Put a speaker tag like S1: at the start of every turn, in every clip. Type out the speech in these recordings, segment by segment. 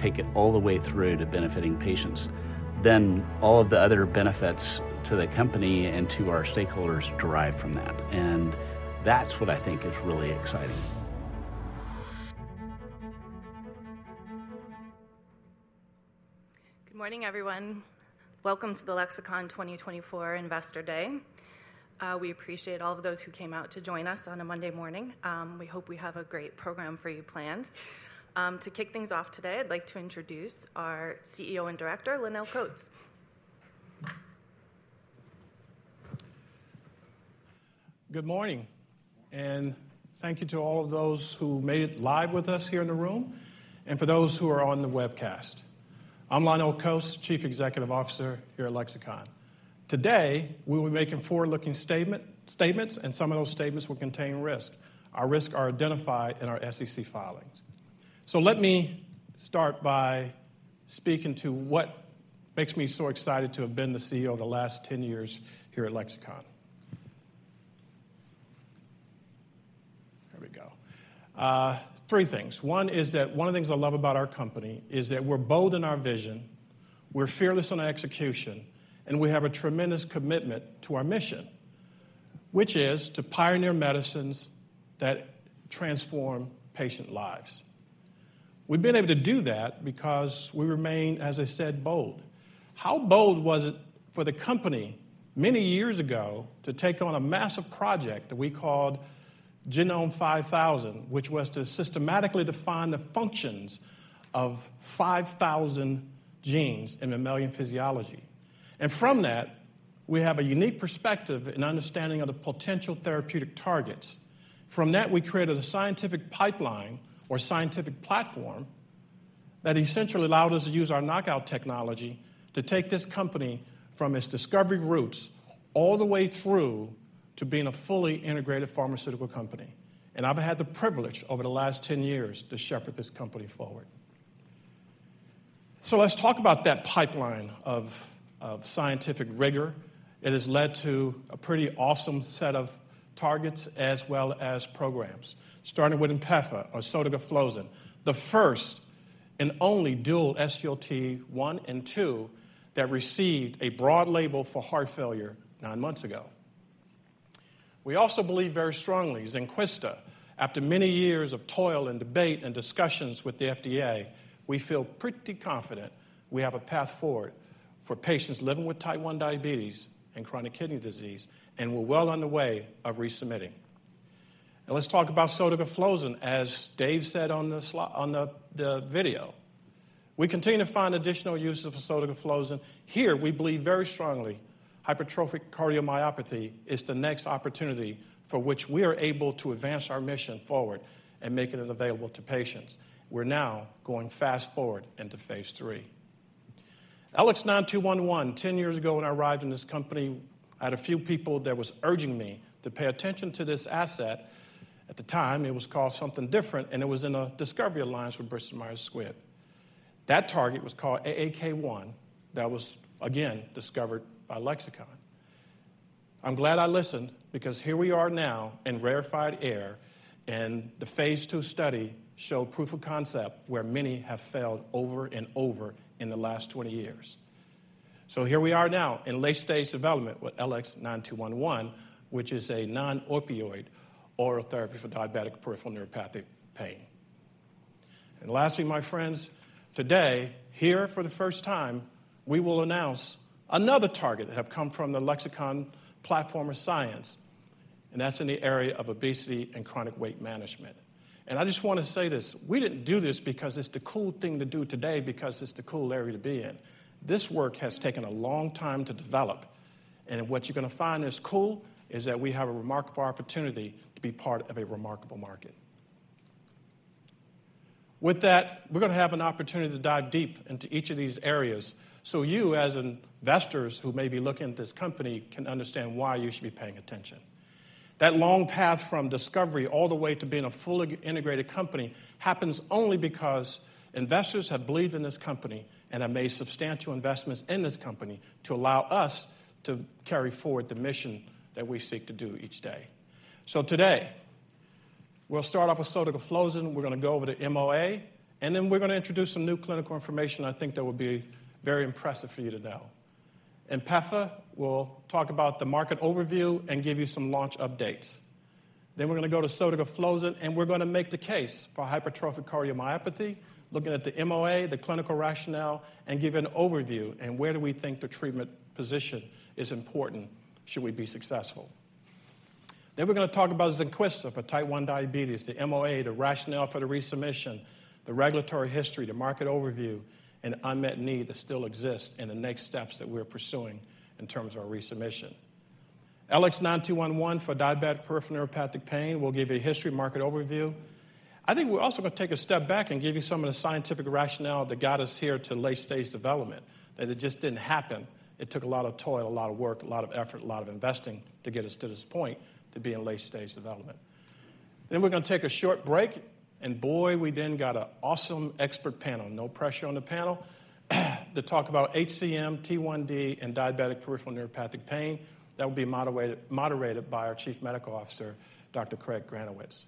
S1: Good morning, everyone. Welcome to the Lexicon 2024 Investor Day. We appreciate all of those who came out to join us on a Monday morning. We hope we have a great program for you planned. To kick things off today, I'd like to introduce our CEO and director, Lonnel Coats.
S2: Good morning. Thank you to all of those who made it live with us here in the room and for those who are on the webcast. I'm Lonnel Coats, Chief Executive Officer here at Lexicon. Today, we will be making forward-looking statements, and some of those statements will contain risks. Our risks are identified in our SEC filings. Let me start by speaking to what makes me so excited to have been the CEO the last 10 years here at Lexicon. There we go. Three things. One is that one of the things I love about our company is that we're bold in our vision, we're fearless in our execution, and we have a tremendous commitment to our mission, which is to pioneer medicines that transform patient lives. We've been able to do that because we remain, as I said, bold. How bold was it for the company many years ago to take on a massive project that we called Genome5000, which was to systematically define the functions of 5,000 genes in mammalian physiology? And from that, we have a unique perspective and understanding of the potential therapeutic targets. From that, we created a scientific pipeline or scientific platform that essentially allowed us to use our knockout technology to take this company from its discovery roots all the way through to being a fully integrated pharmaceutical company. And I've had the privilege over the last 10 years to shepherd this company forward. So let's talk about that pipeline of scientific rigor. It has led to a pretty awesome set of targets as well as programs, starting with INPEFA or, the first and only dual SGLT1 and SGLT2 that received a broad label for heart failure nine months ago. We also believe very strongly in Zynquista. After many years of toil and debate and discussions with the FDA, we feel pretty confident we have a path forward for patients living with type 1 diabetes and chronic kidney disease, and we're well on the way of resubmitting. And let's talk about sotagliflozin, as Dave said on the video. We continue to find additional uses for sotagliflozin. Here, we believe very strongly hypertrophic cardiomyopathy is the next opportunity for which we are able to advance our mission forward and make it available to patients. We're now going fast forward into phase III. LX9211, 10 years ago when I arrived in this company, I had a few people that were urging me to pay attention to this asset. At the time, it was called something different, and it was in a discovery alliance with Bristol Myers Squibb. That target was called AAK1. That was, again, discovered by Lexicon. I'm glad I listened because here we are now in rarefied air, and the phase II study showed proof of concept where many have failed over and over in the last 20 years. So here we are now in late-stage development with LX9211, which is a non-opioid oral therapy for diabetic peripheral neuropathic pain. And lastly, my friends, today, here for the first time, we will announce another target that has come from the Lexicon platform of science, and that's in the area of obesity and chronic weight management. And I just want to say this: we didn't do this because it's the cool thing to do today, because it's the cool area to be in. This work has taken a long time to develop. What you're going to find is cool, is that we have a remarkable opportunity to be part of a remarkable market. With that, we're going to have an opportunity to dive deep into each of these areas so you, as investors who may be looking at this company, can understand why you should be paying attention. That long path from discovery all the way to being a fully integrated company happens only because investors have believed in this company and have made substantial investments in this company to allow us to carry forward the mission that we seek to do each day. So today, we'll start off with sotagliflozin. We're going to go over to MOA, and then we're going to introduce some new clinical information I think that would be very impressive for you to know. INPEFA will talk about the market overview and give you some launch updates. Then we're going to go to sotagliflozin, and we're going to make the case for hypertrophic cardiomyopathy, looking at the MOA, the clinical rationale, and give an overview and where do we think the treatment position is important should we be successful. Then we're going to talk about this Zynquista for type 1 diabetes, the MOA, the rationale for the resubmission, the regulatory history, the market overview, and unmet needs that still exist and the next steps that we're pursuing in terms of our resubmission. LX9211 for diabetic peripheral neuropathic pain will give you a history, market overview. I think we're also going to take a step back and give you some of the scientific rationale that got us here to late-stage development, that it just didn't happen. It took a lot of toil, a lot of work, a lot of effort, a lot of investing to get us to this point, to be in late-stage development. Then we're going to take a short break, and boy, we then got an awesome expert panel, no pressure on the panel, to talk about HCM, T1D, and diabetic peripheral neuropathic pain. That will be moderated by our Chief Medical Officer, Dr. Craig Granowitz.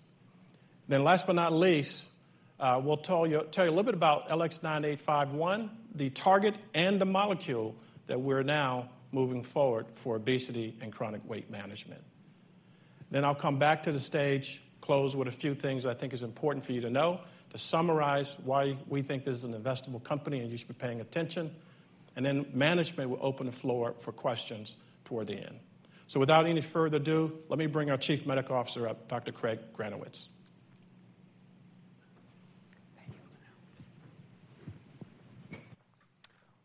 S2: Then last but not least, we'll tell you a little bit about LX9851, the target and the molecule that we're now moving forward for obesity and chronic weight management. Then I'll come back to the stage, close with a few things I think are important for you to know to summarize why we think this is an investable company and you should be paying attention, and then management will open the floor for questions toward the end. Without any further ado, let me bring our Chief Medical Officer up, Dr. Craig Granowitz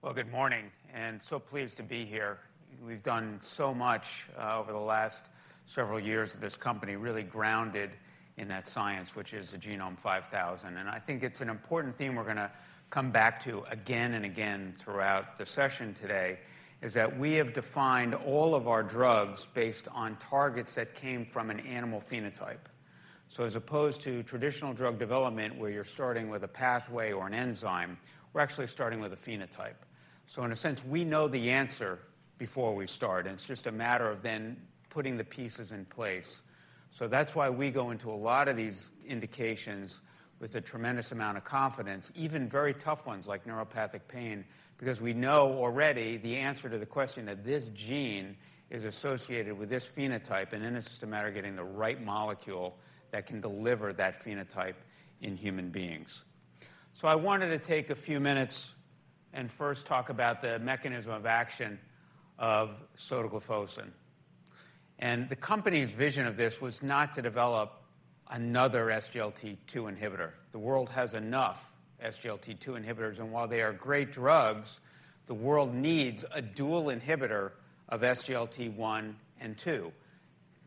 S3: Well, good morning. And so pleased to be here. We've done so much over the last several years at this company, really grounded in that science, which is the Genome5000. And I think it's an important theme we're going to come back to again and again throughout the session today, is that we have defined all of our drugs based on targets that came from an animal phenotype. So as opposed to traditional drug development where you're starting with a pathway or an enzyme, we're actually starting with a phenotype. So in a sense, we know the answer before we start, and it's just a matter of then putting the pieces in place. So that's why we go into a lot of these indications with a tremendous amount of confidence, even very tough ones like neuropathic pain, because we know already the answer to the question that this gene is associated with this phenotype and in a systematic getting the right molecule that can deliver that phenotype in human beings. So I wanted to take a few minutes and first talk about the mechanism of action of sotagliflozin. The company's vision of this was not to develop another SGLT2 inhibitor. The world has enough SGLT2 inhibitors, and while they are great drugs, the world needs a dual inhibitor of SGLT1 and SGLT2,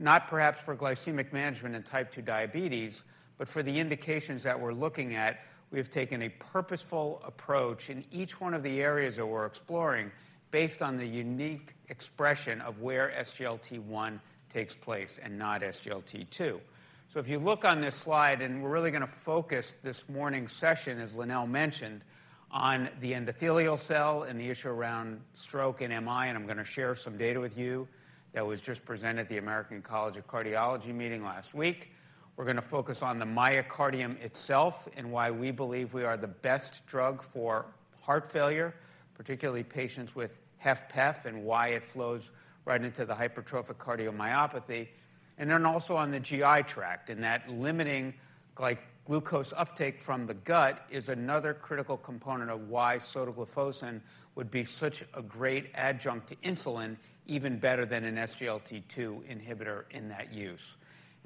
S3: not perhaps for glycemic management and type 2 diabetes, but for the indications that we're looking at. We have taken a purposeful approach in each one of the areas that we're exploring based on the unique expression of where SGLT1 takes place and not SGLT2. So if you look on this slide, and we're really going to focus this morning's session, as Lonnel mentioned, on the endothelial cell and the issue around stroke and MI, and I'm going to share some data with you that was just presented at the American College of Cardiology meeting last week. We're going to focus on the myocardium itself and why we believe we are the best drug for heart failure, particularly patients with HFpEF, and why it flows right into the hypertrophic cardiomyopathy, and then also on the GI tract, and that limiting glucose uptake from the gut is another critical component of why sotagliflozin would be such a great adjunct to insulin, even better than an SGLT2 inhibitor in that use.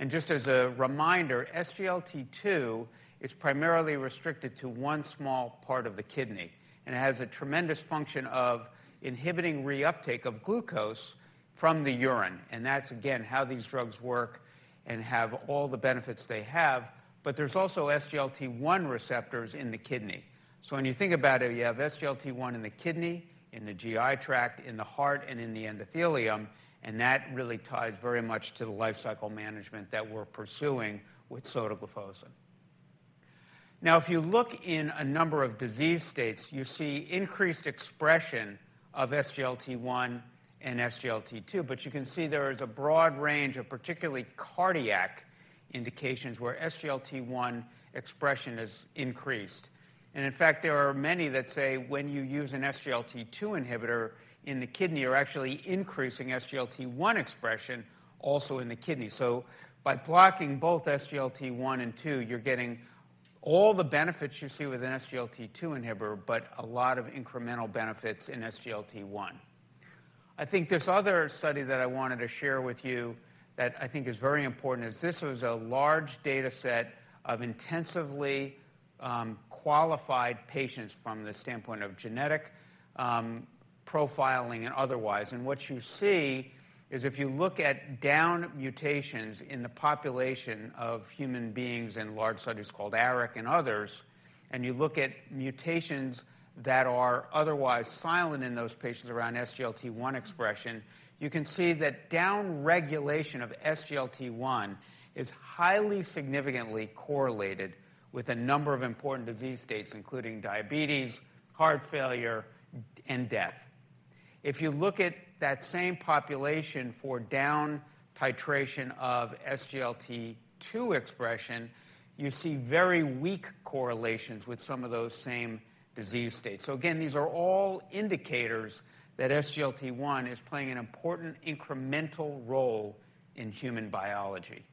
S3: Just as a reminder, SGLT2 is primarily restricted to one small part of the kidney, and it has a tremendous function of inhibiting reuptake of glucose from the urine. And that's, again, how these drugs work and have all the benefits they have. But there's also SGLT1 receptors in the kidney. So when you think about it, you have SGLT1 in the kidney, in the GI tract, in the heart, and in the endothelium, and that really ties very much to the life cycle management that we're pursuing with sotagliflozin. Now, if you look in a number of disease states, you see increased expression of SGLT1 and SGLT2, but you can see there is a broad range of particularly cardiac indications where SGLT1 expression is increased. And in fact, there are many that say when you use an SGLT2 inhibitor in the kidney, you're actually increasing SGLT1 expression also in the kidney. So by blocking both SGLT1 and 2, you're getting all the benefits you see with an SGLT2 inhibitor, but a lot of incremental benefits in SGLT1. I think there's another study that I wanted to share with you that I think is very important. This was a large data set of intensively qualified patients from the standpoint of genetic profiling and otherwise. And what you see is if you look at down mutations in the population of human beings in large studies called ARIC and others, and you look at mutations that are otherwise silent in those patients around SGLT1 expression, you can see that down regulation of SGLT1 is highly significantly correlated with a number of important disease states, including diabetes, heart failure, and death. If you look at that same population for down titration of SGLT2 expression, you see very weak correlations with some of those same disease states. So again, these are all indicators that SGLT1 is playing an important incremental role in human biology.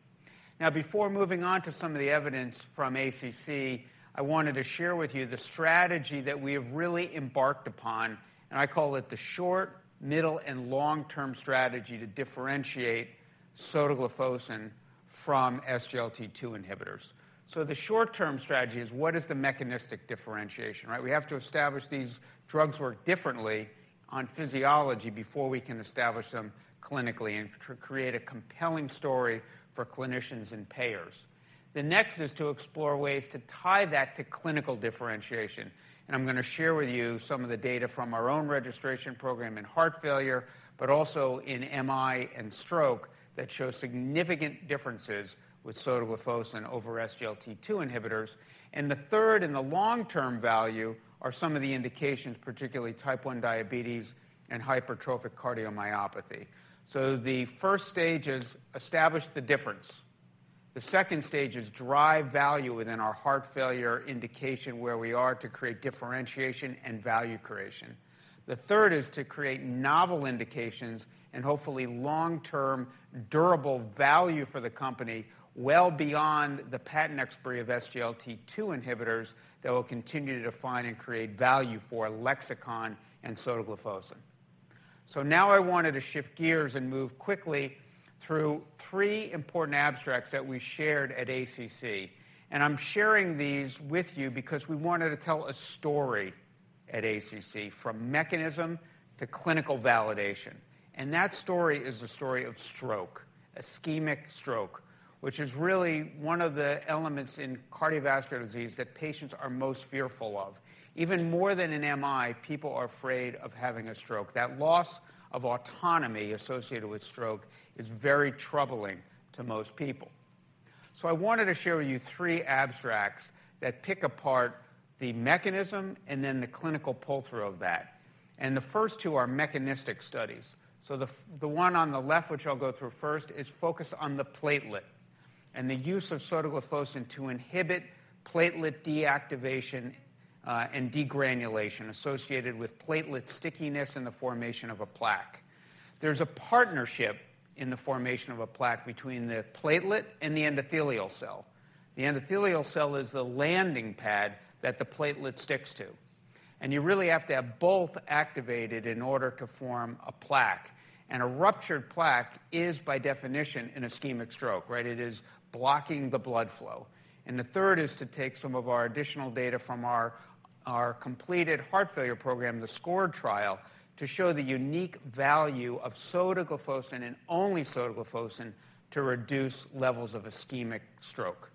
S3: Now, before moving on to some of the evidence from ACC, I wanted to share with you the strategy that we have really embarked upon, and I call it the short, middle, and long-term strategy to differentiate sotagliflozin from SGLT2 inhibitors. So the short-term strategy is what is the mechanistic differentiation, right? We have to establish these drugs work differently on physiology before we can establish them clinically and create a compelling story for clinicians and payers. The next is to explore ways to tie that to clinical differentiation. And I'm going to share with you some of the data from our own registration program in heart failure, but also in MI and stroke that show significant differences with sotagliflozin over SGLT2 inhibitors. And the third and the long-term value are some of the indications, particularly type 1 diabetes and hypertrophic cardiomyopathy. So the first stage is establish the difference. The second stage is drive value within our heart failure indication where we are to create differentiation and value creation. The third is to create novel indications and hopefully long-term durable value for the company well beyond the patent expertise of SGLT2 inhibitors that will continue to define and create value for Lexicon and sotagliflozin. So now I wanted to shift gears and move quickly through three important abstracts that we shared at ACC. I'm sharing these with you because we wanted to tell a story at ACC from mechanism to clinical validation. That story is the story of stroke, ischemic stroke, which is really one of the elements in cardiovascular disease that patients are most fearful of. Even more than in MI, people are afraid of having a stroke. That loss of autonomy associated with stroke is very troubling to most people. So I wanted to share with you three abstracts that pick apart the mechanism and then the clinical pull-through of that. And the first two are mechanistic studies. So the one on the left, which I'll go through first, is focused on the platelet and the use of sotagliflozin to inhibit platelet activation and degranulation associated with platelet stickiness and the formation of a plaque. There's a partnership in the formation of a plaque between the platelet and the endothelial cell. The endothelial cell is the landing pad that the platelet sticks to. And you really have to have both activated in order to form a plaque. And a ruptured plaque is, by definition, an ischemic stroke, right? It is blocking the blood flow. The third is to take some of our additional data from our completed heart failure program, the SCORED trial, to show the unique value of sotagliflozin and only sotagliflozin to reduce levels of ischemic stroke.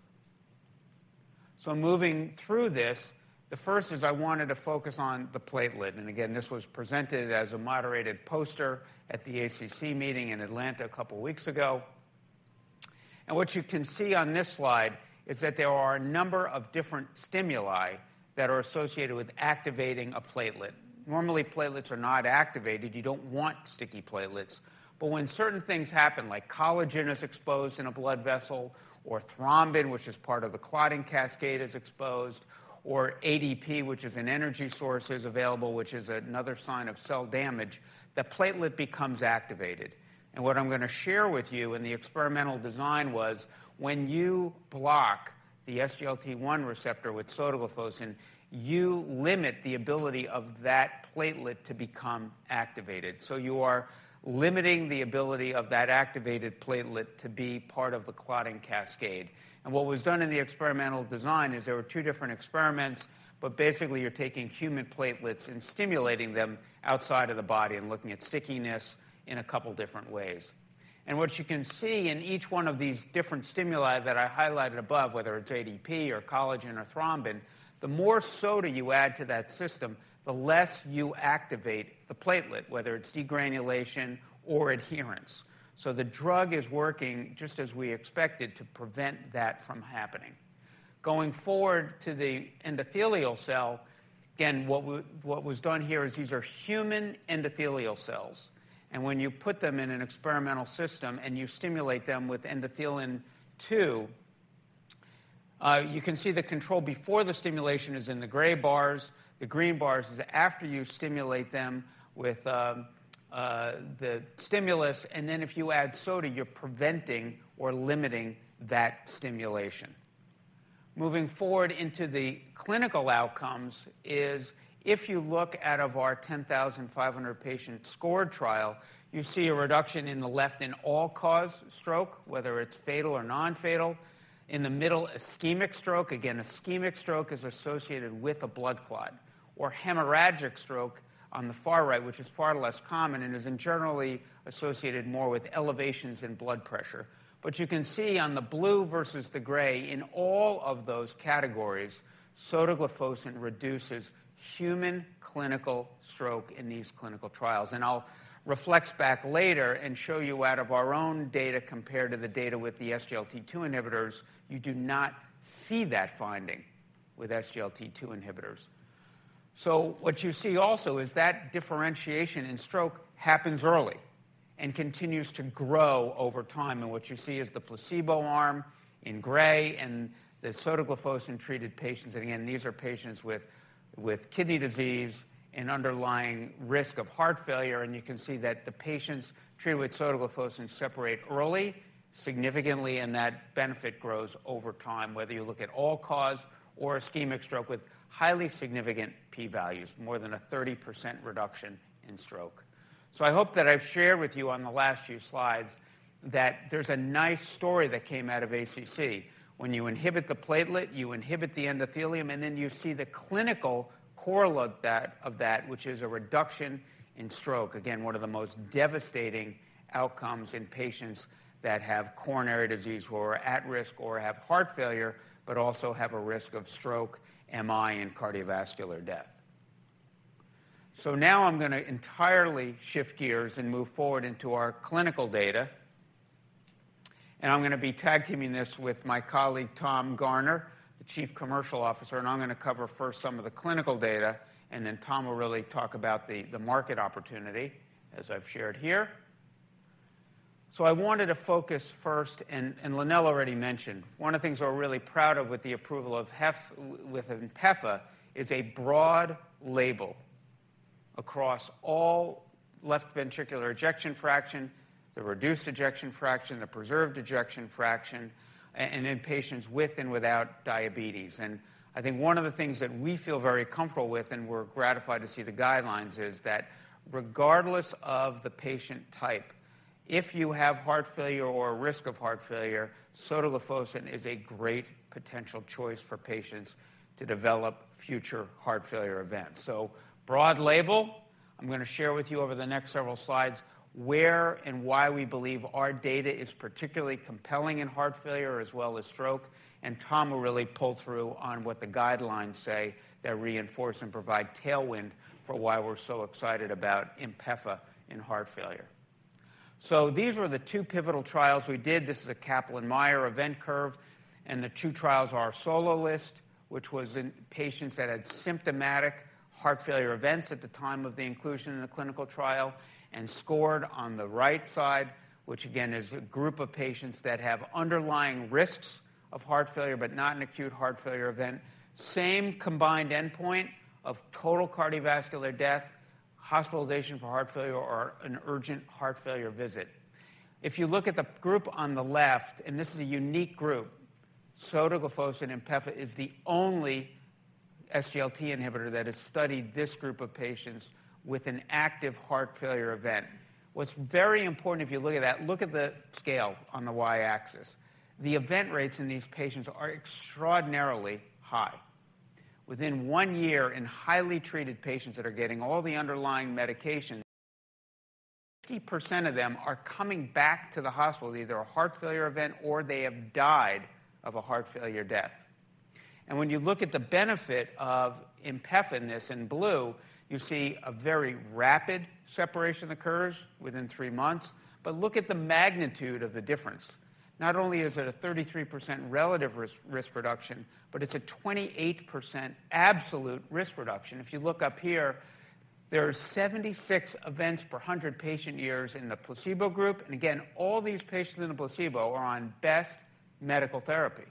S3: Moving through this, the first is I wanted to focus on the platelet. Again, this was presented as a moderated poster at the ACC meeting in Atlanta a couple of weeks ago. What you can see on this slide is that there are a number of different stimuli that are associated with activating a platelet. Normally, platelets are not activated. You don't want sticky platelets. But when certain things happen, like collagen is exposed in a blood vessel or thrombin, which is part of the clotting cascade, is exposed, or ADP, which is an energy source that is available, which is another sign of cell damage, the platelet becomes activated. What I'm going to share with you in the experimental design was when you block the SGLT1 receptor with sotagliflozin, you limit the ability of that platelet to become activated. So you are limiting the ability of that activated platelet to be part of the clotting cascade. And what was done in the experimental design is there were two different experiments, but basically, you're taking human platelets and stimulating them outside of the body and looking at stickiness in a couple of different ways. And what you can see in each one of these different stimuli that I highlighted above, whether it's ADP or collagen or thrombin, the more soda you add to that system, the less you activate the platelet, whether it's degranulation or adherence. So the drug is working just as we expected to prevent that from happening. Going forward to the endothelial cell, again, what was done here is these are human endothelial cells. When you put them in an experimental system and you stimulate them with endothelin-2, you can see the control before the stimulation is in the gray bars. The green bars is after you stimulate them with the stimulus. And then if you add sotagliflozin, you're preventing or limiting that stimulation. Moving forward into the clinical outcomes is if you look at our 10,500-patient SCORE trial, you see a reduction in the left in all-cause stroke, whether it's fatal or non-fatal, in the middle ischemic stroke. Again, ischemic stroke is associated with a blood clot, or hemorrhagic stroke on the far right, which is far less common and is generally associated more with elevations in blood pressure. But you can see on the blue versus the gray, in all of those categories, sotagliflozin reduces human clinical stroke in these clinical trials. And I'll reflect back later and show you out of our own data compared to the data with the SGLT2 inhibitors, you do not see that finding with SGLT2 inhibitors. So what you see also is that differentiation in stroke happens early and continues to grow over time. And what you see is the placebo arm in gray and the sotagliflozin-treated patients. And again, these are patients with kidney disease and underlying risk of heart failure. And you can see that the patients treated with sotagliflozin separate early significantly, and that benefit grows over time, whether you look at all-cause or ischemic stroke with highly significant p-values, more than a 30% reduction in stroke. I hope that I've shared with you on the last few slides that there's a nice story that came out of ACC. When you inhibit the platelet, you inhibit the endothelium, and then you see the clinical correlate of that, which is a reduction in stroke, again, one of the most devastating outcomes in patients that have coronary disease who are at risk or have heart failure, but also have a risk of stroke, MI, and cardiovascular death. Now I'm going to entirely shift gears and move forward into our clinical data. I'm going to be tag-teaming this with my colleague Tom Garner, the Chief Commercial Officer. I'm going to cover first some of the clinical data, and then Tom will really talk about the market opportunity, as I've shared here. So I wanted to focus first, and Lonnel already mentioned, one of the things we're really proud of with the approval of INPEFA is a broad label across all left ventricular ejection fraction, the reduced ejection fraction, the preserved ejection fraction, and in patients with and without diabetes. And I think one of the things that we feel very comfortable with, and we're gratified to see the guidelines, is that regardless of the patient type, if you have heart failure or risk of heart failure, sotagliflozin is a great potential choice for patients to develop future heart failure events. So broad label. I'm going to share with you over the next several slides where and why we believe our data is particularly compelling in heart failure as well as stroke. Tom will really pull through on what the guidelines say that reinforce and provide tailwind for why we're so excited about INPEFA in heart failure. These were the two pivotal trials we did. This is a Kaplan-Meier event curve. The two trials are SOLOIST-WHF, which was in patients that had symptomatic heart failure events at the time of the inclusion in the clinical trial, and SCORED on the right side, which again is a group of patients that have underlying risks of heart failure but not an acute heart failure event, same combined endpoint of total cardiovascular death, hospitalization for heart failure, or an urgent heart failure visit. If you look at the group on the left, and this is a unique group, sotagliflozin and INPEFA is the only SGLT inhibitor that has studied this group of patients with an active heart failure event. What's very important, if you look at that, look at the scale on the y-axis. The event rates in these patients are extraordinarily high. Within one year in highly treated patients that are getting all the underlying medications, 50% of them are coming back to the hospital. Either a heart failure event or they have died of a heart failure death. And when you look at the benefit of INPEFA in this in blue, you see a very rapid separation occurs within three months. But look at the magnitude of the difference. Not only is it a 33% relative risk reduction, but it's a 28% absolute risk reduction. If you look up here, there are 76 events per 100 patient years in the placebo group. And again, all these patients in the placebo are on best medical therapy.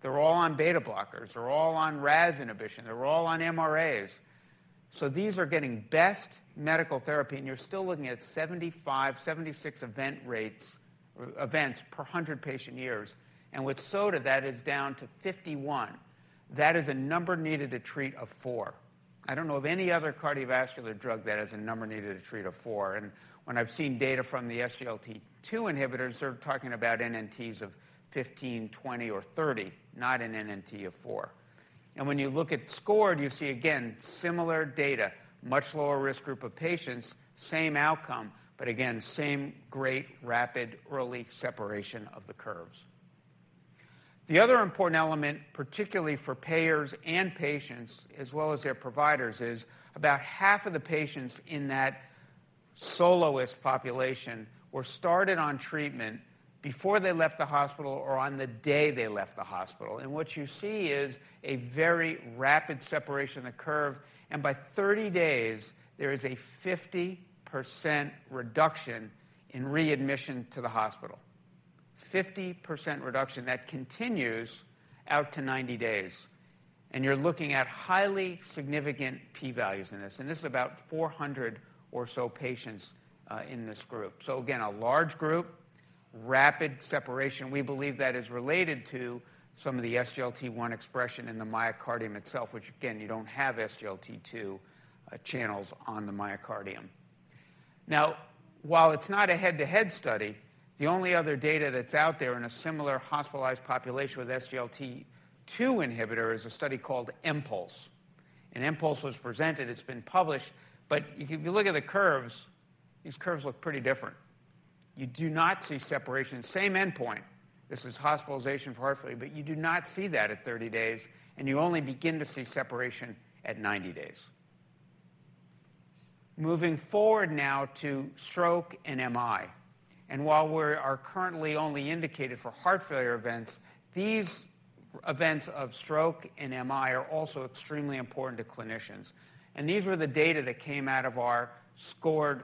S3: They're all on beta-blockers. They're all on RAAS inhibition. They're all on MRAs. So these are getting best medical therapy, and you're still looking at 75, 76 events per 100 patient years. And with sota, that is down to 51. That is a number needed to treat of 4. I don't know of any other cardiovascular drug that has a number needed to treat of 4. And when I've seen data from the SGLT2 inhibitors, they're talking about NNTs of 15, 20, or 30, not an NNT of 4. And when you look at SCORED, you see, again, similar data, much lower risk group of patients, same outcome, but again, same great rapid early separation of the curves. The other important element, particularly for payers and patients as well as their providers, is about half of the patients in that SOLOIST population were started on treatment before they left the hospital or on the day they left the hospital. And what you see is a very rapid separation of the curve. And by 30 days, there is a 50% reduction in readmission to the hospital, 50% reduction that continues out to 90 days. And you're looking at highly significant p-values in this. And this is about 400 or so patients in this group. So again, a large group, rapid separation. We believe that is related to some of the SGLT1 expression in the myocardium itself, which again, you don't have SGLT2 channels on the myocardium. Now, while it's not a head-to-head study, the only other data that's out there in a similar hospitalized population with SGLT2 inhibitor is a study called EMPULSE. And EMPULSE was presented. It's been published. But if you look at the curves, these curves look pretty different. You do not see separation, same endpoint. This is hospitalization for heart failure, but you do not see that at 30 days, and you only begin to see separation at 90 days. Moving forward now to stroke and MI. While we are currently only indicated for heart failure events, these events of stroke and MI are also extremely important to clinicians. These were the data that came out of our SCORED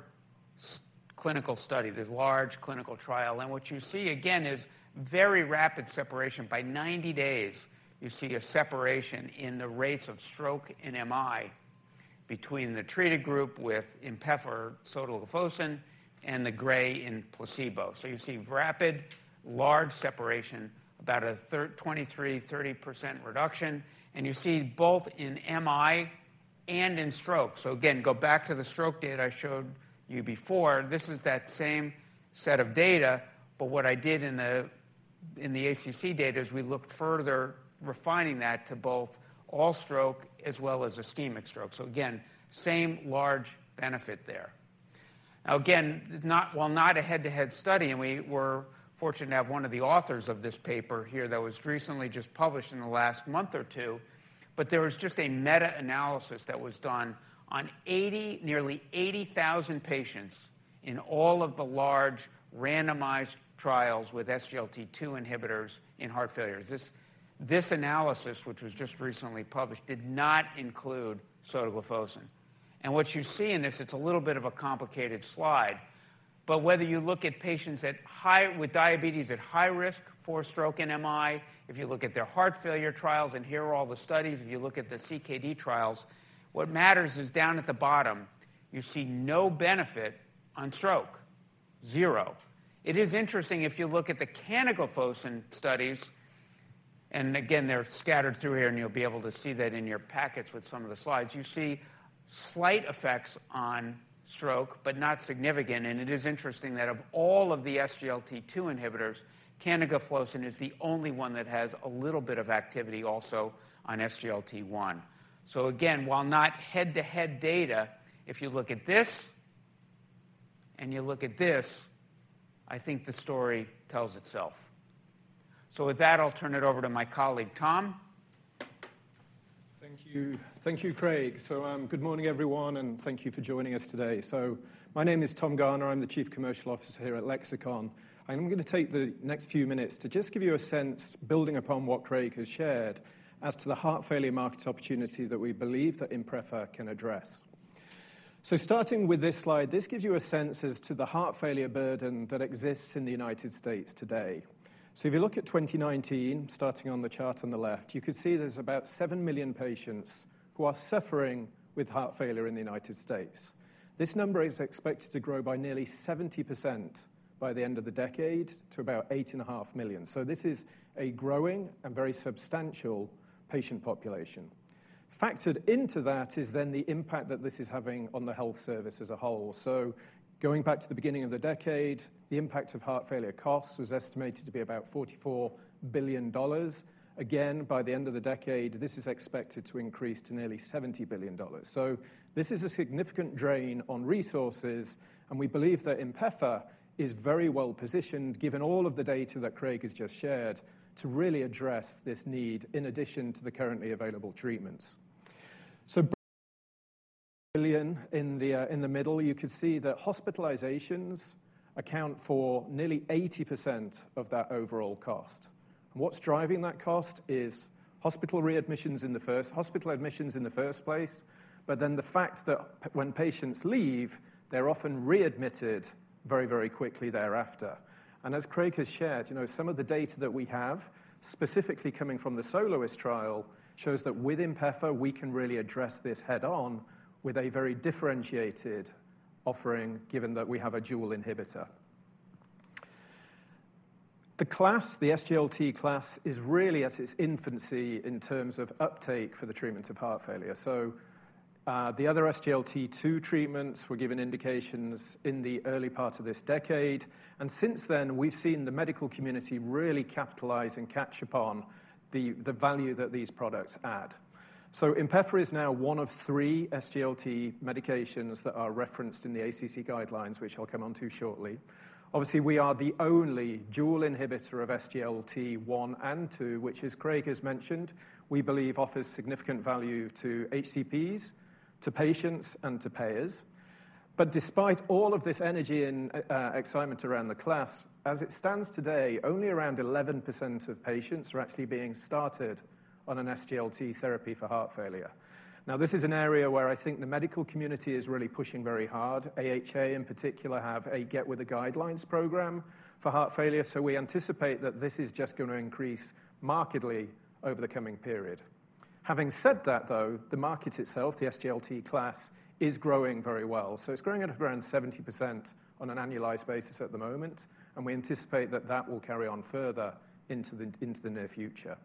S3: clinical study, this large clinical trial. What you see, again, is very rapid separation. By 90 days, you see a separation in the rates of stroke and MI between the treated group with INPEFA or sotagliflozin and the gray in placebo. You see rapid, large separation, about a 23%-30% reduction. You see both in MI and in stroke. Go back to the stroke data I showed you before. This is that same set of data. But what I did in the ACC data is we looked further, refining that to both all stroke as well as ischemic stroke. So again, same large benefit there. Now again, while not a head-to-head study, and we were fortunate to have one of the authors of this paper here that was recently just published in the last month or two, but there was just a meta-analysis that was done on nearly 80,000 patients in all of the large randomized trials with SGLT2 inhibitors in heart failure. This analysis, which was just recently published, did not include sotagliflozin. And what you see in this, it's a little bit of a complicated slide. But whether you look at patients with diabetes at high risk for stroke and MI, if you look at their heart failure trials and here are all the studies, if you look at the CKD trials, what matters is down at the bottom, you see no benefit on stroke, zero. It is interesting if you look at the canagliflozin studies, and again, they're scattered through here, and you'll be able to see that in your packets with some of the slides, you see slight effects on stroke, but not significant. And it is interesting that of all of the SGLT2 inhibitors, canagliflozin is the only one that has a little bit of activity also on SGLT1. So again, while not head-to-head data, if you look at this and you look at this, I think the story tells itself. So with that, I'll turn it over to my colleague Tom.
S4: Thank you, Craig. Good morning, everyone, and thank you for joining us today. My name is Tom Garner. I'm the Chief Commercial Officer here at Lexicon. I'm going to take the next few minutes to just give you a sense, building upon what Craig has shared, as to the heart failure market opportunity that we believe that INPEFA can address. Starting with this slide, this gives you a sense as to the heart failure burden that exists in the United States today. If you look at 2019, starting on the chart on the left, you could see there's about 7 million patients who are suffering with heart failure in the United States. This number is expected to grow by nearly 70% by the end of the decade to about 8.5 million. This is a growing and very substantial patient population. Factored into that is then the impact that this is having on the health service as a whole. So going back to the beginning of the decade, the impact of heart failure costs was estimated to be about $44 billion. Again, by the end of the decade, this is expected to increase to nearly $70 billion. So this is a significant drain on resources, and we believe that INPEFA is very well positioned, given all of the data that Craig has just shared, to really address this need in addition to the currently available treatments. So in the middle, you could see that hospitalizations account for nearly 80% of that overall cost. And what's driving that cost is hospital readmissions in the first hospital admissions in the first place, but then the fact that when patients leave, they're often readmitted very, very quickly thereafter. As Craig has shared, some of the data that we have, specifically coming from the SOLOIST-WHF trial, shows that with INPEFA, we can really address this head-on with a very differentiated offering, given that we have a dual inhibitor. The SGLT class is really at its infancy in terms of uptake for the treatment of heart failure. The other SGLT2 treatments were given indications in the early part of this decade. Since then, we've seen the medical community really capitalize and catch up on the value that these products add. INPEFA is now one of three SGLT medications that are referenced in the ACC guidelines, which I'll come on to shortly. Obviously, we are the only dual inhibitor of SGLT1 and SGLT2, which, as Craig has mentioned, we believe offers significant value to HCPs, to patients, and to payers. But despite all of this energy and excitement around the class, as it stands today, only around 11% of patients are actually being started on an SGLT therapy for heart failure. Now, this is an area where I think the medical community is really pushing very hard. AHA, in particular, have a Get With the Guidelines program for heart failure. So we anticipate that this is just going to increase markedly over the coming period. Having said that, though, the market itself, the SGLT class, is growing very well. So it's growing at around 70% on an annualized basis at the moment, and we anticipate that that will carry on further into the near future.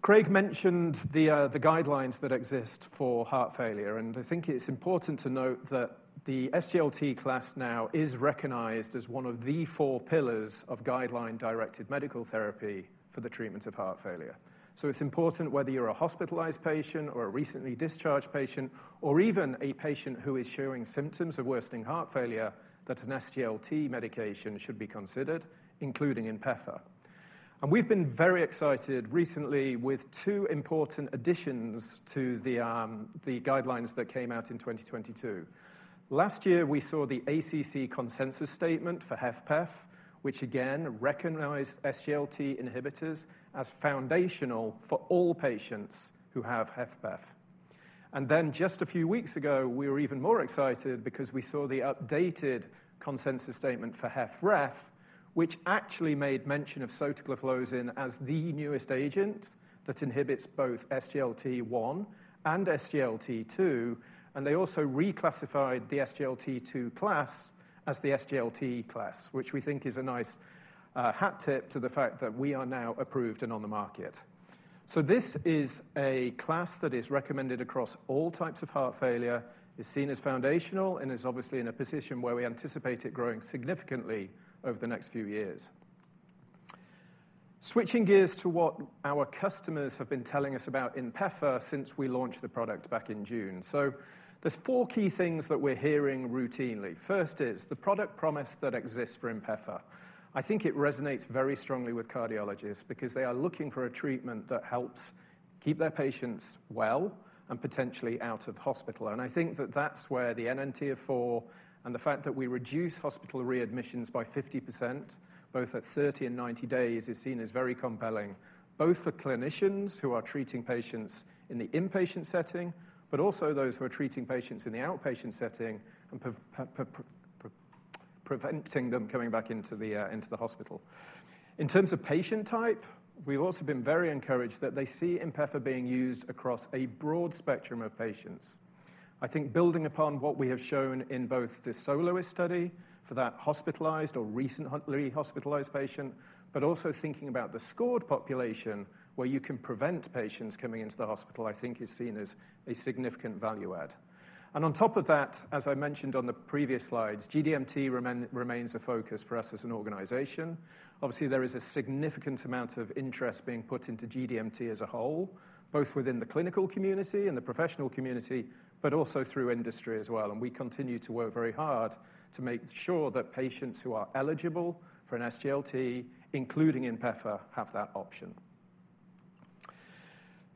S4: Craig mentioned the guidelines that exist for heart failure. I think it's important to note that the SGLT class now is recognized as one of the four pillars of guideline-directed medical therapy for the treatment of heart failure. So it's important, whether you're a hospitalized patient or a recently discharged patient or even a patient who is showing symptoms of worsening heart failure, that an SGLT medication should be considered, including INPEFA. We've been very excited recently with two important additions to the guidelines that came out in 2022. Last year, we saw the ACC consensus statement for HFpEF, which again recognized SGLT inhibitors as foundational for all patients who have HFpEF. Then just a few weeks ago, we were even more excited because we saw the updated consensus statement for HFrEF, which actually made mention of sotagliflozin as the newest agent that inhibits both SGLT1 and SGLT2. They also reclassified the SGLT2 class as the SGLT class, which we think is a nice hat tip to the fact that we are now approved and on the market. So this is a class that is recommended across all types of heart failure, is seen as foundational, and is obviously in a position where we anticipate it growing significantly over the next few years. Switching gears to what our customers have been telling us about INPEFA since we launched the product back in June. So there's four key things that we're hearing routinely. First is the product promise that exists for INPEFA. I think it resonates very strongly with cardiologists because they are looking for a treatment that helps keep their patients well and potentially out of hospital. I think that that's where the NNT of 4 and the fact that we reduce hospital readmissions by 50%, both at 30 and 90 days, is seen as very compelling, both for clinicians who are treating patients in the inpatient setting, but also those who are treating patients in the outpatient setting and preventing them coming back into the hospital. In terms of patient type, we've also been very encouraged that they see INPEFA being used across a broad spectrum of patients. I think building upon what we have shown in both this SOLOIST-WHF study for that hospitalized or recently hospitalized patient, but also thinking about the SCORED population, where you can prevent patients coming into the hospital, I think is seen as a significant value add. And on top of that, as I mentioned on the previous slides, GDMT remains a focus for us as an organization. Obviously, there is a significant amount of interest being put into GDMT as a whole, both within the clinical community and the professional community, but also through industry as well. We continue to work very hard to make sure that patients who are eligible for an SGLT, including INPEFA, have that option.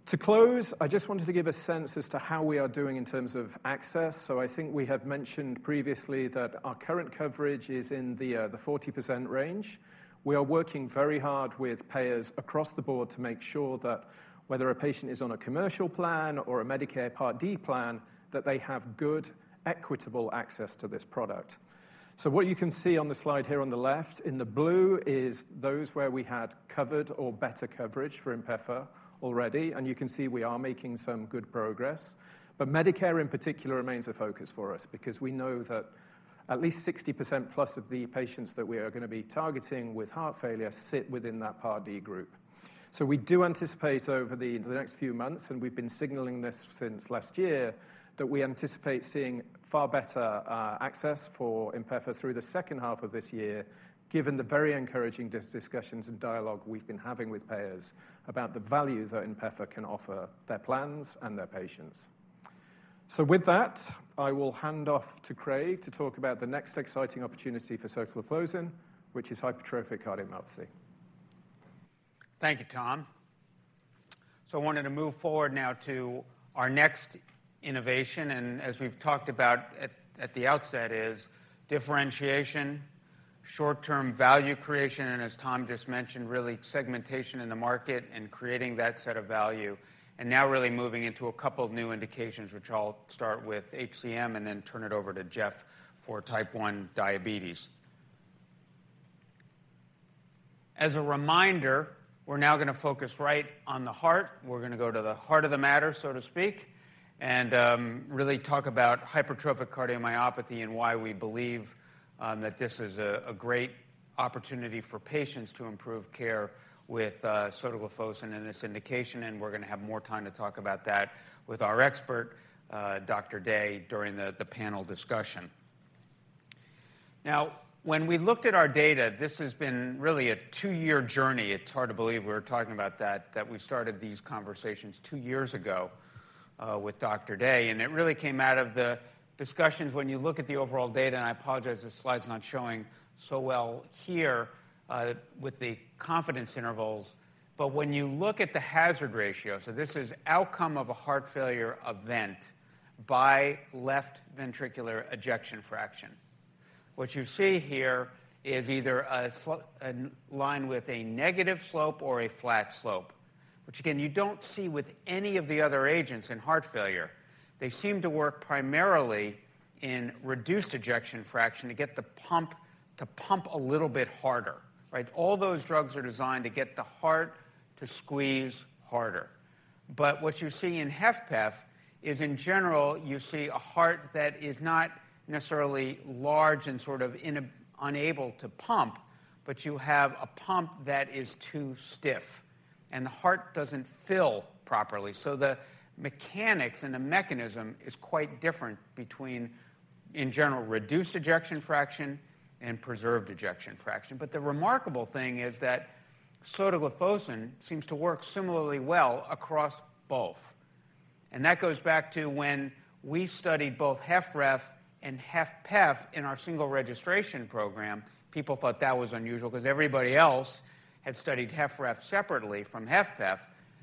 S4: To close, I just wanted to give a sense as to how we are doing in terms of access. I think we have mentioned previously that our current coverage is in the 40% range. We are working very hard with payers across the board to make sure that whether a patient is on a commercial plan or a Medicare Part D plan, that they have good, equitable access to this product. What you can see on the slide here on the left in the blue is those where we had covered or better coverage for INPEFA already. And you can see we are making some good progress. Medicare, in particular, remains a focus for us because we know that at least 60%+ of the patients that we are going to be targeting with heart failure sit within that Part D group. We do anticipate over the next few months, and we've been signaling this since last year, that we anticipate seeing far better access for INPEFA through the second half of this year, given the very encouraging discussions and dialogue we've been having with payers about the value that INPEFA can offer their plans and their patients. With that, I will hand off to Craig to talk about the next exciting opportunity for sotagliflozin, which is hypertrophic cardiomyopathy.
S3: Thank you, Tom. So I wanted to move forward now to our next innovation. And as we've talked about at the outset, it is differentiation, short-term value creation, and as Tom just mentioned, really segmentation in the market and creating that set of value. And now really moving into a couple of new indications, which I'll start with HCM and then turn it over to Jeff for type 1 diabetes. As a reminder, we're now going to focus right on the heart. We're going to go to the heart of the matter, so to speak, and really talk about hypertrophic cardiomyopathy and why we believe that this is a great opportunity for patients to improve care with sotagliflozin in this indication. And we're going to have more time to talk about that with our expert, Dr. Day, during the panel discussion. Now, when we looked at our data, this has been really a two-year journey. It's hard to believe we were talking about that, that we started these conversations two years ago with Dr. Day. And it really came out of the discussions when you look at the overall data and I apologize the slide's not showing so well here with the confidence intervals. But when you look at the hazard ratio, so this is outcome of a heart failure event by left ventricular ejection fraction. What you see here is either a line with a negative slope or a flat slope, which again, you don't see with any of the other agents in heart failure. They seem to work primarily in reduced ejection fraction to get the pump to pump a little bit harder, right? All those drugs are designed to get the heart to squeeze harder. But what you see in HFpEF is, in general, you see a heart that is not necessarily large and sort of unable to pump, but you have a pump that is too stiff. And the heart doesn't fill properly. So the mechanics and the mechanism is quite different between, in general, reduced ejection fraction and preserved ejection fraction. But the remarkable thing is that sotagliflozin seems to work similarly well across both. And that goes back to when we studied both HFrEF and HFpEF in our single registration program, people thought that was unusual because everybody else had studied HFrEF separately from HFpEF.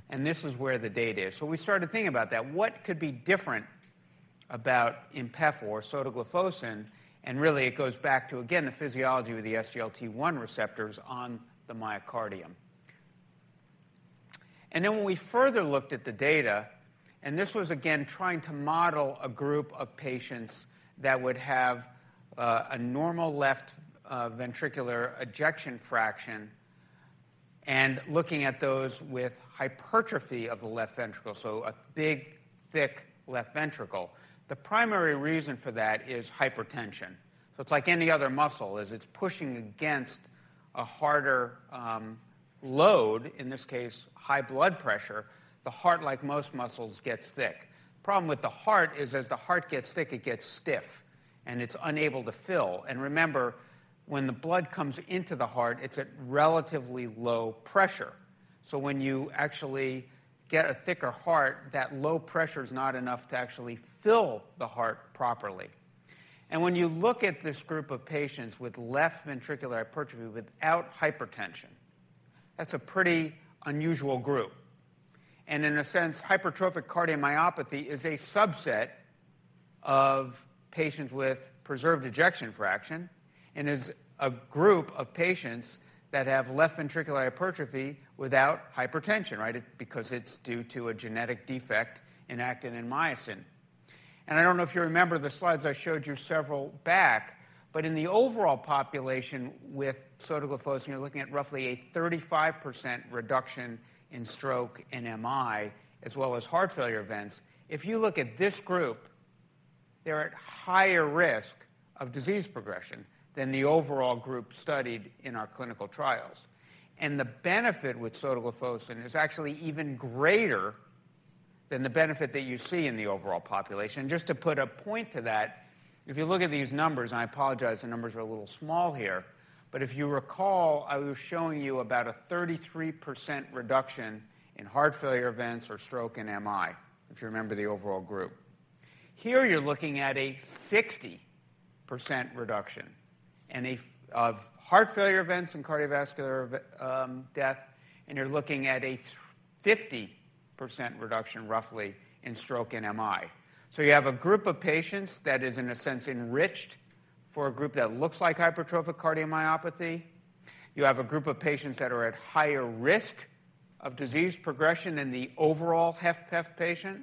S3: And this is where the data is. So we started thinking about that. What could be different about INPEFA or sotagliflozin? And really, it goes back to, again, the physiology of the SGLT1 receptors on the myocardium. And then when we further looked at the data and this was, again, trying to model a group of patients that would have a normal left ventricular ejection fraction and looking at those with hypertrophy of the left ventricle, so a big, thick left ventricle, the primary reason for that is hypertension. So it's like any other muscle. As it's pushing against a harder load, in this case, high blood pressure, the heart, like most muscles, gets thick. The problem with the heart is, as the heart gets thick, it gets stiff and it's unable to fill. And remember, when the blood comes into the heart, it's at relatively low pressure. So when you actually get a thicker heart, that low pressure is not enough to actually fill the heart properly. When you look at this group of patients with left ventricular hypertrophy without hypertension, that's a pretty unusual group. In a sense, hypertrophic cardiomyopathy is a subset of patients with preserved ejection fraction and is a group of patients that have left ventricular hypertrophy without hypertension, right, because it's due to a genetic defect in actin and myosin. I don't know if you remember the slides I showed you several back, but in the overall population with sotagliflozin, you're looking at roughly a 35% reduction in stroke and MI as well as heart failure events. If you look at this group, they're at higher risk of disease progression than the overall group studied in our clinical trials. The benefit with sotagliflozin is actually even greater than the benefit that you see in the overall population. Just to put a point to that, if you look at these numbers and I apologize, the numbers are a little small here. But if you recall, I was showing you about a 33% reduction in heart failure events or stroke and MI, if you remember the overall group. Here, you're looking at a 60% reduction of heart failure events and cardiovascular death. And you're looking at a 50% reduction, roughly, in stroke and MI. So you have a group of patients that is, in a sense, enriched for a group that looks like hypertrophic cardiomyopathy. You have a group of patients that are at higher risk of disease progression than the overall HFpEF patient.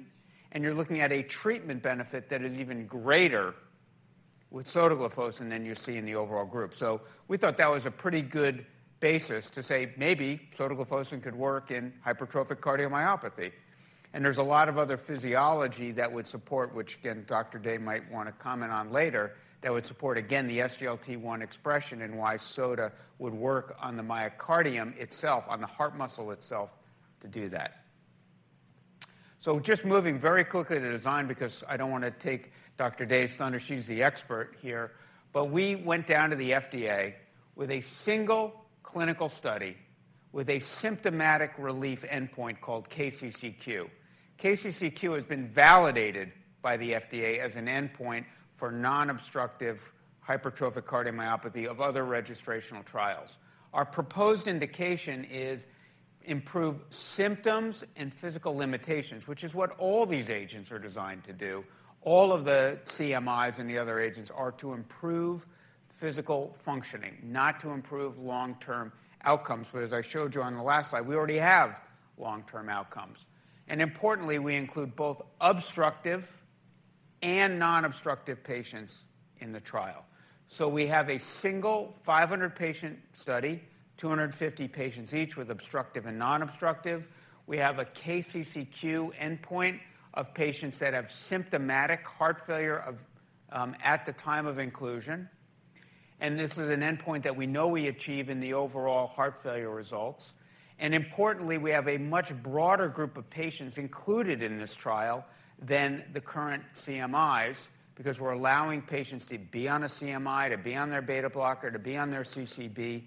S3: And you're looking at a treatment benefit that is even greater with sotagliflozin than you see in the overall group. So we thought that was a pretty good basis to say maybe sotagliflozin could work in hypertrophic cardiomyopathy. And there's a lot of other physiology that would support, which again, Dr. Day might want to comment on later, that would support, again, the SGLT1 expression and why sotagliflozin would work on the myocardium itself, on the heart muscle itself, to do that. So just moving very quickly to design because I don't want to take Dr. Day's thunder. She's the expert here. But we went down to the FDA with a single clinical study with a symptomatic relief endpoint called KCCQ. KCCQ has been validated by the FDA as an endpoint for nonobstructive hypertrophic cardiomyopathy of other registrational trials. Our proposed indication is improve symptoms and physical limitations, which is what all these agents are designed to do. All of the CMIs and the other agents are to improve physical functioning, not to improve long-term outcomes. But as I showed you on the last slide, we already have long-term outcomes. And importantly, we include both obstructive and nonobstructive patients in the trial. So we have a single 500-patient study, 250 patients each with obstructive and nonobstructive. We have a KCCQ endpoint of patients that have symptomatic heart failure at the time of inclusion. And this is an endpoint that we know we achieve in the overall heart failure results. And importantly, we have a much broader group of patients included in this trial than the current CMIs because we're allowing patients to be on a CMI, to be on their beta blocker, to be on their CCB.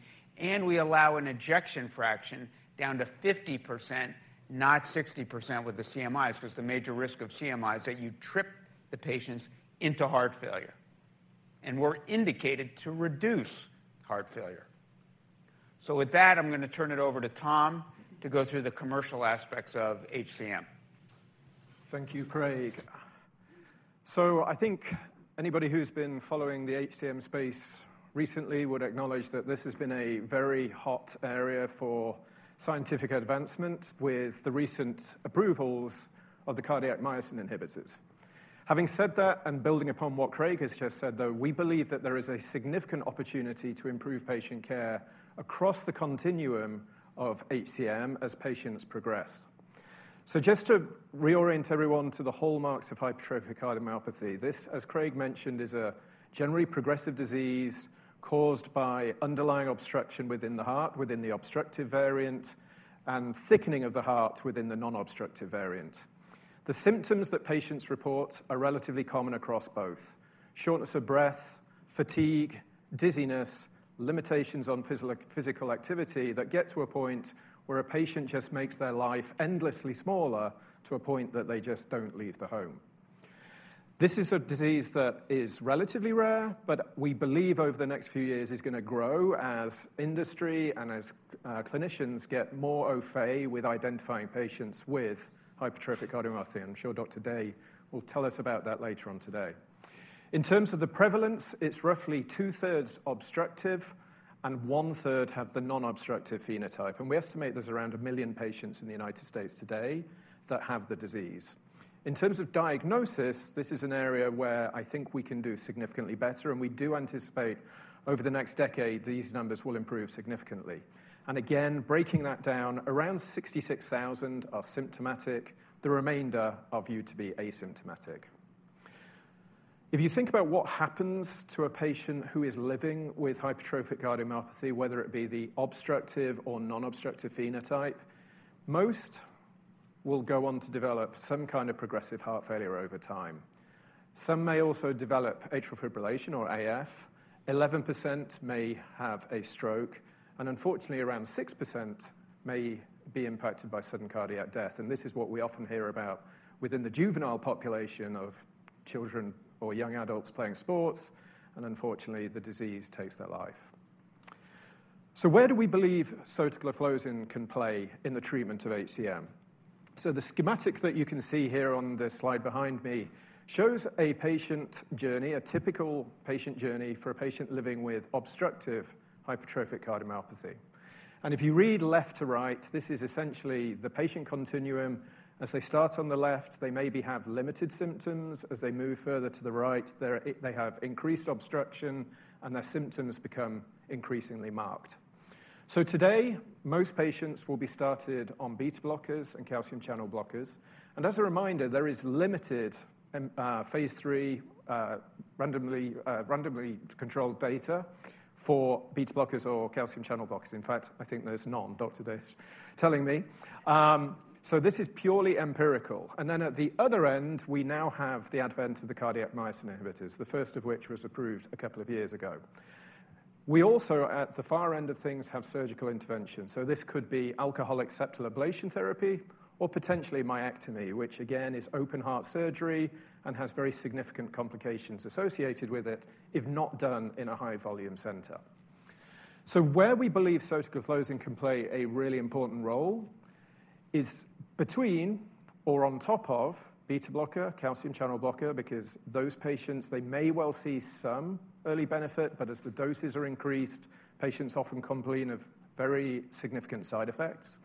S3: We allow an ejection fraction down to 50%, not 60% with the CMIs because the major risk of CMI is that you trip the patients into heart failure. We're indicated to reduce heart failure. With that, I'm going to turn it over to Tom to go through the commercial aspects of HCM.
S4: Thank you, Craig. So I think anybody who's been following the HCM space recently would acknowledge that this has been a very hot area for scientific advancement with the recent approvals of the cardiac myosin inhibitors. Having said that and building upon what Craig has just said, though, we believe that there is a significant opportunity to improve patient care across the continuum of HCM as patients progress. So just to reorient everyone to the hallmarks of hypertrophic cardiomyopathy, this, as Craig mentioned, is a generally progressive disease caused by underlying obstruction within the heart, within the obstructive variant, and thickening of the heart within the nonobstructive variant. The symptoms that patients report are relatively common across both: shortness of breath, fatigue, dizziness, limitations on physical activity that get to a point where a patient just makes their life endlessly smaller to a point that they just don't leave the home. This is a disease that is relatively rare, but we believe over the next few years is going to grow as industry and as clinicians get more au fait with identifying patients with hypertrophic cardiomyopathy. And I'm sure Dr. Day will tell us about that later on today. In terms of the prevalence, it's roughly two-thirds obstructive and one-third have the nonobstructive phenotype. And we estimate there's around 1 million patients in the United States today that have the disease. In terms of diagnosis, this is an area where I think we can do significantly better. We do anticipate over the next decade, these numbers will improve significantly. Again, breaking that down, around 66,000 are symptomatic. The remainder are viewed to be asymptomatic. If you think about what happens to a patient who is living with hypertrophic cardiomyopathy, whether it be the obstructive or nonobstructive phenotype, most will go on to develop some kind of progressive heart failure over time. Some may also develop atrial fibrillation or AF. 11% may have a stroke. Unfortunately, around 6% may be impacted by sudden cardiac death. This is what we often hear about within the juvenile population of children or young adults playing sports. Unfortunately, the disease takes their life. Where do we believe sotagliflozin can play in the treatment of HCM? So the schematic that you can see here on the slide behind me shows a patient journey, a typical patient journey for a patient living with obstructive hypertrophic cardiomyopathy. And if you read left to right, this is essentially the patient continuum. As they start on the left, they maybe have limited symptoms. As they move further to the right, they have increased obstruction and their symptoms become increasingly marked. So today, most patients will be started on beta blockers and calcium channel blockers. And as a reminder, there is limited phase III randomized controlled data for beta blockers or calcium channel blockers. In fact, I think there's none, Dr. Day's telling me. So this is purely empirical. And then at the other end, we now have the advent of the cardiac myosin inhibitors, the first of which was approved a couple of years ago. We also, at the far end of things, have surgical intervention. So this could be alcoholic septal ablation therapy or potentially myectomy, which again is open heart surgery and has very significant complications associated with it if not done in a high-volume center. So where we believe sotagliflozin can play a really important role is between or on top of beta blocker, calcium channel blocker because those patients, they may well see some early benefit. But as the doses are increased, patients often complain of very significant side effects.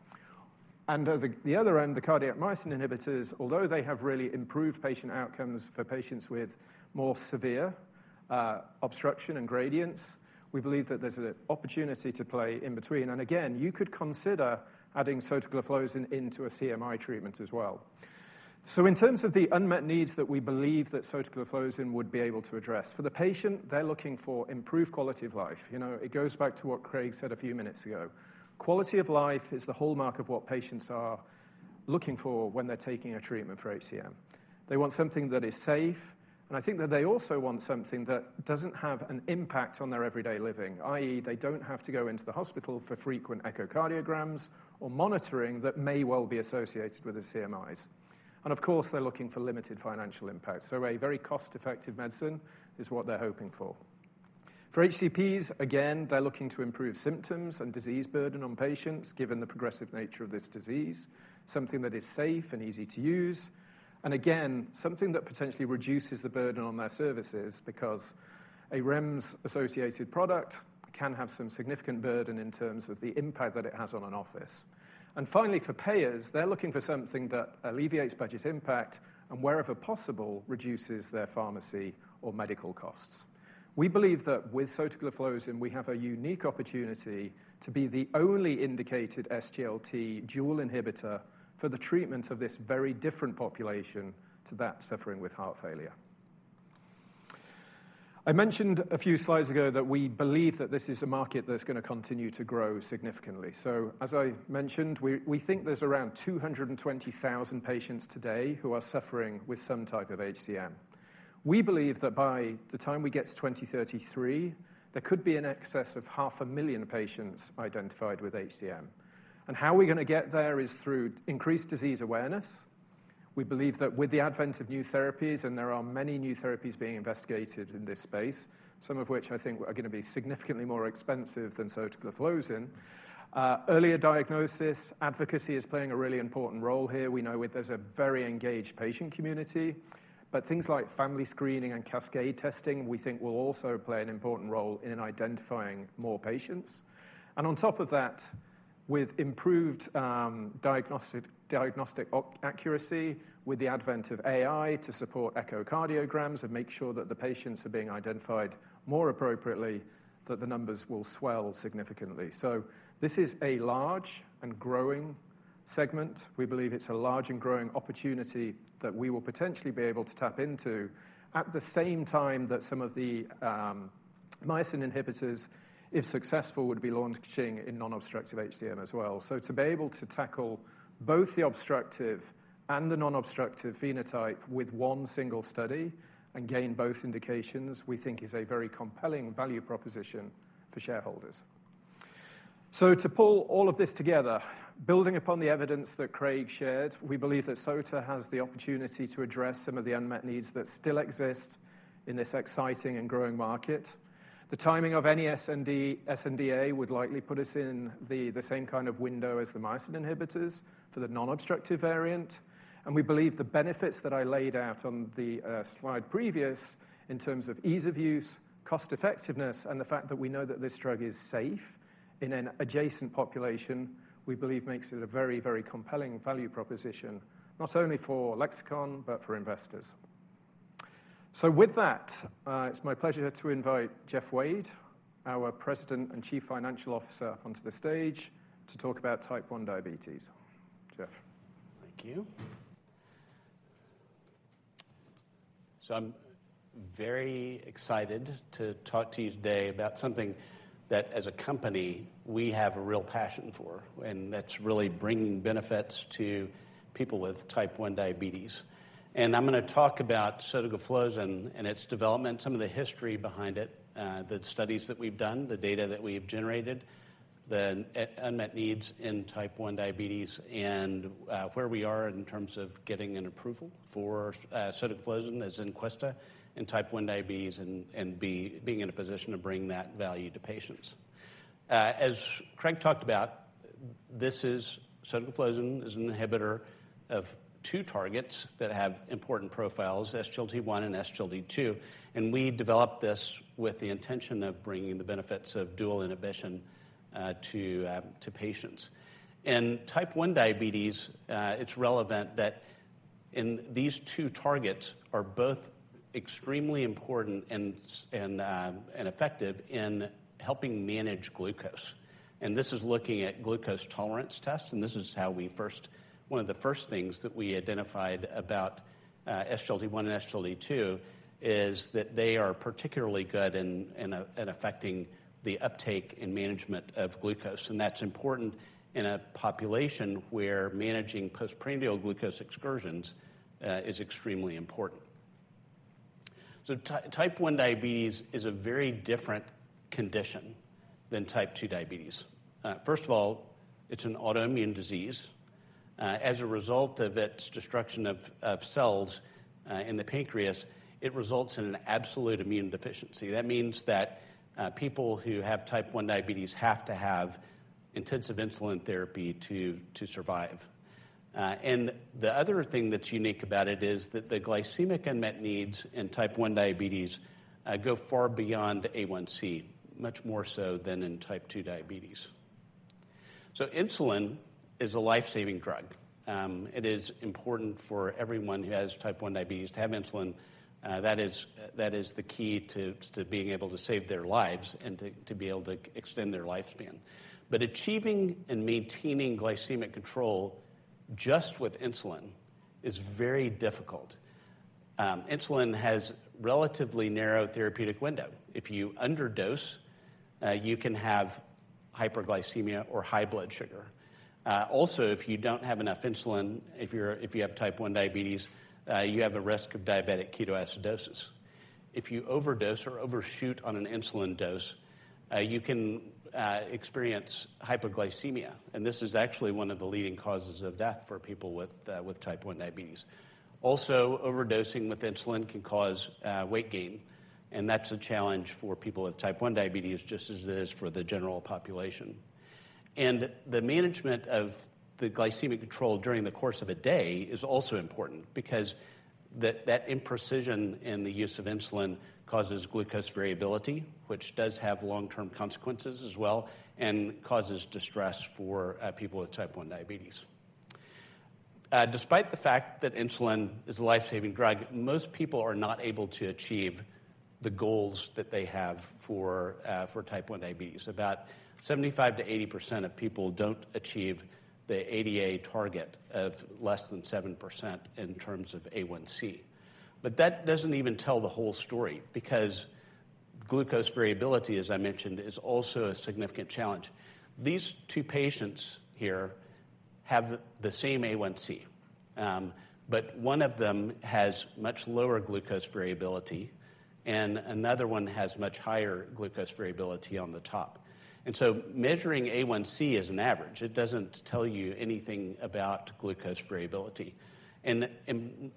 S4: And at the other end, the cardiac myosin inhibitors, although they have really improved patient outcomes for patients with more severe obstruction and gradients, we believe that there's an opportunity to play in between. And again, you could consider adding sotagliflozin into a CMI treatment as well. So in terms of the unmet needs that we believe that sotagliflozin would be able to address, for the patient, they're looking for improved quality of life. You know, it goes back to what Craig said a few minutes ago. Quality of life is the hallmark of what patients are looking for when they're taking a treatment for HCM. They want something that is safe. And I think that they also want something that doesn't have an impact on their everyday living, i.e., they don't have to go into the hospital for frequent echocardiograms or monitoring that may well be associated with the CMIs. And of course, they're looking for limited financial impact. So a very cost-effective medicine is what they're hoping for. For HCPs, again, they're looking to improve symptoms and disease burden on patients given the progressive nature of this disease, something that is safe and easy to use, and again, something that potentially reduces the burden on their services because a REMS-associated product can have some significant burden in terms of the impact that it has on an office. Finally, for payers, they're looking for something that alleviates budget impact and wherever possible, reduces their pharmacy or medical costs. We believe that with sotagliflozin, we have a unique opportunity to be the only indicated SGLT2 inhibitor for the treatment of this very different population to that suffering with heart failure. I mentioned a few slides ago that we believe that this is a market that's going to continue to grow significantly. So as I mentioned, we think there's around 220,000 patients today who are suffering with some type of HCM. We believe that by the time we get to 2033, there could be an excess of 500,000 patients identified with HCM. And how we're going to get there is through increased disease awareness. We believe that with the advent of new therapies and there are many new therapies being investigated in this space, some of which I think are going to be significantly more expensive than sotagliflozin, earlier diagnosis, advocacy is playing a really important role here. We know there's a very engaged patient community. But things like family screening and cascade testing, we think, will also play an important role in identifying more patients. And on top of that, with improved diagnostic accuracy, with the advent of AI to support echocardiograms and make sure that the patients are being identified more appropriately, that the numbers will swell significantly. So this is a large and growing segment. We believe it's a large and growing opportunity that we will potentially be able to tap into at the same time that some of the myosin inhibitors, if successful, would be launching in nonobstructive HCM as well. So to be able to tackle both the obstructive and the nonobstructive phenotype with one single study and gain both indications, we think, is a very compelling value proposition for shareholders. So to pull all of this together, building upon the evidence that Craig shared, we believe that sotagliflozin has the opportunity to address some of the unmet needs that still exist in this exciting and growing market. The timing of any SNDA would likely put us in the same kind of window as the myosin inhibitors for the nonobstructive variant. We believe the benefits that I laid out on the slide previous in terms of ease of use, cost-effectiveness, and the fact that we know that this drug is safe in an adjacent population, we believe, makes it a very, very compelling value proposition not only for Lexicon but for investors. With that, it's my pleasure to invite Jeff Wade, our President and Chief Financial Officer, up onto the stage to talk about type 1 diabetes. Jeff.
S5: Thank you. I'm very excited to talk to you today about something that, as a company, we have a real passion for, and that's really bringing benefits to people with type 1 diabetes. I'm going to talk about sotagliflozin and its development, some of the history behind it, the studies that we've done, the data that we've generated, the unmet needs in type 1 diabetes, and where we are in terms of getting an approval for sotagliflozin as Zynquista in type 1 diabetes and being in a position to bring that value to patients. As Craig talked about, sotagliflozin is an inhibitor of two targets that have important profiles, SGLT1 and SGLT2. We developed this with the intention of bringing the benefits of dual inhibition to patients. In type 1 diabetes, it's relevant that these two targets are both extremely important and effective in helping manage glucose. This is looking at glucose tolerance tests. This is how one of the first things that we identified about SGLT1 and SGLT2 is that they are particularly good in affecting the uptake and management of glucose. That's important in a population where managing postprandial glucose excursions is extremely important. Type 1 diabetes is a very different condition than type 2 diabetes. First of all, it's an autoimmune disease. As a result of its destruction of cells in the pancreas, it results in an absolute insulin deficiency. That means that people who have type 1 diabetes have to have intensive insulin therapy to survive. The other thing that's unique about it is that the glycemic unmet needs in type 1 diabetes go far beyond A1c, much more so than in type 2 diabetes. Insulin is a lifesaving drug. It is important for everyone who has type 1 diabetes to have insulin. That is the key to being able to save their lives and to be able to extend their lifespan. But achieving and maintaining glycemic control just with insulin is very difficult. Insulin has a relatively narrow therapeutic window. If you underdose, you can have hyperglycemia or high blood sugar. Also, if you don't have enough insulin, if you have type 1 diabetes, you have a risk of diabetic ketoacidosis. If you overdose or overshoot on an insulin dose, you can experience hypoglycemia. And this is actually one of the leading causes of death for people with type 1 diabetes. Also, overdosing with insulin can cause weight gain. And that's a challenge for people with type 1 diabetes just as it is for the general population. The management of the glycemic control during the course of a day is also important because that imprecision in the use of insulin causes glucose variability, which does have long-term consequences as well and causes distress for people with type 1 diabetes. Despite the fact that insulin is a lifesaving drug, most people are not able to achieve the goals that they have for type 1 diabetes. About 75%-80% of people don't achieve the ADA target of less than 7% in terms of A1c. That doesn't even tell the whole story because glucose variability, as I mentioned, is also a significant challenge. These two patients here have the same A1c. One of them has much lower glucose variability. Another one has much higher glucose variability on the top. So measuring A1c as an average, it doesn't tell you anything about glucose variability.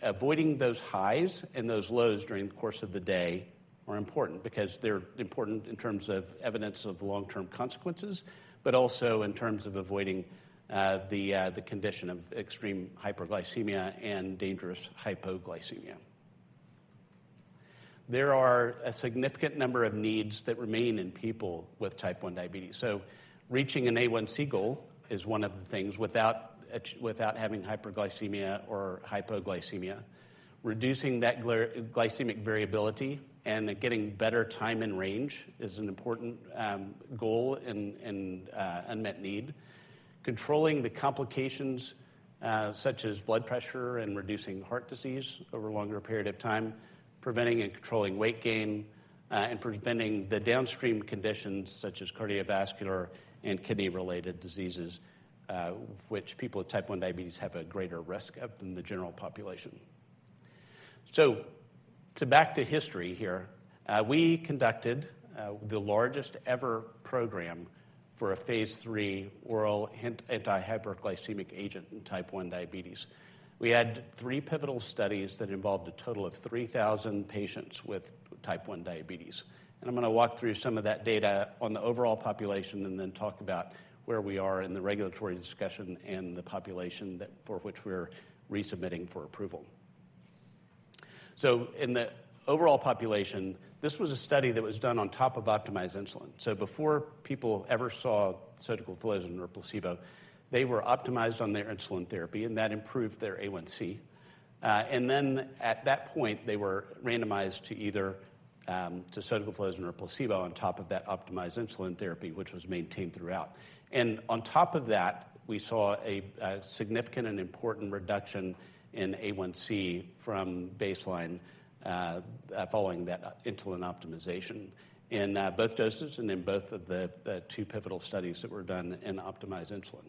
S5: Avoiding those highs and those lows during the course of the day are important because they're important in terms of evidence of long-term consequences but also in terms of avoiding the condition of extreme hyperglycemia and dangerous hypoglycemia. There are a significant number of needs that remain in people with type 1 diabetes. So reaching an A1c goal is one of the things without having hyperglycemia or hypoglycemia. Reducing that glycemic variability and getting better time and range is an important goal and unmet need. Controlling the complications such as blood pressure and reducing heart disease over a longer period of time, preventing and controlling weight gain, and preventing the downstream conditions such as cardiovascular and kidney-related diseases, which people with type 1 diabetes have a greater risk of than the general population. So back to history here. We conducted the largest ever program for a phase III oral antihyperglycemic agent in type 1 diabetes. We had three pivotal studies that involved a total of 3,000 patients with type 1 diabetes. I'm going to walk through some of that data on the overall population and then talk about where we are in the regulatory discussion and the population for which we're resubmitting for approval. In the overall population, this was a study that was done on top of optimized insulin. Before people ever saw sotagliflozin or placebo, they were optimized on their insulin therapy. That improved their A1c. Then at that point, they were randomized to either sotagliflozin or placebo on top of that optimized insulin therapy, which was maintained throughout. And on top of that, we saw a significant and important reduction in A1c from baseline following that insulin optimization in both doses and in both of the two pivotal studies that were done in optimized insulin.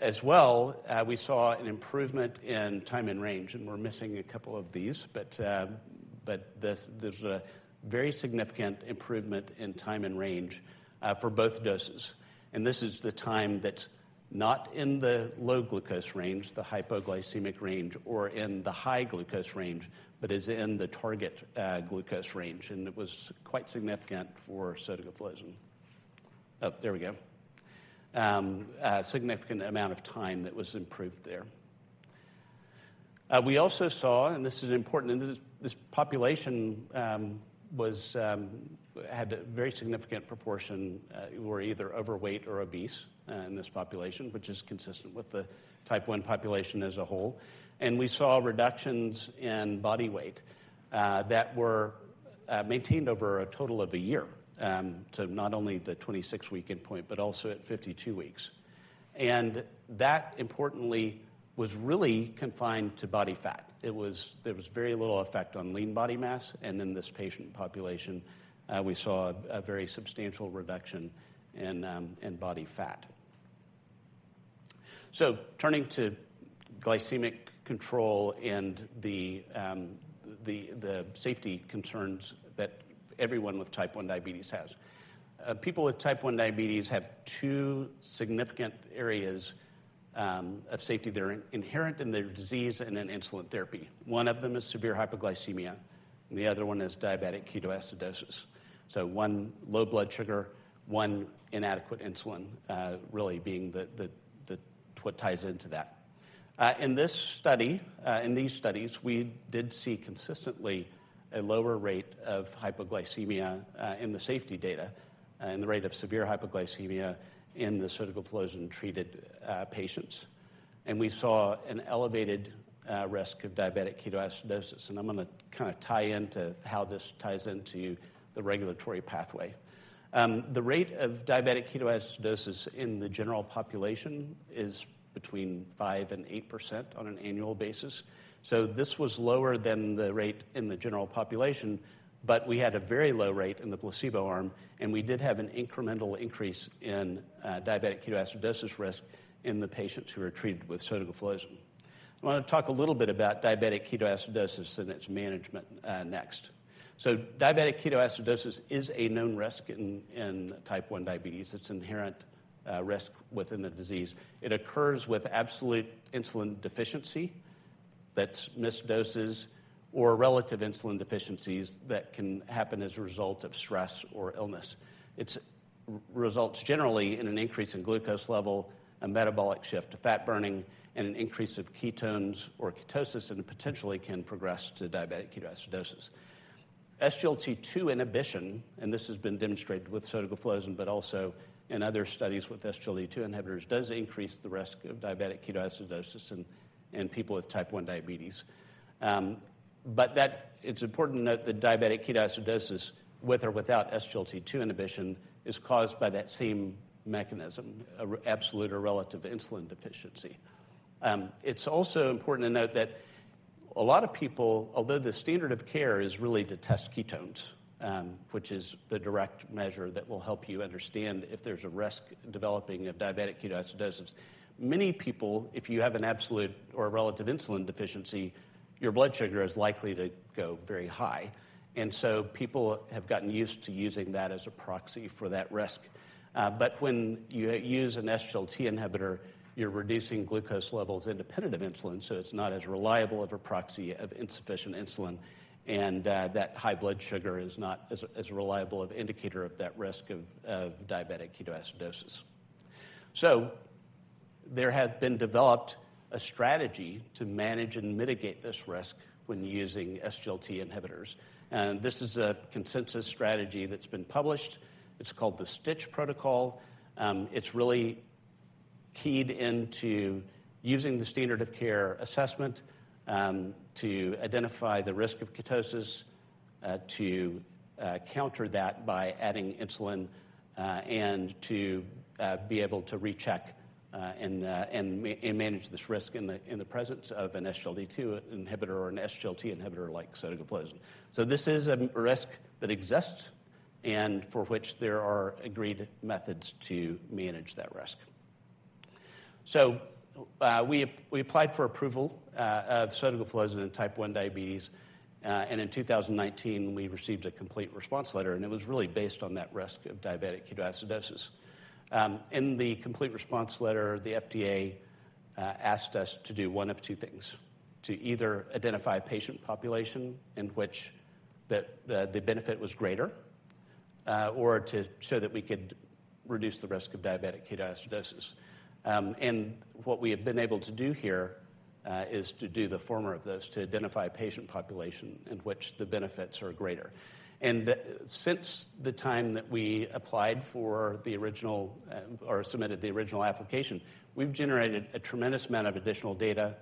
S5: As well, we saw an improvement in time in range. And we're missing a couple of these. But there's a very significant improvement in time in range for both doses. And this is the time that's not in the low glucose range, the hypoglycemic range, or in the high glucose range but is in the target glucose range. And it was quite significant for sotagliflozin. Oh, there we go. A significant amount of time that was improved there. We also saw, and this is important, this population had a very significant proportion who were either overweight or obese in this population, which is consistent with the type 1 population as a whole. We saw reductions in body weight that were maintained over a total of a year, so not only the 26-week endpoint but also at 52 weeks. That, importantly, was really confined to body fat. There was very little effect on lean body mass. In this patient population, we saw a very substantial reduction in body fat. Turning to glycemic control and the safety concerns that everyone with type 1 diabetes has, people with type 1 diabetes have two significant areas of safety that are inherent in their disease and in insulin therapy. One of them is severe hyperglycemia. The other one is diabetic ketoacidosis. One, low blood sugar; one, inadequate insulin, really being what ties into that. In these studies, we did see consistently a lower rate of hypoglycemia in the safety data and the rate of severe hypoglycemia in the sotagliflozin-treated patients. We saw an elevated risk of diabetic ketoacidosis. I'm going to kind of tie into how this ties into the regulatory pathway. The rate of diabetic ketoacidosis in the general population is between 5%-8% on an annual basis. This was lower than the rate in the general population. We had a very low rate in the placebo arm. We did have an incremental increase in diabetic ketoacidosis risk in the patients who were treated with sotagliflozin. I want to talk a little bit about diabetic ketoacidosis and its management next. Diabetic ketoacidosis is a known risk in type 1 diabetes. It's an inherent risk within the disease. It occurs with absolute insulin deficiency that's misdoses or relative insulin deficiencies that can happen as a result of stress or illness. It results generally in an increase in glucose level, a metabolic shift to fat burning, and an increase of ketones or ketosis and potentially can progress to diabetic ketoacidosis. SGLT2 inhibition, and this has been demonstrated with sotagliflozin but also in other studies with SGLT2 inhibitors, does increase the risk of diabetic ketoacidosis in people with type 1 diabetes. It's important to note that diabetic ketoacidosis, with or without SGLT2 inhibition, is caused by that same mechanism, absolute or relative insulin deficiency. It's also important to note that a lot of people, although the standard of care is really to test ketones, which is the direct measure that will help you understand if there's a risk developing of diabetic ketoacidosis, many people, if you have an absolute or relative insulin deficiency, your blood sugar is likely to go very high. So people have gotten used to using that as a proxy for that risk. But when you use an SGLT2 inhibitor, you're reducing glucose levels independent of insulin. So it's not as reliable of a proxy of insufficient insulin. And that high blood sugar is not as reliable of indicator of that risk of diabetic ketoacidosis. So there has been developed a strategy to manage and mitigate this risk when using SGLT2 inhibitors. And this is a consensus strategy that's been published. It's called the STICH protocol. It's really keyed into using the standard of care assessment to identify the risk of ketosis, to counter that by adding insulin, and to be able to recheck and manage this risk in the presence of an SGLT2 inhibitor or an SGLT2 inhibitor like sotagliflozin. So this is a risk that exists and for which there are agreed methods to manage that risk. So we applied for approval of sotagliflozin in type 1 diabetes. And in 2019, we received a complete response letter. And it was really based on that risk of diabetic ketoacidosis. In the complete response letter, the FDA asked us to do one of two things: to either identify a patient population in which the benefit was greater or to show that we could reduce the risk of diabetic ketoacidosis. And what we have been able to do here is to do the former of those, to identify a patient population in which the benefits are greater. And since the time that we applied for the original or submitted the original application, we've generated a tremendous amount of additional data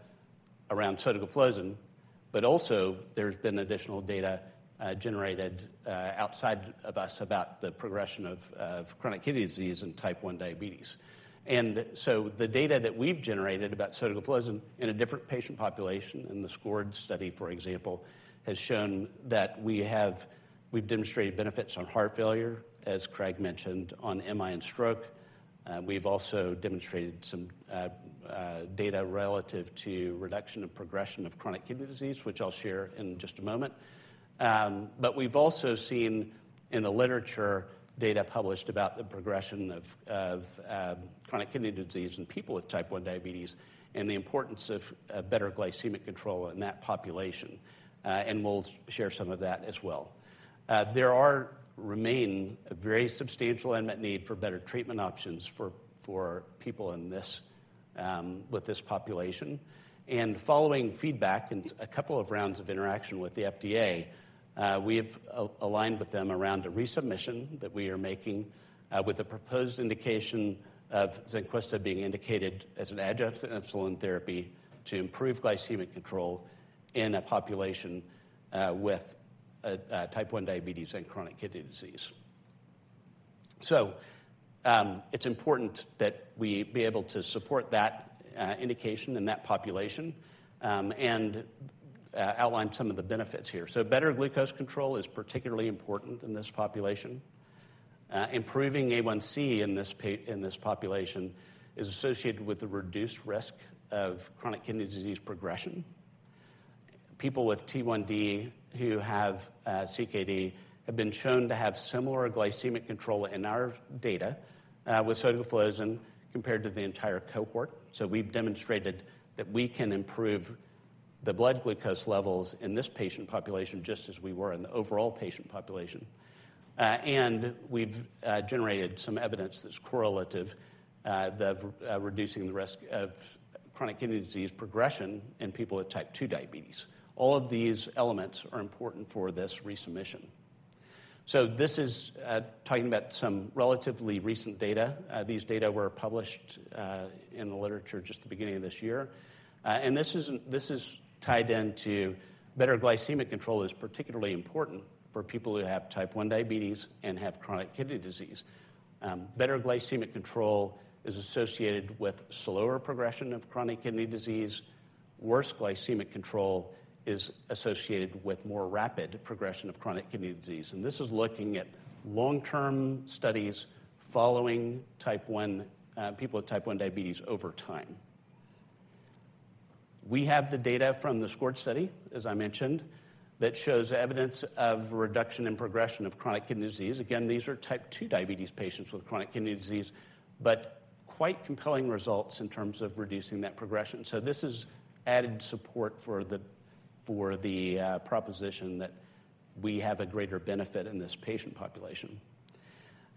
S5: around sotagliflozin. But also, there's been additional data generated outside of us about the progression of chronic kidney disease and type 1 diabetes. And so the data that we've generated about sotagliflozin in a different patient population in the SCORED study, for example, has shown that we've demonstrated benefits on heart failure, as Craig mentioned, on MI and stroke. We've also demonstrated some data relative to reduction and progression of chronic kidney disease, which I'll share in just a moment. But we've also seen in the literature data published about the progression of chronic kidney disease in people with type 1 diabetes and the importance of better glycemic control in that population. And we'll share some of that as well. There remains a very substantial unmet need for better treatment options for people with this population. Following feedback and a couple of rounds of interaction with the FDA, we have aligned with them around a resubmission that we are making with a proposed indication of Zynquista being indicated as an adjunct insulin therapy to improve glycemic control in a population with type 1 diabetes and chronic kidney disease. So it's important that we be able to support that indication in that population and outline some of the benefits here. So better glucose control is particularly important in this population. Improving A1c in this population is associated with a reduced risk of chronic kidney disease progression. People with T1D who have CKD have been shown to have similar glycemic control in our data with sotagliflozin compared to the entire cohort. So we've demonstrated that we can improve the blood glucose levels in this patient population just as we were in the overall patient population. We've generated some evidence that's correlative of reducing the risk of chronic kidney disease progression in people with type 2 diabetes. All of these elements are important for this resubmission. This is talking about some relatively recent data. These data were published in the literature just at the beginning of this year. This is tied into better glycemic control is particularly important for people who have type 1 diabetes and have chronic kidney disease. Better glycemic control is associated with slower progression of chronic kidney disease. Worse glycemic control is associated with more rapid progression of chronic kidney disease. This is looking at long-term studies following people with type 1 diabetes over time. We have the data from the SCORED study, as I mentioned, that shows evidence of reduction and progression of chronic kidney disease. Again, these are type 2 diabetes patients with chronic kidney disease but quite compelling results in terms of reducing that progression. So this has added support for the proposition that we have a greater benefit in this patient population.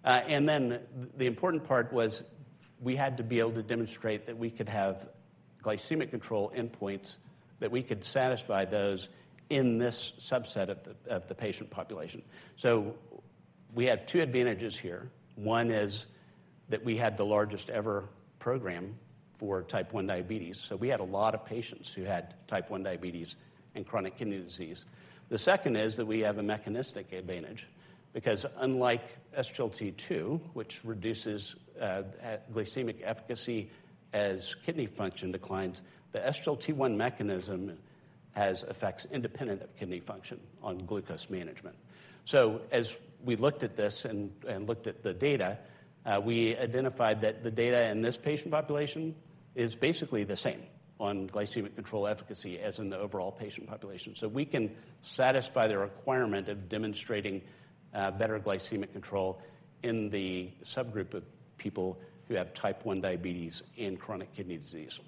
S5: And then the important part was we had to be able to demonstrate that we could have glycemic control endpoints, that we could satisfy those in this subset of the patient population. So we have two advantages here. One is that we had the largest ever program for type 1 diabetes. So we had a lot of patients who had type 1 diabetes and chronic kidney disease. The second is that we have a mechanistic advantage because unlike SGLT2, which reduces glycemic efficacy as kidney function declines, the SGLT1 mechanism has effects independent of kidney function on glucose management. So as we looked at this and looked at the data, we identified that the data in this patient population is basically the same on glycemic control efficacy as in the overall patient population. So we can satisfy the requirement of demonstrating better glycemic control in the subgroup of people who have type 1 diabetes and chronic kidney disease.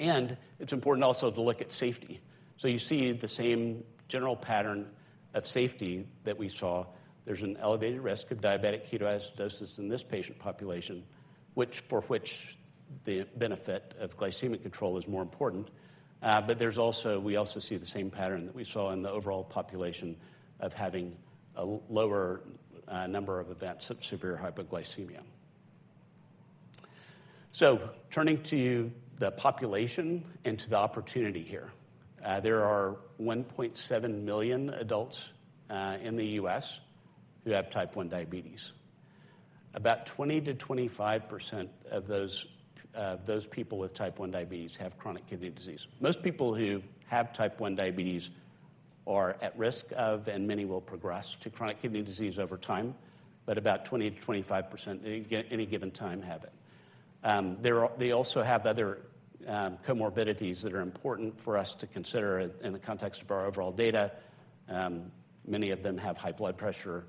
S5: And it's important also to look at safety. So you see the same general pattern of safety that we saw. There's an elevated risk of diabetic ketoacidosis in this patient population, for which the benefit of glycemic control is more important. But we also see the same pattern that we saw in the overall population of having a lower number of events of severe hypoglycemia. So turning to the population and to the opportunity here, there are 1.7 million adults in the U.S. who have type 1 diabetes. About 20%-25% of those people with type 1 diabetes have chronic kidney disease. Most people who have type 1 diabetes are at risk of, and many will progress to chronic kidney disease over time. But about 20%-25% at any given time have it. They also have other comorbidities that are important for us to consider in the context of our overall data. Many of them have high blood pressure.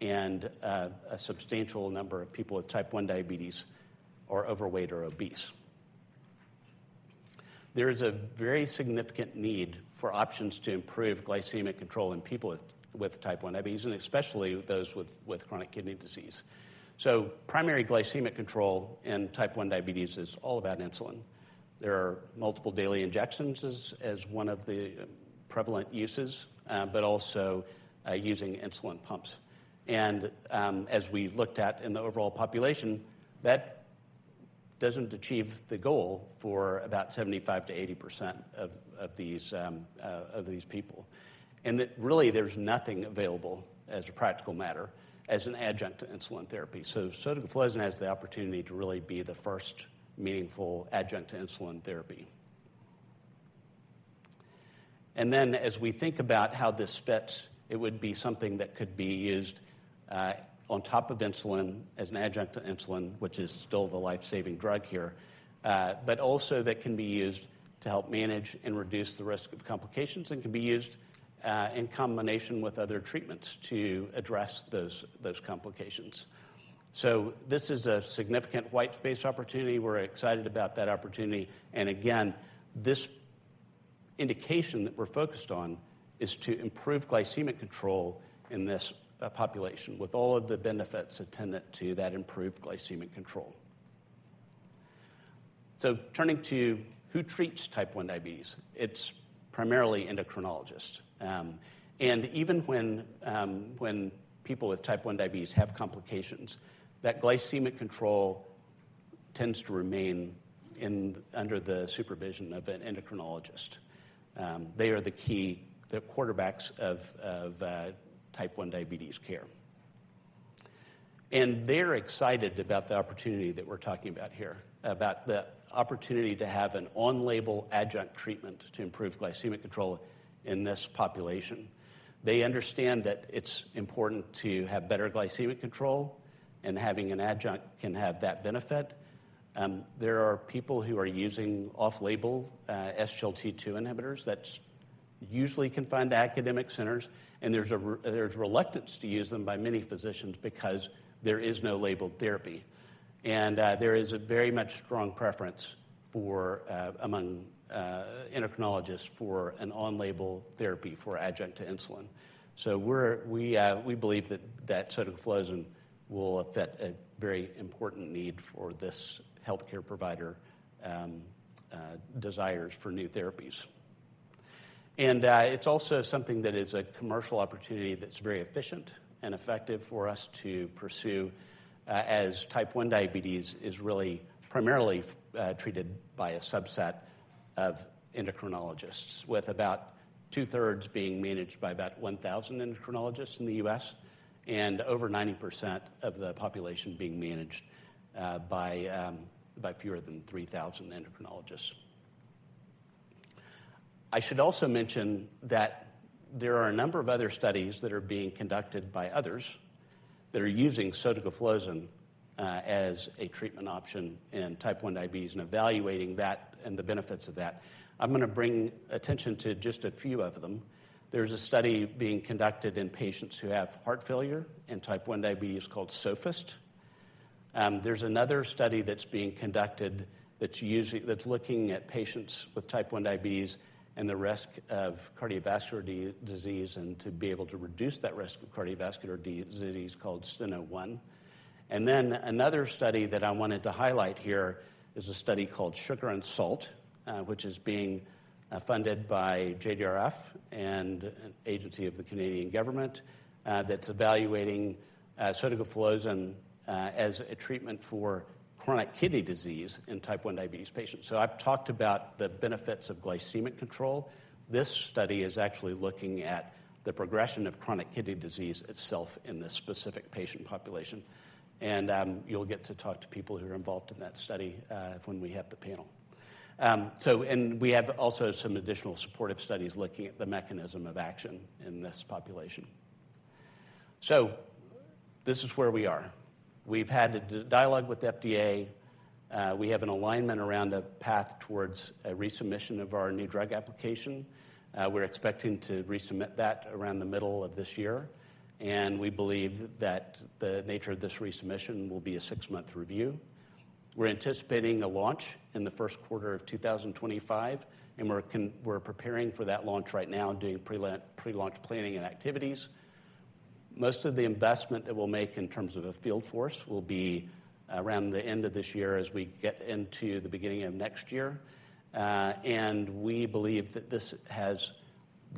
S5: A substantial number of people with type 1 diabetes are overweight or obese. There is a very significant need for options to improve glycemic control in people with type 1 diabetes and especially those with chronic kidney disease. So primary glycemic control in type 1 diabetes is all about insulin. There are multiple daily injections as one of the prevalent uses but also using insulin pumps. As we looked at in the overall population, that doesn't achieve the goal for about 75%-80% of these people. Really, there's nothing available as a practical matter as an adjunct to insulin therapy. Sotagliflozin has the opportunity to really be the first meaningful adjunct to insulin therapy. Then as we think about how this fits, it would be something that could be used on top of insulin as an adjunct to insulin, which is still the lifesaving drug here, but also that can be used to help manage and reduce the risk of complications and can be used in combination with other treatments to address those complications. This is a significant white space opportunity. We're excited about that opportunity. Again, this indication that we're focused on is to improve glycemic control in this population with all of the benefits attendant to that improved glycemic control. Turning to who treats type 1 diabetes, it's primarily endocrinologists. Even when people with type 1 diabetes have complications, that glycemic control tends to remain under the supervision of an endocrinologist. They are the key quarterbacks of type 1 diabetes care. They're excited about the opportunity that we're talking about here, about the opportunity to have an on-label adjunct treatment to improve glycemic control in this population. They understand that it's important to have better glycemic control, and having an adjunct can have that benefit. There are people who are using off-label SGLT2 inhibitors that usually can find academic centers. There's reluctance to use them by many physicians because there is no labeled therapy. There is a very much strong preference among endocrinologists for an on-label therapy for adjunct to insulin. We believe that sotagliflozin will fit a very important need for this healthcare provider's desires for new therapies. It's also something that is a commercial opportunity that's very efficient and effective for us to pursue as type 1 diabetes is really primarily treated by a subset of endocrinologists, with about two-thirds being managed by about 1,000 endocrinologists in the U.S. and over 90% of the population being managed by fewer than 3,000 endocrinologists. I should also mention that there are a number of other studies that are being conducted by others that are using sotagliflozin as a treatment option in type 1 diabetes and evaluating that and the benefits of that. I'm going to bring attention to just a few of them. There's a study being conducted in patients who have heart failure and type 1 diabetes called SOFAST. There's another study that's being conducted that's looking at patients with type 1 diabetes and the risk of cardiovascular disease and to be able to reduce that risk of cardiovascular disease called Steno-1. And then another study that I wanted to highlight here is a study called Sugar and Salt, which is being funded by JDRF and an agency of the Canadian government that's evaluating sotagliflozin as a treatment for chronic kidney disease in type 1 diabetes patients. So I've talked about the benefits of glycemic control. This study is actually looking at the progression of chronic kidney disease itself in this specific patient population. And you'll get to talk to people who are involved in that study when we have the panel. We have also some additional supportive studies looking at the mechanism of action in this population. This is where we are. We've had a dialogue with the FDA. We have an alignment around a path towards a resubmission of our new drug application. We're expecting to resubmit that around the middle of this year. We believe that the nature of this resubmission will be a six-month review. We're anticipating a launch in the first quarter of 2025. We're preparing for that launch right now, doing pre-launch planning and activities. Most of the investment that we'll make in terms of a field force will be around the end of this year as we get into the beginning of next year. We believe that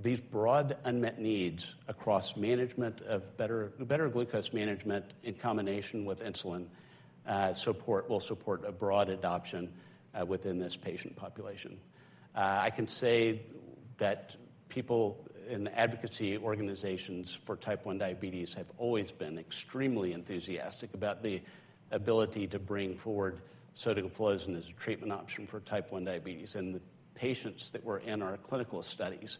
S5: these broad unmet needs across better glucose management in combination with insulin will support a broad adoption within this patient population. I can say that people in advocacy organizations for type 1 diabetes have always been extremely enthusiastic about the ability to bring forward sotagliflozin as a treatment option for type 1 diabetes. And the patients that were in our clinical studies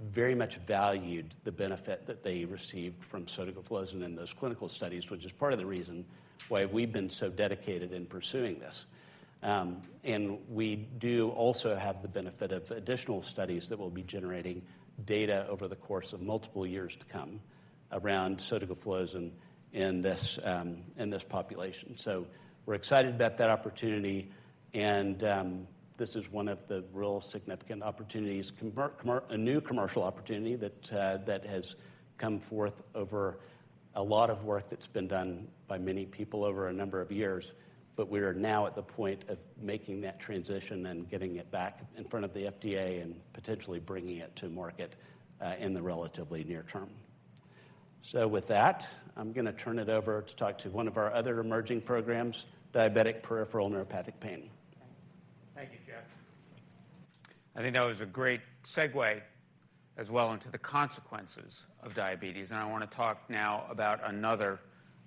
S5: very much valued the benefit that they received from sotagliflozin in those clinical studies, which is part of the reason why we've been so dedicated in pursuing this. And we do also have the benefit of additional studies that will be generating data over the course of multiple years to come around sotagliflozin in this population. So we're excited about that opportunity. And this is one of the real significant opportunities, a new commercial opportunity that has come forth over a lot of work that's been done by many people over a number of years. But we are now at the point of making that transition and getting it back in front of the FDA and potentially bringing it to market in the relatively near term. So with that, I'm going to turn it over to talk to one of our other emerging programs, diabetic peripheral neuropathic pain.
S3: Thank you, Jeff. I think that was a great segue as well into the consequences of diabetes. I want to talk now about another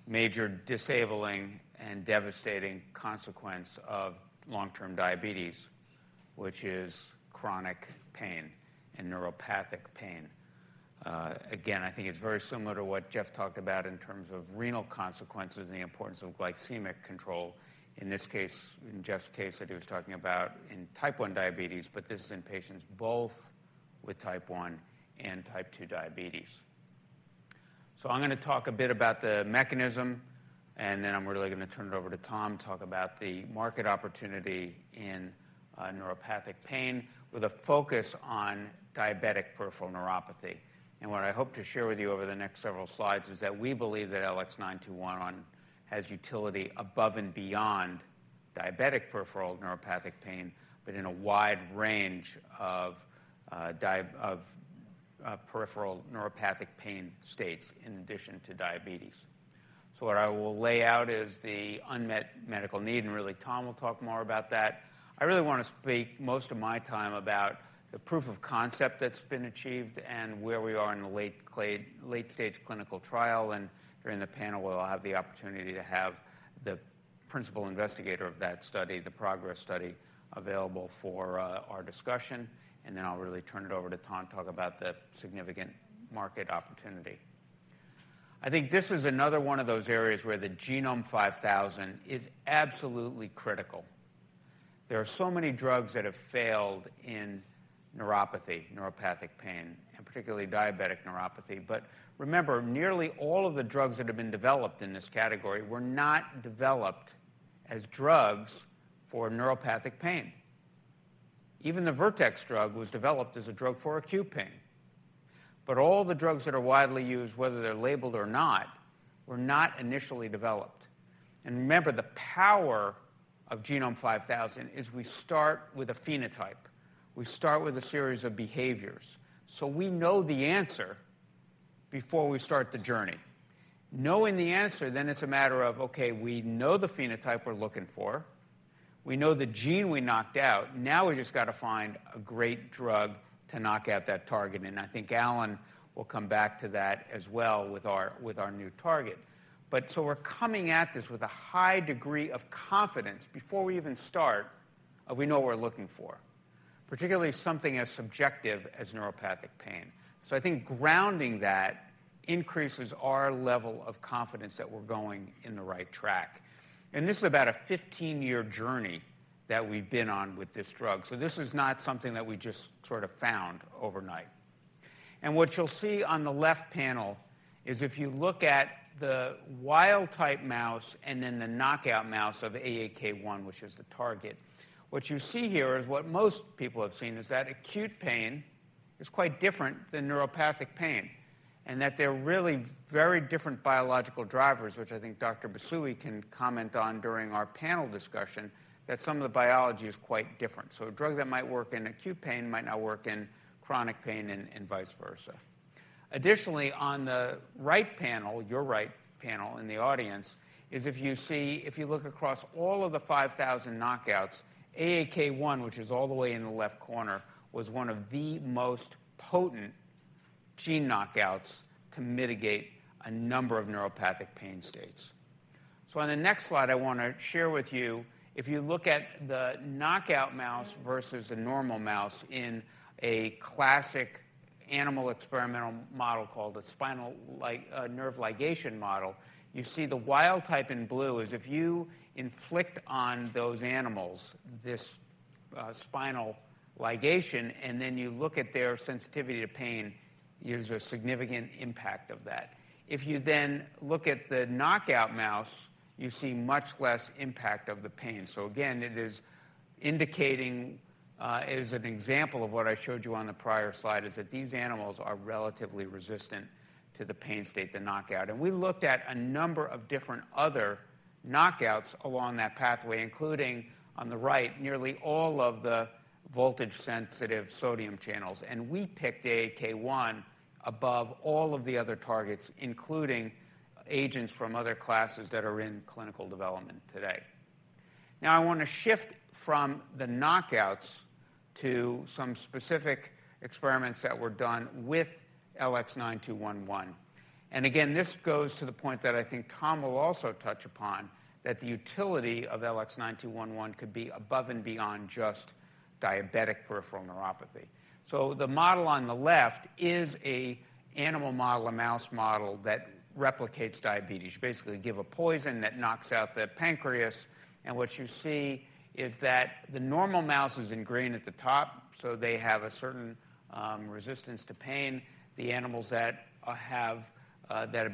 S3: major disabling and devastating consequence of long-term diabetes, which is chronic pain and neuropathic pain. Again, I think it's very similar to what Jeff talked about in terms of renal consequences and the importance of glycemic control, in Jeff's case that he was talking about in type 1 diabetes. This is in patients both with type 1 and type 2 diabetes. I'm going to talk a bit about the mechanism. Then I'm really going to turn it over to Tom to talk about the market opportunity in neuropathic pain with a focus on diabetic peripheral neuropathy. What I hope to share with you over the next several slides is that we believe that LX9211 has utility above and beyond diabetic peripheral neuropathic pain but in a wide range of peripheral neuropathic pain states in addition to diabetes. What I will lay out is the unmet medical need. Really, Tom will talk more about that. I really want to speak most of my time about the proof of concept that's been achieved and where we are in the late-stage clinical trial. During the panel, we'll have the opportunity to have the principal investigator of that study, the PROGRESS study, available for our discussion. Then I'll really turn it over to Tom to talk about the significant market opportunity. I think this is another one of those areas where the Genome5000 is absolutely critical. There are so many drugs that have failed in neuropathy, neuropathic pain, and particularly diabetic neuropathy. But remember, nearly all of the drugs that have been developed in this category were not developed as drugs for neuropathic pain. Even the Vertex drug was developed as a drug for acute pain. But all the drugs that are widely used, whether they're labeled or not, were not initially developed. And remember, the power of Genome5000 is we start with a phenotype. We start with a series of behaviors. So we know the answer before we start the journey. Knowing the answer, then it's a matter of, OK, we know the phenotype we're looking for. We know the gene we knocked out. Now we just got to find a great drug to knock out that target. And I think Alan will come back to that as well with our new target. So we're coming at this with a high degree of confidence before we even start that we know what we're looking for, particularly something as subjective as neuropathic pain. So I think grounding that increases our level of confidence that we're going in the right track. And this is about a 15-year journey that we've been on with this drug. So this is not something that we just sort of found overnight. And what you'll see on the left panel is if you look at the wild-type mouse and then the knockout mouse of AAK1, which is the target, what you see here is what most people have seen is that acute pain is quite different than neuropathic pain and that there are really very different biological drivers, which I think Dr. Busui can comment on during our panel discussion, that some of the biology is quite different. So a drug that might work in acute pain might not work in chronic pain and vice versa. Additionally, on the right panel, your right panel in the audience, is if you look across all of the 5,000 knockouts, AAK1, which is all the way in the left corner, was one of the most potent gene knockouts to mitigate a number of neuropathic pain states. So on the next slide, I want to share with you, if you look at the knockout mouse versus a normal mouse in a classic animal experimental model called a spinal nerve ligation model, you see the wild type in blue is if you inflict on those animals this spinal ligation, and then you look at their sensitivity to pain, there's a significant impact of that. If you then look at the knockout mouse, you see much less impact of the pain. So again, it is indicating as an example of what I showed you on the prior slide is that these animals are relatively resistant to the pain state, the knockout. And we looked at a number of different other knockouts along that pathway, including on the right, nearly all of the voltage-sensitive sodium channels. And we picked AAK1 above all of the other targets, including agents from other classes that are in clinical development today. Now, I want to shift from the knockouts to some specific experiments that were done with LX9211. And again, this goes to the point that I think Tom will also touch upon that the utility of LX9211 could be above and beyond just diabetic peripheral neuropathy. So the model on the left is an animal model and mouse model that replicates diabetes. You basically give a poison that knocks out the pancreas. What you see is that the normal mouse is in green at the top. So they have a certain resistance to pain. The animals that have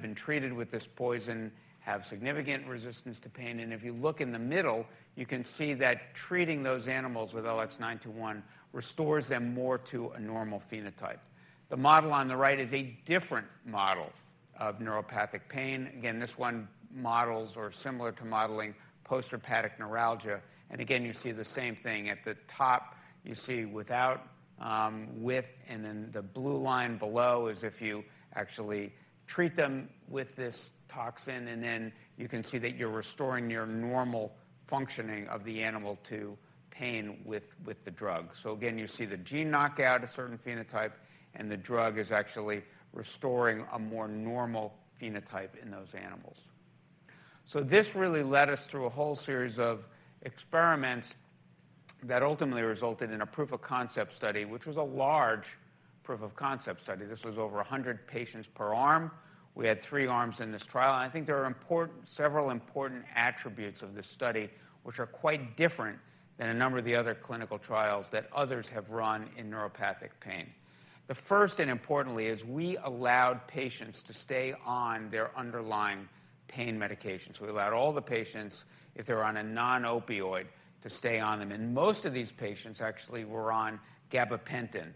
S3: been treated with this poison have significant resistance to pain. If you look in the middle, you can see that treating those animals with LX9211 restores them more to a normal phenotype. The model on the right is a different model of neuropathic pain. Again, this one models or is similar to modeling postherpetic neuralgia. Again, you see the same thing. At the top, you see without, with, and then the blue line below is if you actually treat them with this toxin. Then you can see that you're restoring your normal functioning of the animal to pain with the drug. So again, you see the gene knockout, a certain phenotype. The drug is actually restoring a more normal phenotype in those animals. This really led us through a whole series of experiments that ultimately resulted in a proof of concept study, which was a large proof of concept study. This was over 100 patients per arm. We had three arms in this trial. I think there are several important attributes of this study, which are quite different than a number of the other clinical trials that others have run in neuropathic pain. The first and importantly is we allowed patients to stay on their underlying pain medications. We allowed all the patients, if they were on a non-opioid, to stay on them. Most of these patients actually were on gabapentin,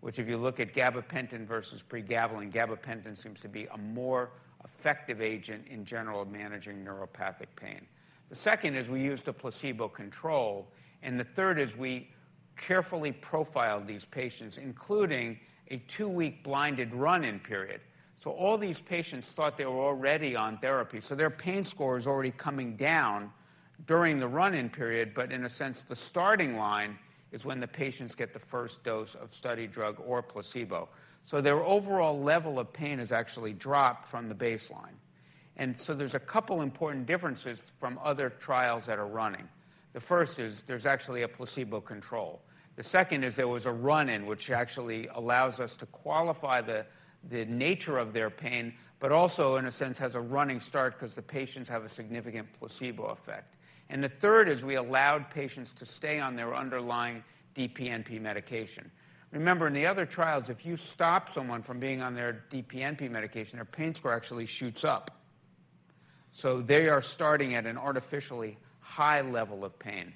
S3: which if you look at gabapentin versus pregabalin, gabapentin seems to be a more effective agent in general managing neuropathic pain. The second is we used a placebo control. And the third is we carefully profiled these patients, including a 2-week blinded run-in period. So all these patients thought they were already on therapy. So their pain score is already coming down during the run-in period. But in a sense, the starting line is when the patients get the first dose of study drug or placebo. So their overall level of pain has actually dropped from the baseline. And so there's a couple of important differences from other trials that are running. The first is there's actually a placebo control. The second is there was a run-in, which actually allows us to qualify the nature of their pain but also, in a sense, has a running start because the patients have a significant placebo effect. And the third is we allowed patients to stay on their underlying DPNP medication. Remember, in the other trials, if you stop someone from being on their DPNP medication, their pain score actually shoots up. So they are starting at an artificially high level of pain.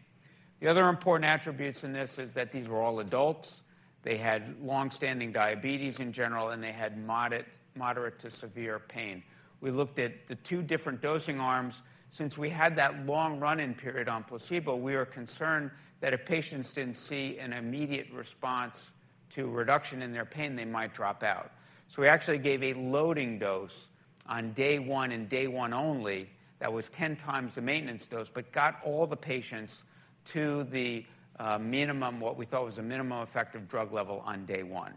S3: The other important attributes in this is that these were all adults. They had longstanding diabetes in general. And they had moderate to severe pain. We looked at the two different dosing arms. Since we had that long run-in period on placebo, we were concerned that if patients didn't see an immediate response to reduction in their pain, they might drop out. So we actually gave a loading dose on day one and day one only that was 10 times the maintenance dose but got all the patients to the minimum, what we thought was a minimum effective drug level on day one.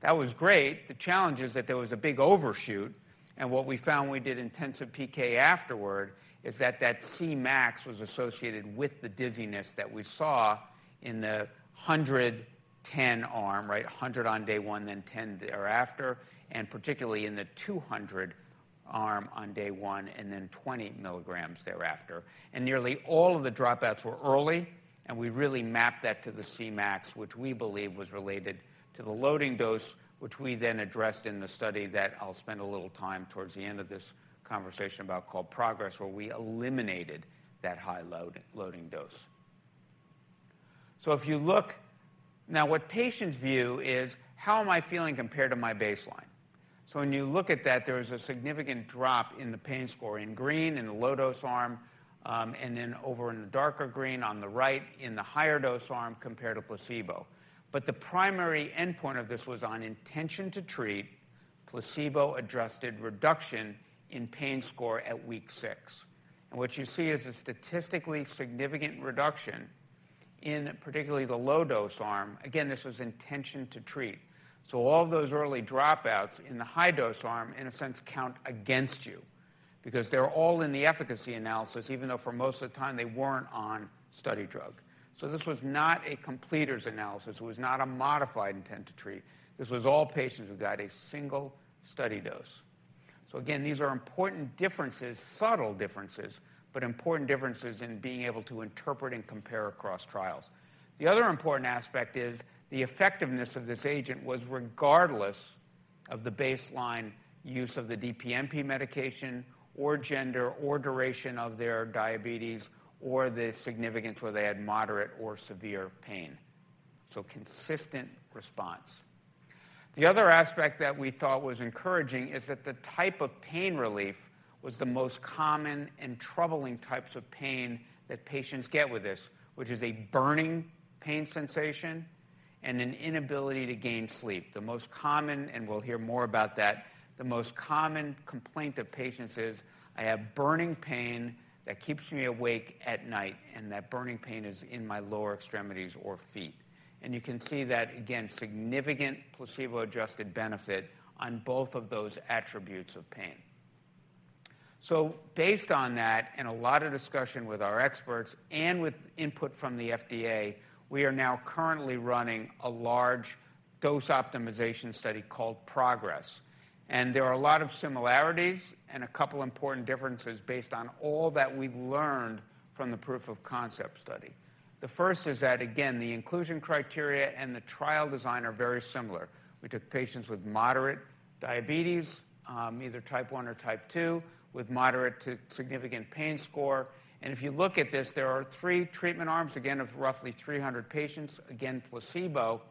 S3: That was great. The challenge is that there was a big overshoot. What we found when we did intensive PK afterward is that that Cmax was associated with the dizziness that we saw in the 110 arm, right, 100 on day one, then 10 thereafter, and particularly in the 200 arm on day one and then 20 milligrams thereafter. Nearly all of the dropouts were early. We really mapped that to the Cmax, which we believe was related to the loading dose, which we then addressed in the study that I'll spend a little time towards the end of this conversation about called PROGRESS, where we eliminated that high loading dose. If you look now, what patients view is, how am I feeling compared to my baseline? So when you look at that, there was a significant drop in the pain score in green in the low-dose arm and then over in the darker green on the right in the higher-dose arm compared to placebo. But the primary endpoint of this was on intent to treat, placebo-adjusted reduction in pain score at week 6. And what you see is a statistically significant reduction in particularly the low-dose arm. Again, this was intent to treat. So all of those early dropouts in the high-dose arm, in a sense, count against you because they're all in the efficacy analysis, even though for most of the time, they weren't on study drug. So this was not a completer's analysis. It was not a modified intent to treat. This was all patients who got a single study dose. So again, these are important differences, subtle differences, but important differences in being able to interpret and compare across trials. The other important aspect is the effectiveness of this agent was regardless of the baseline use of the DPNP medication or gender or duration of their diabetes or the significance where they had moderate or severe pain, so consistent response. The other aspect that we thought was encouraging is that the type of pain relief was the most common and troubling types of pain that patients get with this, which is a burning pain sensation and an inability to gain sleep. The most common and we'll hear more about that, the most common complaint of patients is, "I have burning pain that keeps me awake at night." And that burning pain is in my lower extremities or feet. And you can see that, again, significant placebo-adjusted benefit on both of those attributes of pain. So based on that and a lot of discussion with our experts and with input from the FDA, we are now currently running a large dose optimization study called PROGRESS. And there are a lot of similarities and a couple of important differences based on all that we learned from the proof of concept study. The first is that, again, the inclusion criteria and the trial design are very similar. We took patients with moderate diabetes, either type 1 or type 2, with moderate to significant pain score. And if you look at this, there are three treatment arms, again, of roughly 300 patients, again, placebo.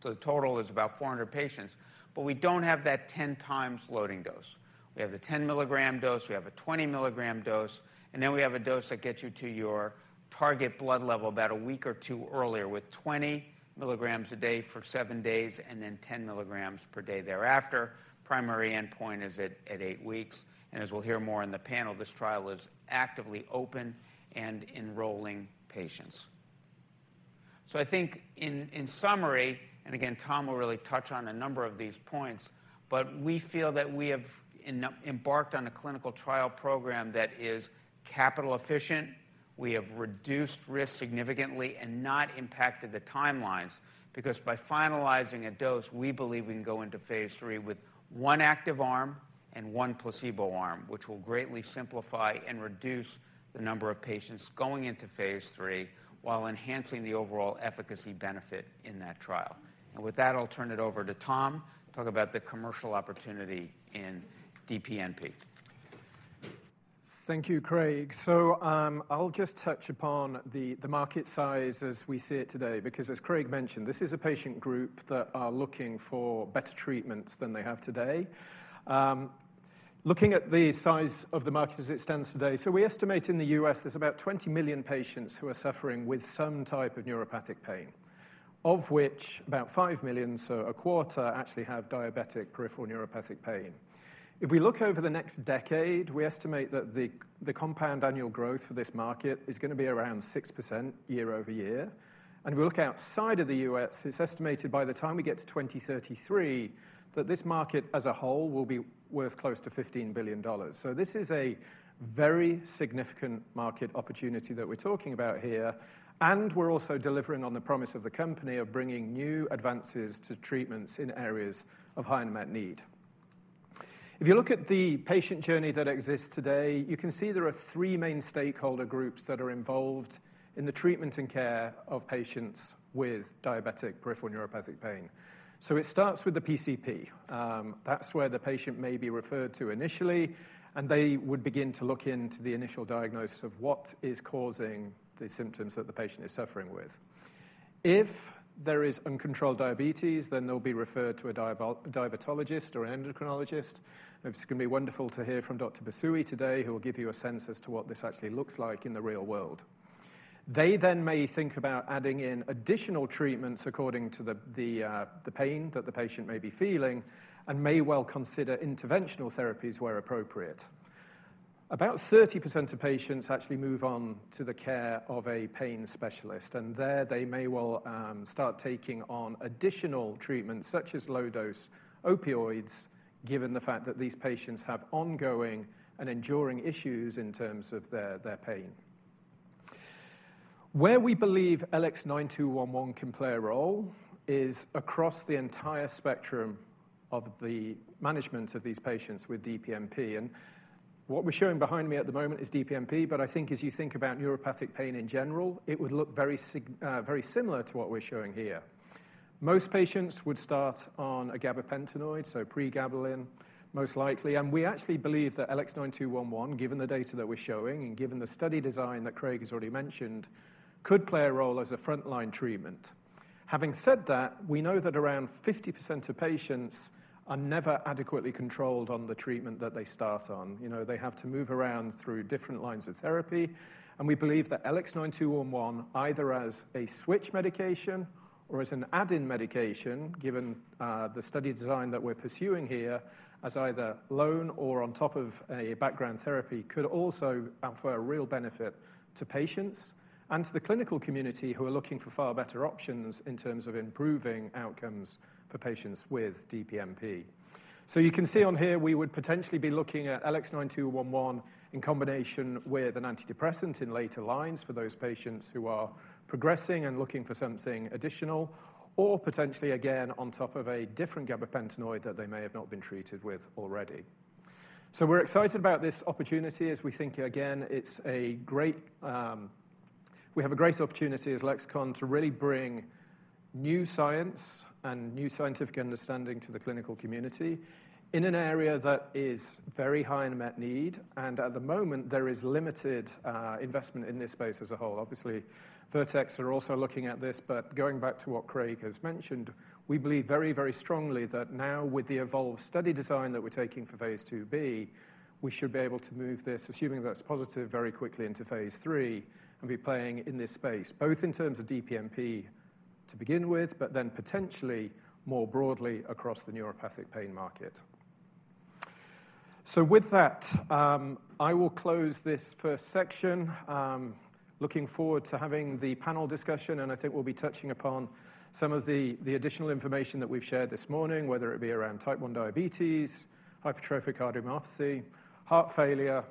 S3: So the total is about 400 patients. But we don't have that 10x loading dose. We have the 10 mg dose. We have a 20 mg dose. And then we have a dose that gets you to your target blood level about a week or two earlier with 20 milligrams a day for seven days and then 10 milligrams per day thereafter. Primary endpoint is at eight weeks. And as we'll hear more in the panel, this trial is actively open and enrolling patients. So I think in summary and again, Tom will really touch on a number of these points. But we feel that we have embarked on a clinical trial program that is capital efficient. We have reduced risk significantly and not impacted the timelines because by finalizing a dose, we believe we can go into phase III with one active arm and one placebo arm, which will greatly simplify and reduce the number of patients going into phase III while enhancing the overall efficacy benefit in that trial. With that, I'll turn it over to Tom to talk about the commercial opportunity in DPNP.
S4: Thank you, Craig. I'll just touch upon the market size as we see it today because, as Craig mentioned, this is a patient group that are looking for better treatments than they have today. Looking at the size of the market as it stands today, so we estimate in the U.S., there's about 20 million patients who are suffering with some type of neuropathic pain, of which about 5 million, so a quarter, actually have diabetic peripheral neuropathic pain. If we look over the next decade, we estimate that the compound annual growth for this market is going to be around 6% year-over-year. If we look outside of the U.S., it's estimated by the time we get to 2033 that this market as a whole will be worth close to $15 billion. This is a very significant market opportunity that we're talking about here. We're also delivering on the promise of the company of bringing new advances to treatments in areas of high unmet need. If you look at the patient journey that exists today, you can see there are three main stakeholder groups that are involved in the treatment and care of patients with diabetic peripheral neuropathic pain. It starts with the PCP. That's where the patient may be referred to initially. They would begin to look into the initial diagnosis of what is causing the symptoms that the patient is suffering with. If there is uncontrolled diabetes, then they'll be referred to a diabetologist or an endocrinologist. It's going to be wonderful to hear from Dr. Busui today, who will give you a sense as to what this actually looks like in the real world. They then may think about adding in additional treatments according to the pain that the patient may be feeling and may well consider interventional therapies where appropriate. About 30% of patients actually move on to the care of a pain specialist. There, they may well start taking on additional treatments such as low-dose opioids, given the fact that these patients have ongoing and enduring issues in terms of their pain. Where we believe LX9211 can play a role is across the entire spectrum of the management of these patients with DPNP. What we're showing behind me at the moment is DPNP. But I think as you think about neuropathic pain in general, it would look very similar to what we're showing here. Most patients would start on a gabapentinoid, so Pregabalin most likely. And we actually believe that LX9211, given the data that we're showing and given the study design that Craig has already mentioned, could play a role as a frontline treatment. Having said that, we know that around 50% of patients are never adequately controlled on the treatment that they start on. They have to move around through different lines of therapy. We believe that LX9211, either as a switch medication or as an add-in medication, given the study design that we're pursuing here, as either lone or on top of a background therapy, could also offer a real benefit to patients and to the clinical community who are looking for far better options in terms of improving outcomes for patients with DPNP. So you can see on here, we would potentially be looking at LX9211 in combination with an antidepressant in later lines for those patients who are progressing and looking for something additional or potentially, again, on top of a different gabapentinoid that they may have not been treated with already. So we're excited about this opportunity as we think, again, it's a great, we have a great opportunity as Lexicon to really bring new science and new scientific understanding to the clinical community in an area that is very high unmet need. And at the moment, there is limited investment in this space as a whole. Obviously, Vertex are also looking at this. But going back to what Craig has mentioned, we believe very, very strongly that now, with the evolved study design that we're taking for phase 2b, we should be able to move this, assuming that's positive, very quickly into phase III and be playing in this space both in terms of DPNP to begin with but then potentially more broadly across the neuropathic pain market. So with that, I will close this first section, looking forward to having the panel discussion. I think we'll be touching upon some of the additional information that we've shared this morning, whether it be around type 1 diabetes, hypertrophic cardiomyopathy, heart failure,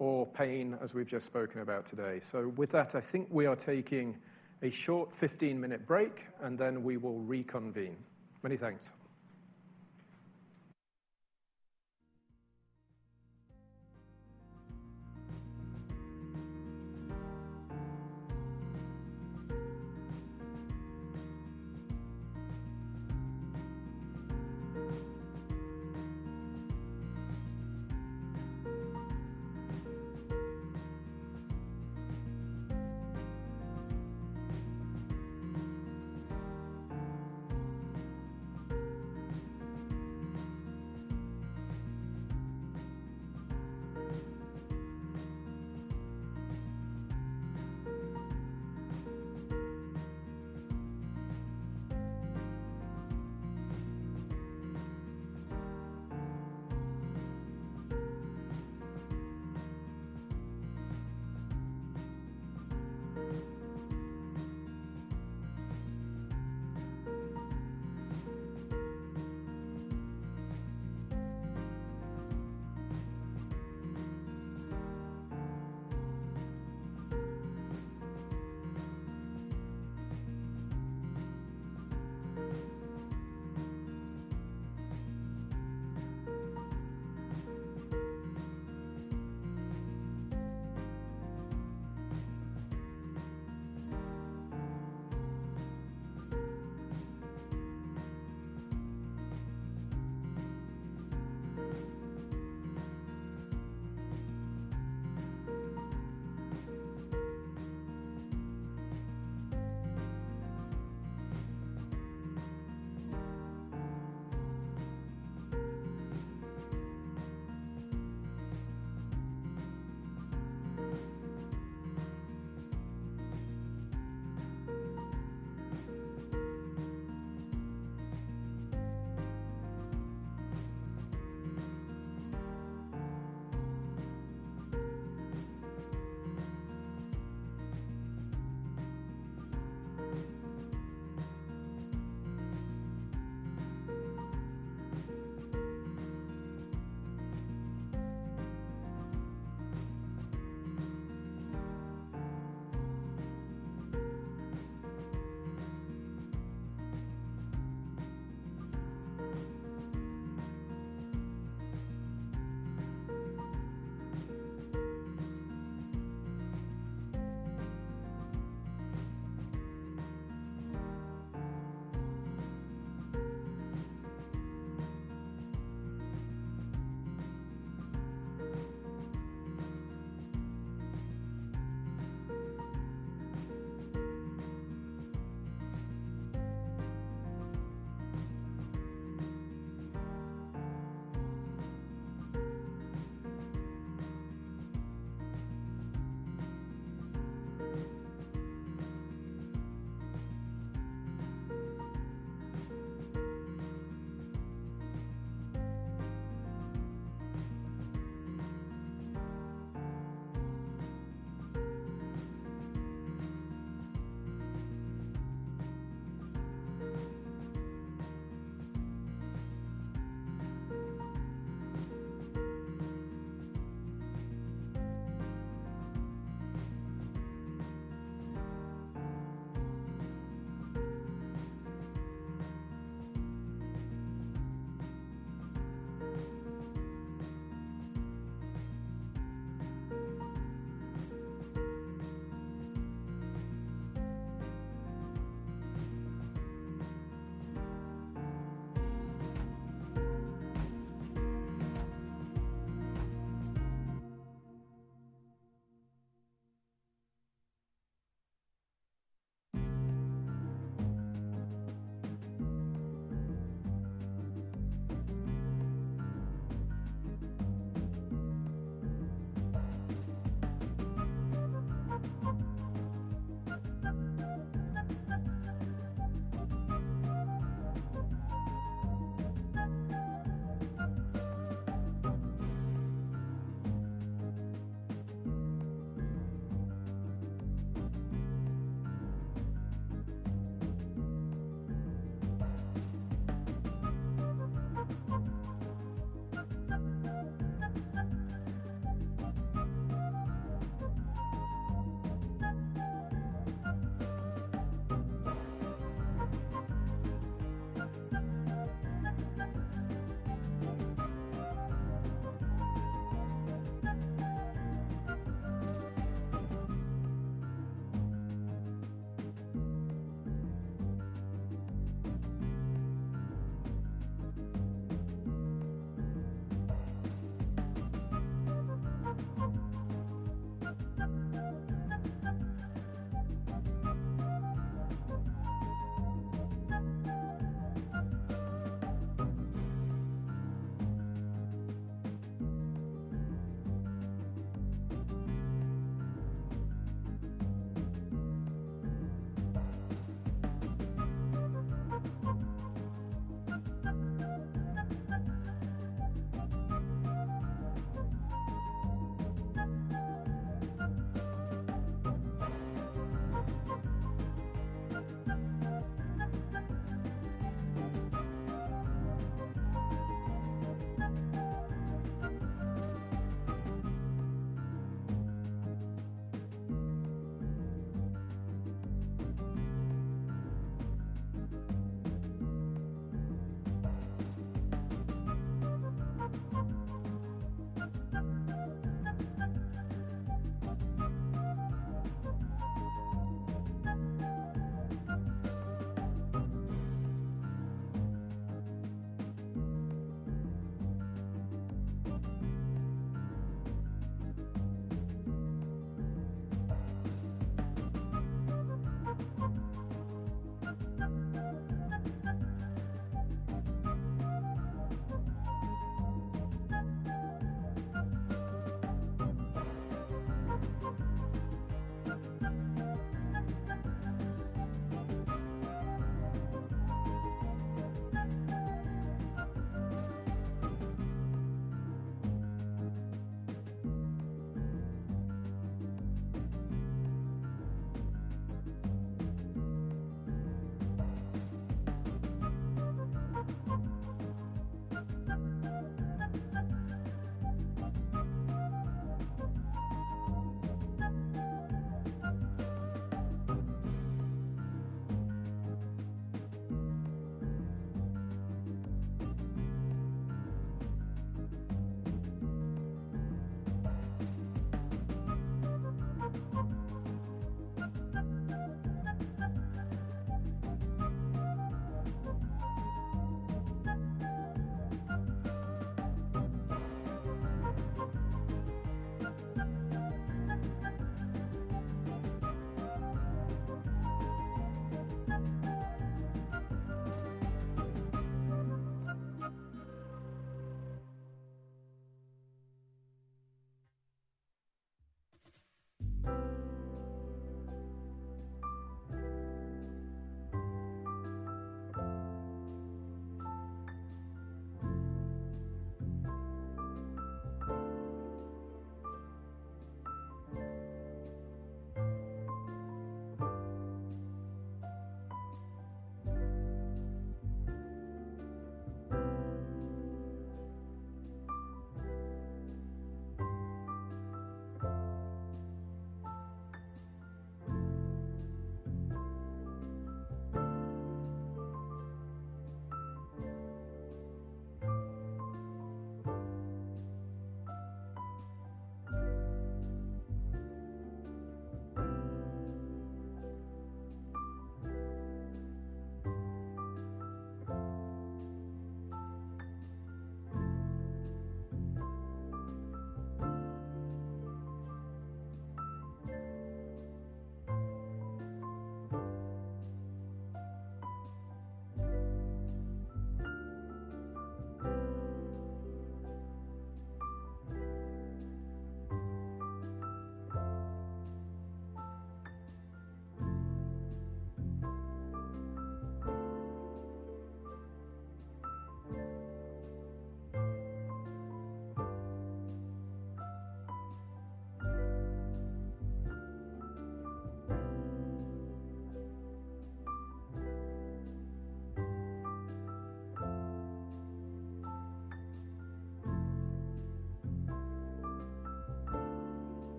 S4: or pain, as we've just spoken about today. So with that, I think we are taking a short 15-minute break. Then we will reconvene. Many thanks.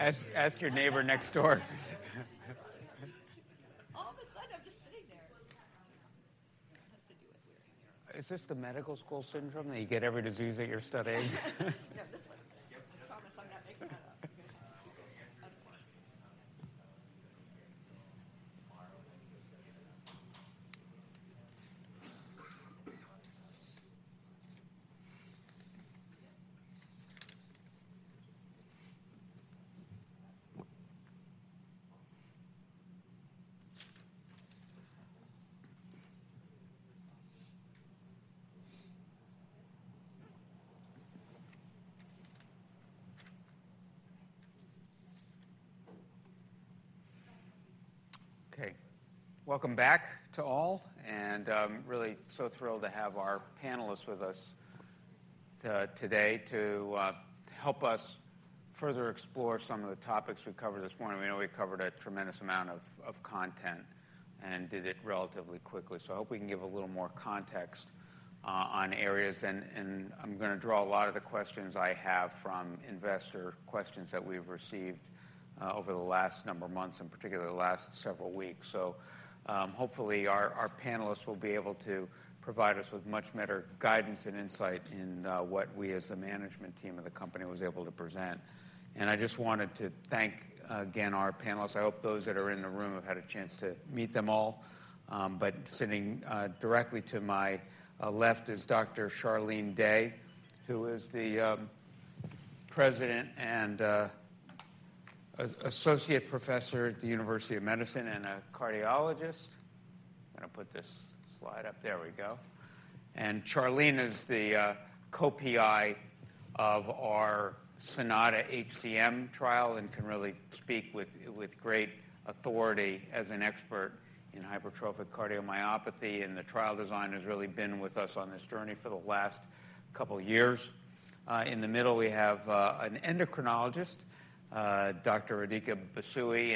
S6: Ask your neighbor next door. All of a sudden, I'm just sitting there. It has to do with wearing a mask. Is this the medical school syndrome that you get every disease that you're studying? No, this one. I promise I'm not making that up. I'm sorry. I'm sorry. So it's going to be here until tomorrow. And I think it's going to be in an update.
S4: OK. Welcome back to all. I'm really so thrilled to have our panelists with us today to help us further explore some of the topics we covered this morning. We know we covered a tremendous amount of content and did it relatively quickly. I hope we can give a little more context on areas. I'm going to draw a lot of the questions I have from investor questions that we've received over the last number of months and particularly the last several weeks. Hopefully, our panelists will be able to provide us with much better guidance and insight in what we, as the management team of the company, was able to present. I just wanted to thank, again, our panelists. I hope those that are in the room have had a chance to meet them all. Sitting directly to my left is Dr. Sharlene Day, who is the president and associate professor at the University of Pennsylvania and a cardiologist. I'm going to put this slide up. There we go. Charlene is the co-PI of our SONATA-HCM trial and can really speak with great authority as an expert in hypertrophic cardiomyopathy. The trial design has really been with us on this journey for the last couple of years. In the middle, we have an endocrinologist, Dr. Rodica Busui.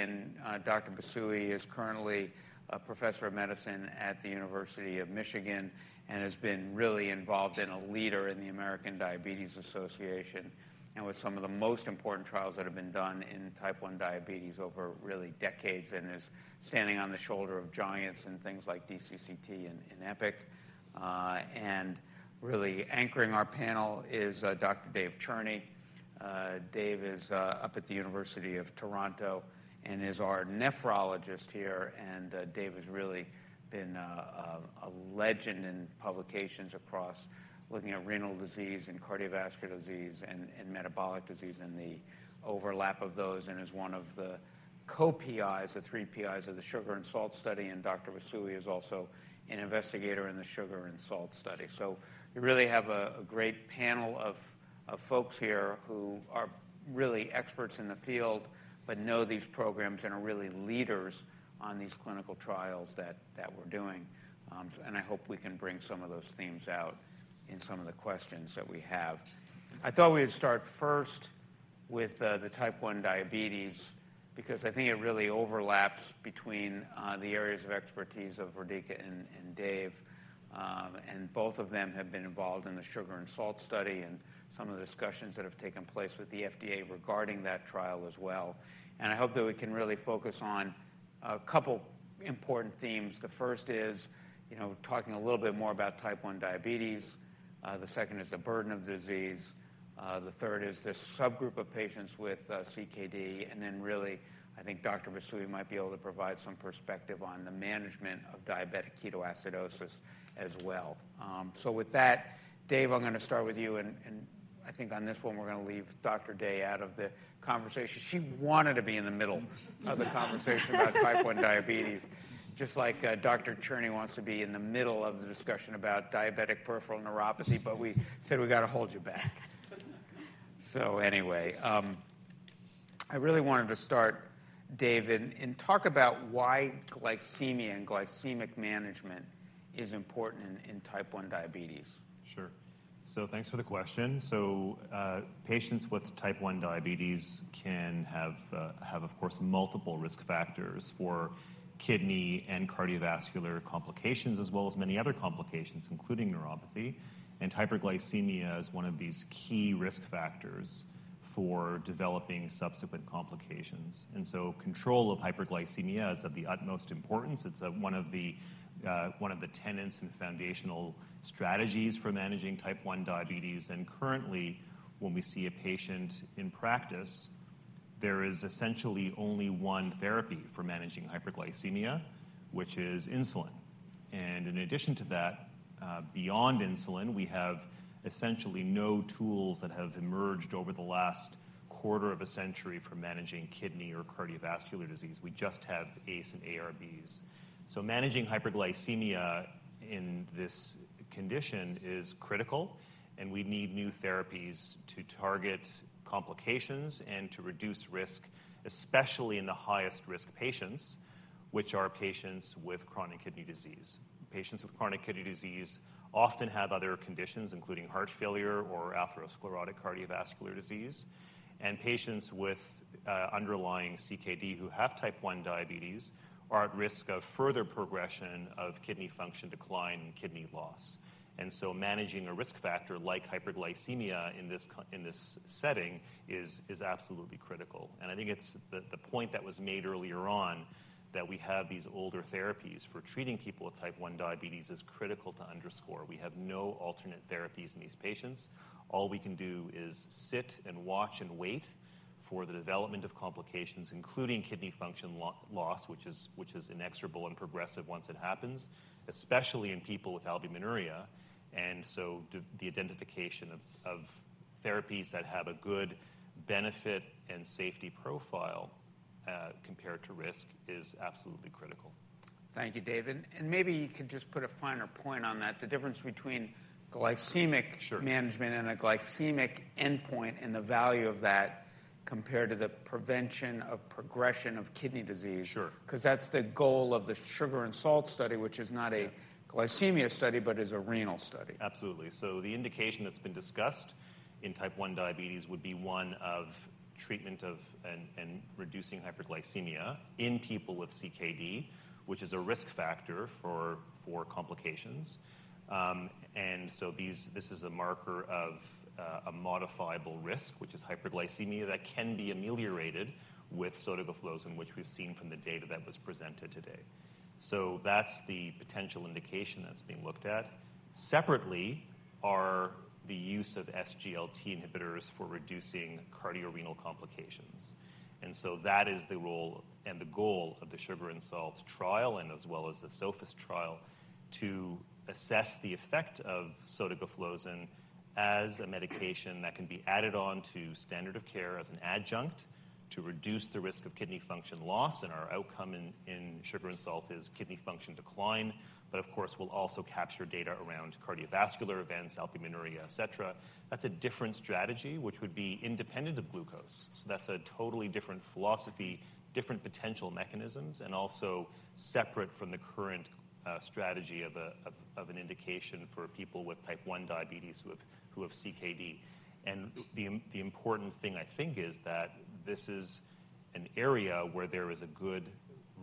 S4: Dr. Busui is currently a professor of medicine at the University of Michigan and has been really involved and a leader in the American Diabetes Association and with some of the most important trials that have been done in type 1 diabetes over really decades and is standing on the shoulders of giants in things like DCCT and EPIC. Really anchoring our panel is Dr. David Cherney. David is up at the University of Toronto and is our nephrologist here. Dave has really been a legend in publications across looking at renal disease and cardiovascular disease and metabolic disease and the overlap of those and is one of the co-PIs, the three PIs, of the sugar and salt study. Dr. Busui is also an investigator in the sugar and salt study. So we really have a great panel of folks here who are really experts in the field but know these programs and are really leaders on these clinical trials that we're doing. I hope we can bring some of those themes out in some of the questions that we have. I thought we would start first with the type 1 diabetes because I think it really overlaps between the areas of expertise of Rodica and Dave. Both of them have been involved in the Sugar and Salt study and some of the discussions that have taken place with the FDA regarding that trial as well. I hope that we can really focus on a couple of important themes. The first is talking a little bit more about type 1 diabetes. The second is the burden of the disease. The third is this subgroup of patients with CKD. Then really, I think Dr. Busui might be able to provide some perspective on the management of diabetic ketoacidosis as well. With that, Dave, I'm going to start with you. I think on this one, we're going to leave Dr. Day out of the conversation. She wanted to be in the middle of the conversation about type 1 diabetes just like Dr. Cherney wants to be in the middle of the discussion about diabetic peripheral neuropathy. But we said we got to hold you back. So anyway, I really wanted to start, Dave, and talk about why glycemia and glycemic management is important in type 1 diabetes.
S7: Sure. So thanks for the question. So patients with type 1 diabetes can have, of course, multiple risk factors for kidney and cardiovascular complications as well as many other complications, including neuropathy. And hyperglycemia is one of these key risk factors for developing subsequent complications. And so control of hyperglycemia is of the utmost importance. It's one of the tenets and foundational strategies for managing type 1 diabetes. And currently, when we see a patient in practice, there is essentially only one therapy for managing hyperglycemia, which is insulin. And in addition to that, beyond insulin, we have essentially no tools that have emerged over the last quarter of a century for managing kidney or cardiovascular disease. We just have ACE and ARBs. So managing hyperglycemia in this condition is critical. We need new therapies to target complications and to reduce risk, especially in the highest risk patients, which are patients with chronic kidney disease. Patients with chronic kidney disease often have other conditions, including heart failure or atherosclerotic cardiovascular disease. Patients with underlying CKD who have type 1 diabetes are at risk of further progression of kidney function decline and kidney loss. So managing a risk factor like hyperglycemia in this setting is absolutely critical. I think it's the point that was made earlier on that we have these older therapies for treating people with type 1 diabetes is critical to underscore. We have no alternate therapies in these patients. All we can do is sit and watch and wait for the development of complications, including kidney function loss, which is inexorable and progressive once it happens, especially in people with albuminuria. The identification of therapies that have a good benefit and safety profile compared to risk is absolutely critical.
S4: Thank you, Dave. Maybe you could just put a finer point on that, the difference between glycemic management and a glycemic endpoint and the value of that compared to the prevention of progression of kidney disease because that's the goal of the Sugar and Salt study, which is not a glycemia study but is a renal study.
S7: Absolutely. So the indication that's been discussed in type 1 diabetes would be one of treatment and reducing hyperglycemia in people with CKD, which is a risk factor for complications. And so this is a marker of a modifiable risk, which is hyperglycemia, that can be ameliorated with sotagliflozin, which we've seen from the data that was presented today. So that's the potential indication that's being looked at. Separately, are the use of SGLT inhibitors for reducing cardiorenal complications. And so that is the role and the goal of the sugar and salt trial and as well as the SOFAST trial to assess the effect of sotagliflozin as a medication that can be added on to standard of care as an adjunct to reduce the risk of kidney function loss. And our outcome in sugar and salt is kidney function decline. But of course, we'll also capture data around cardiovascular events, albuminuria, et cetera. That's a different strategy, which would be independent of glucose. So that's a totally different philosophy, different potential mechanisms, and also separate from the current strategy of an indication for people with type 1 diabetes who have CKD. And the important thing, I think, is that this is an area where there is a good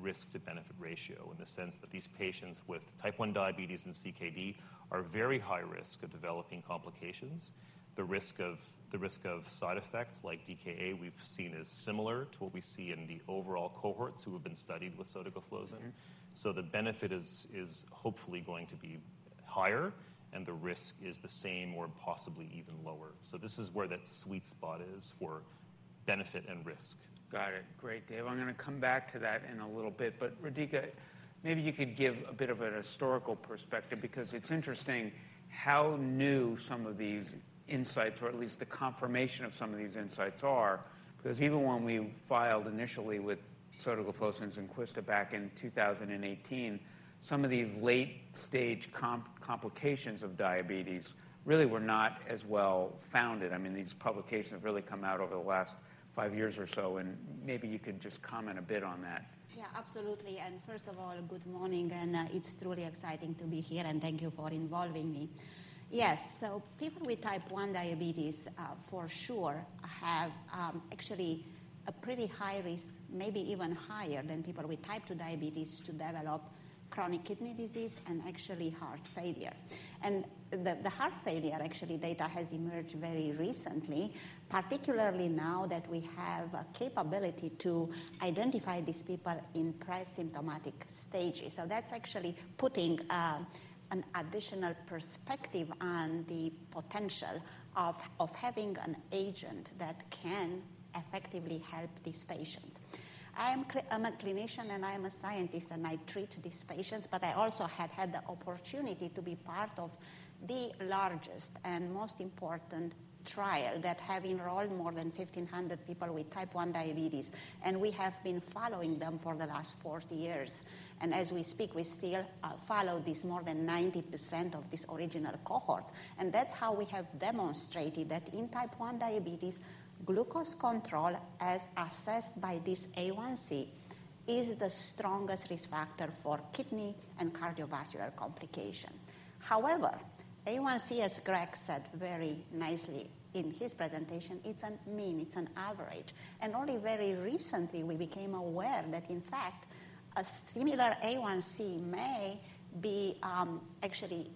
S7: risk-to-benefit ratio in the sense that these patients with type 1 diabetes and CKD are very high risk of developing complications. The risk of side effects like DKA we've seen is similar to what we see in the overall cohorts who have been studied with sotagliflozin. So the benefit is hopefully going to be higher. And the risk is the same or possibly even lower. So this is where that sweet spot is for benefit and risk.
S4: Got it. Great, Dave. I'm going to come back to that in a little bit. But Rodica, maybe you could give a bit of a historical perspective because it's interesting how new some of these insights or at least the confirmation of some of these insights are because even when we filed initially with sotagliflozin and Zynquista back in 2018, some of these late-stage complications of diabetes really were not as well founded. I mean, these publications have really come out over the last five years or so. Maybe you could just comment a bit on that.
S8: Yeah, absolutely. And first of all, good morning. And it's truly exciting to be here. And thank you for involving me. Yes, so people with type 1 diabetes for sure have actually a pretty high risk, maybe even higher than people with type 2 diabetes, to develop chronic kidney disease and actually heart failure. And the heart failure, actually, data has emerged very recently, particularly now that we have a capability to identify these people in pre-symptomatic stages. So that's actually putting an additional perspective on the potential of having an agent that can effectively help these patients. I'm a clinician. And I'm a scientist. And I treat these patients. But I also had had the opportunity to be part of the largest and most important trial that have enrolled more than 1,500 people with type 1 diabetes. And we have been following them for the last 40 years. As we speak, we still follow more than 90% of this original cohort. That's how we have demonstrated that in type 1 diabetes, glucose control, as assessed by this A1C, is the strongest risk factor for kidney and cardiovascular complication. However, A1C, as Craig said very nicely in his presentation, it's a mean. It's an average. Only very recently, we became aware that, in fact, a similar A1C may be actually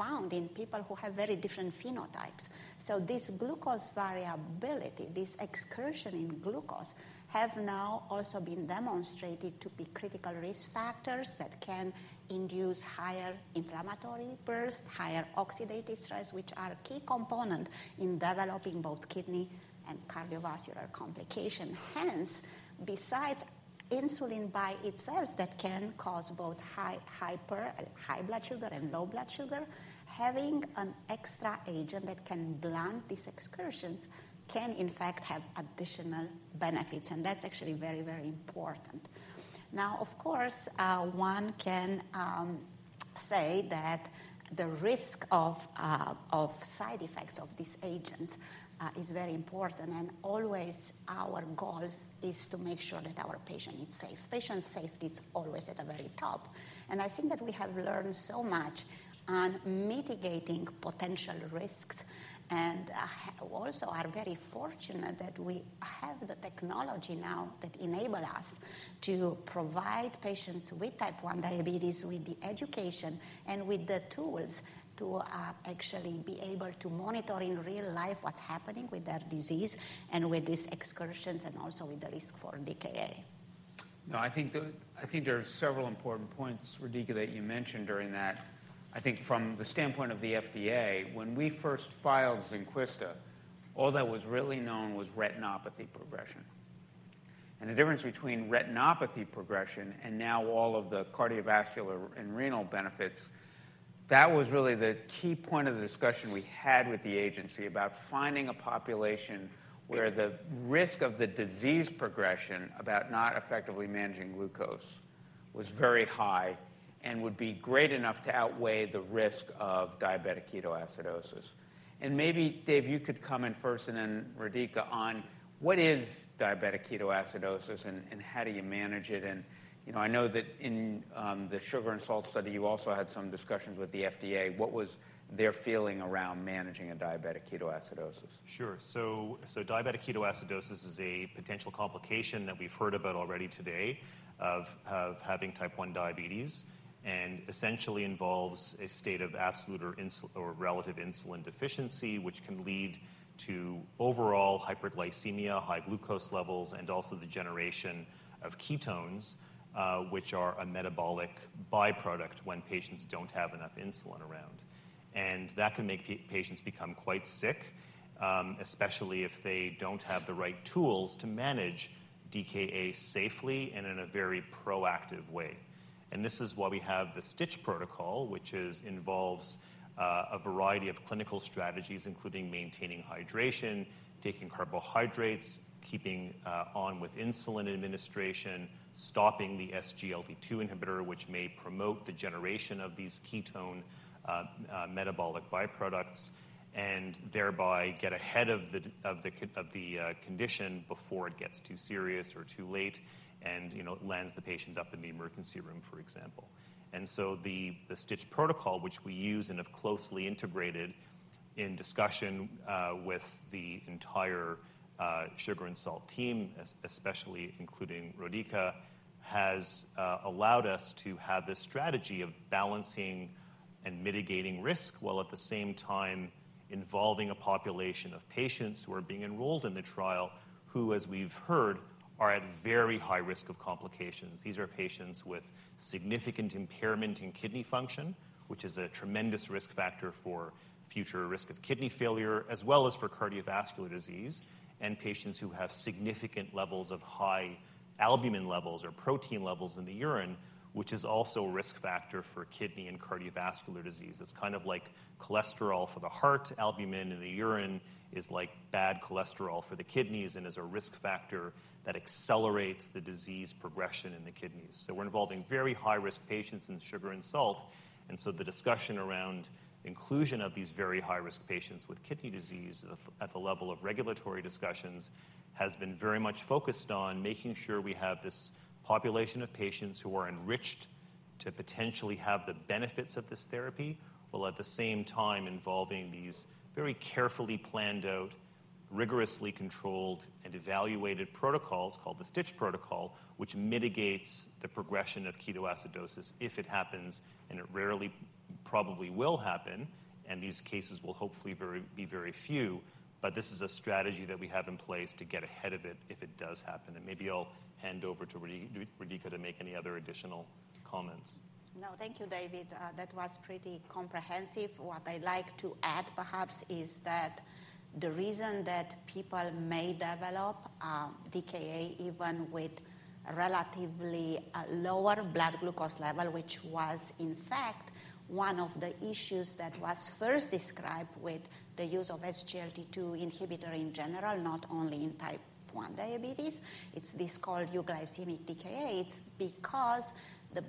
S8: found in people who have very different phenotypes. So this glucose variability, this excursion in glucose, have now also been demonstrated to be critical risk factors that can induce higher inflammatory burst, higher oxidative stress, which are a key component in developing both kidney and cardiovascular complications. Hence, besides insulin by itself that can cause both high blood sugar and low blood sugar, having an extra agent that can blunt these excursions can, in fact, have additional benefits. And that's actually very, very important. Now, of course, one can say that the risk of side effects of these agents is very important. And always, our goal is to make sure that our patient is safe. Patient safety is always at the very top. And I think that we have learned so much on mitigating potential risks. And also are very fortunate that we have the technology now that enables us to provide patients with type 1 diabetes with the education and with the tools to actually be able to monitor in real life what's happening with their disease and with these excursions and also with the risk for DKA.
S4: No, I think there are several important points, Rodica, that you mentioned during that. I think from the standpoint of the FDA, when we first filed Zynquista, all that was really known was retinopathy progression. And the difference between retinopathy progression and now all of the cardiovascular and renal benefits, that was really the key point of the discussion we had with the agency about finding a population where the risk of the disease progression about not effectively managing glucose was very high and would be great enough to outweigh the risk of diabetic ketoacidosis. And maybe, Dave, you could come in first and then, Rodica, on what is diabetic ketoacidosis? And how do you manage it? And I know that in the sugar and salt study, you also had some discussions with the FDA. What was their feeling around managing a diabetic ketoacidosis?
S7: Sure. So diabetic ketoacidosis is a potential complication that we've heard about already today of having type 1 diabetes and essentially involves a state of absolute or relative insulin deficiency, which can lead to overall hyperglycemia, high glucose levels, and also the generation of ketones, which are a metabolic byproduct when patients don't have enough insulin around. And that can make patients become quite sick, especially if they don't have the right tools to manage DKA safely and in a very proactive way. And this is why we have the STITCH protocol, which involves a variety of clinical strategies, including maintaining hydration, taking carbohydrates, keeping on with insulin administration, stopping the SGLT2 inhibitor, which may promote the generation of these ketone metabolic byproducts, and thereby get ahead of the condition before it gets too serious or too late and lands the patient up in the emergency room, for example. And so the STITCH protocol, which we use and have closely integrated in discussion with the entire sugar and salt team, especially including Rodica, has allowed us to have this strategy of balancing and mitigating risk while at the same time involving a population of patients who are being enrolled in the trial who, as we've heard, are at very high risk of complications. These are patients with significant impairment in kidney function, which is a tremendous risk factor for future risk of kidney failure as well as for cardiovascular disease, and patients who have significant levels of high albumin levels or protein levels in the urine, which is also a risk factor for kidney and cardiovascular disease. It's kind of like cholesterol for the heart. Albumin in the urine is like bad cholesterol for the kidneys and is a risk factor that accelerates the disease progression in the kidneys. We're involving very high-risk patients in SUGARNSALT. The discussion around inclusion of these very high-risk patients with kidney disease at the level of regulatory discussions has been very much focused on making sure we have this population of patients who are enriched to potentially have the benefits of this therapy while at the same time involving these very carefully planned out, rigorously controlled, and evaluated protocols called the STITCH protocol, which mitigates the progression of ketoacidosis if it happens. It rarely probably will happen. These cases will hopefully be very few. This is a strategy that we have in place to get ahead of it if it does happen. Maybe I'll hand over to Rodica to make any other additional comments.
S8: No, thank you, David. That was pretty comprehensive. What I'd like to add, perhaps, is that the reason that people may develop DKA even with relatively lower blood glucose level, which was, in fact, one of the issues that was first described with the use of SGLT2 inhibitor in general, not only in type 1 diabetes, it's this called euglycemic DKA. It's because the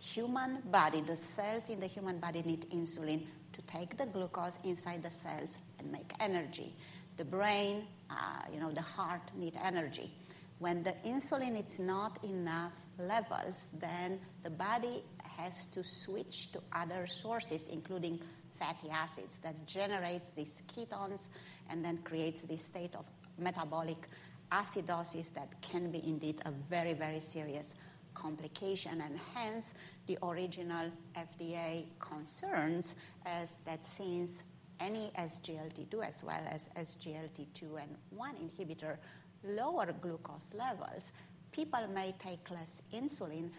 S8: human body, the cells in the human body need insulin to take the glucose inside the cells and make energy. The brain, the heart need energy. When the insulin is not enough levels, then the body has to switch to other sources, including fatty acids, that generates these ketones and then creates this state of metabolic acidosis that can be indeed a very, very serious complication. Hence, the original FDA concerns is that since any SGLT2 as well as SGLT2 and SGLT1 inhibitor lower glucose levels, people may take less insulin.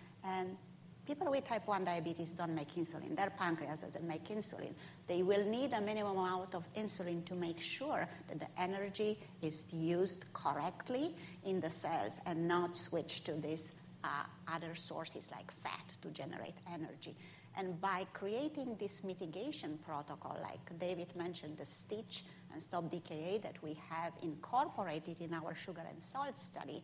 S8: People with type 1 diabetes don't make insulin. Their pancreas doesn't make insulin. They will need a minimum amount of insulin to make sure that the energy is used correctly in the cells and not switch to these other sources like fat to generate energy. By creating this mitigation protocol, like David mentioned, the STITCH and STOP DKA that we have incorporated in our sugar and salt study,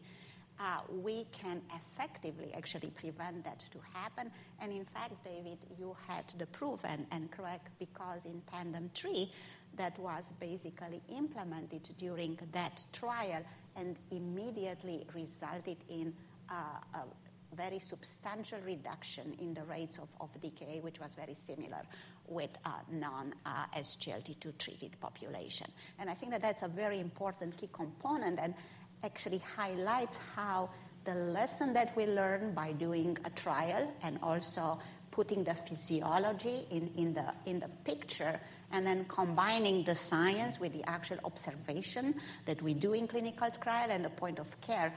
S8: we can effectively actually prevent that to happen. In fact, David, you had the proof and correct because in Tandem 3 that was basically implemented during that trial and immediately resulted in a very substantial reduction in the rates of DKA, which was very similar with non-SGLT2 treated population. I think that that's a very important key component and actually highlights how the lesson that we learn by doing a trial and also putting the physiology in the picture and then combining the science with the actual observation that we do in clinical trial and the point of care.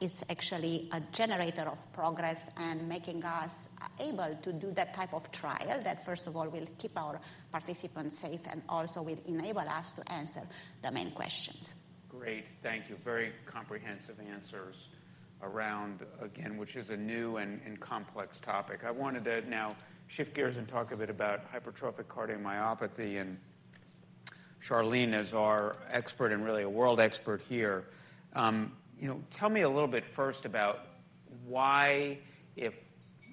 S8: It's actually a generator of progress and making us able to do that type of trial that, first of all, will keep our participants safe and also will enable us to answer the main questions.
S4: Great. Thank you. Very comprehensive answers around, again, which is a new and complex topic. I wanted to now shift gears and talk a bit about hypertrophic cardiomyopathy. And Sharlene is our expert and really a world expert here. Tell me a little bit first about why, if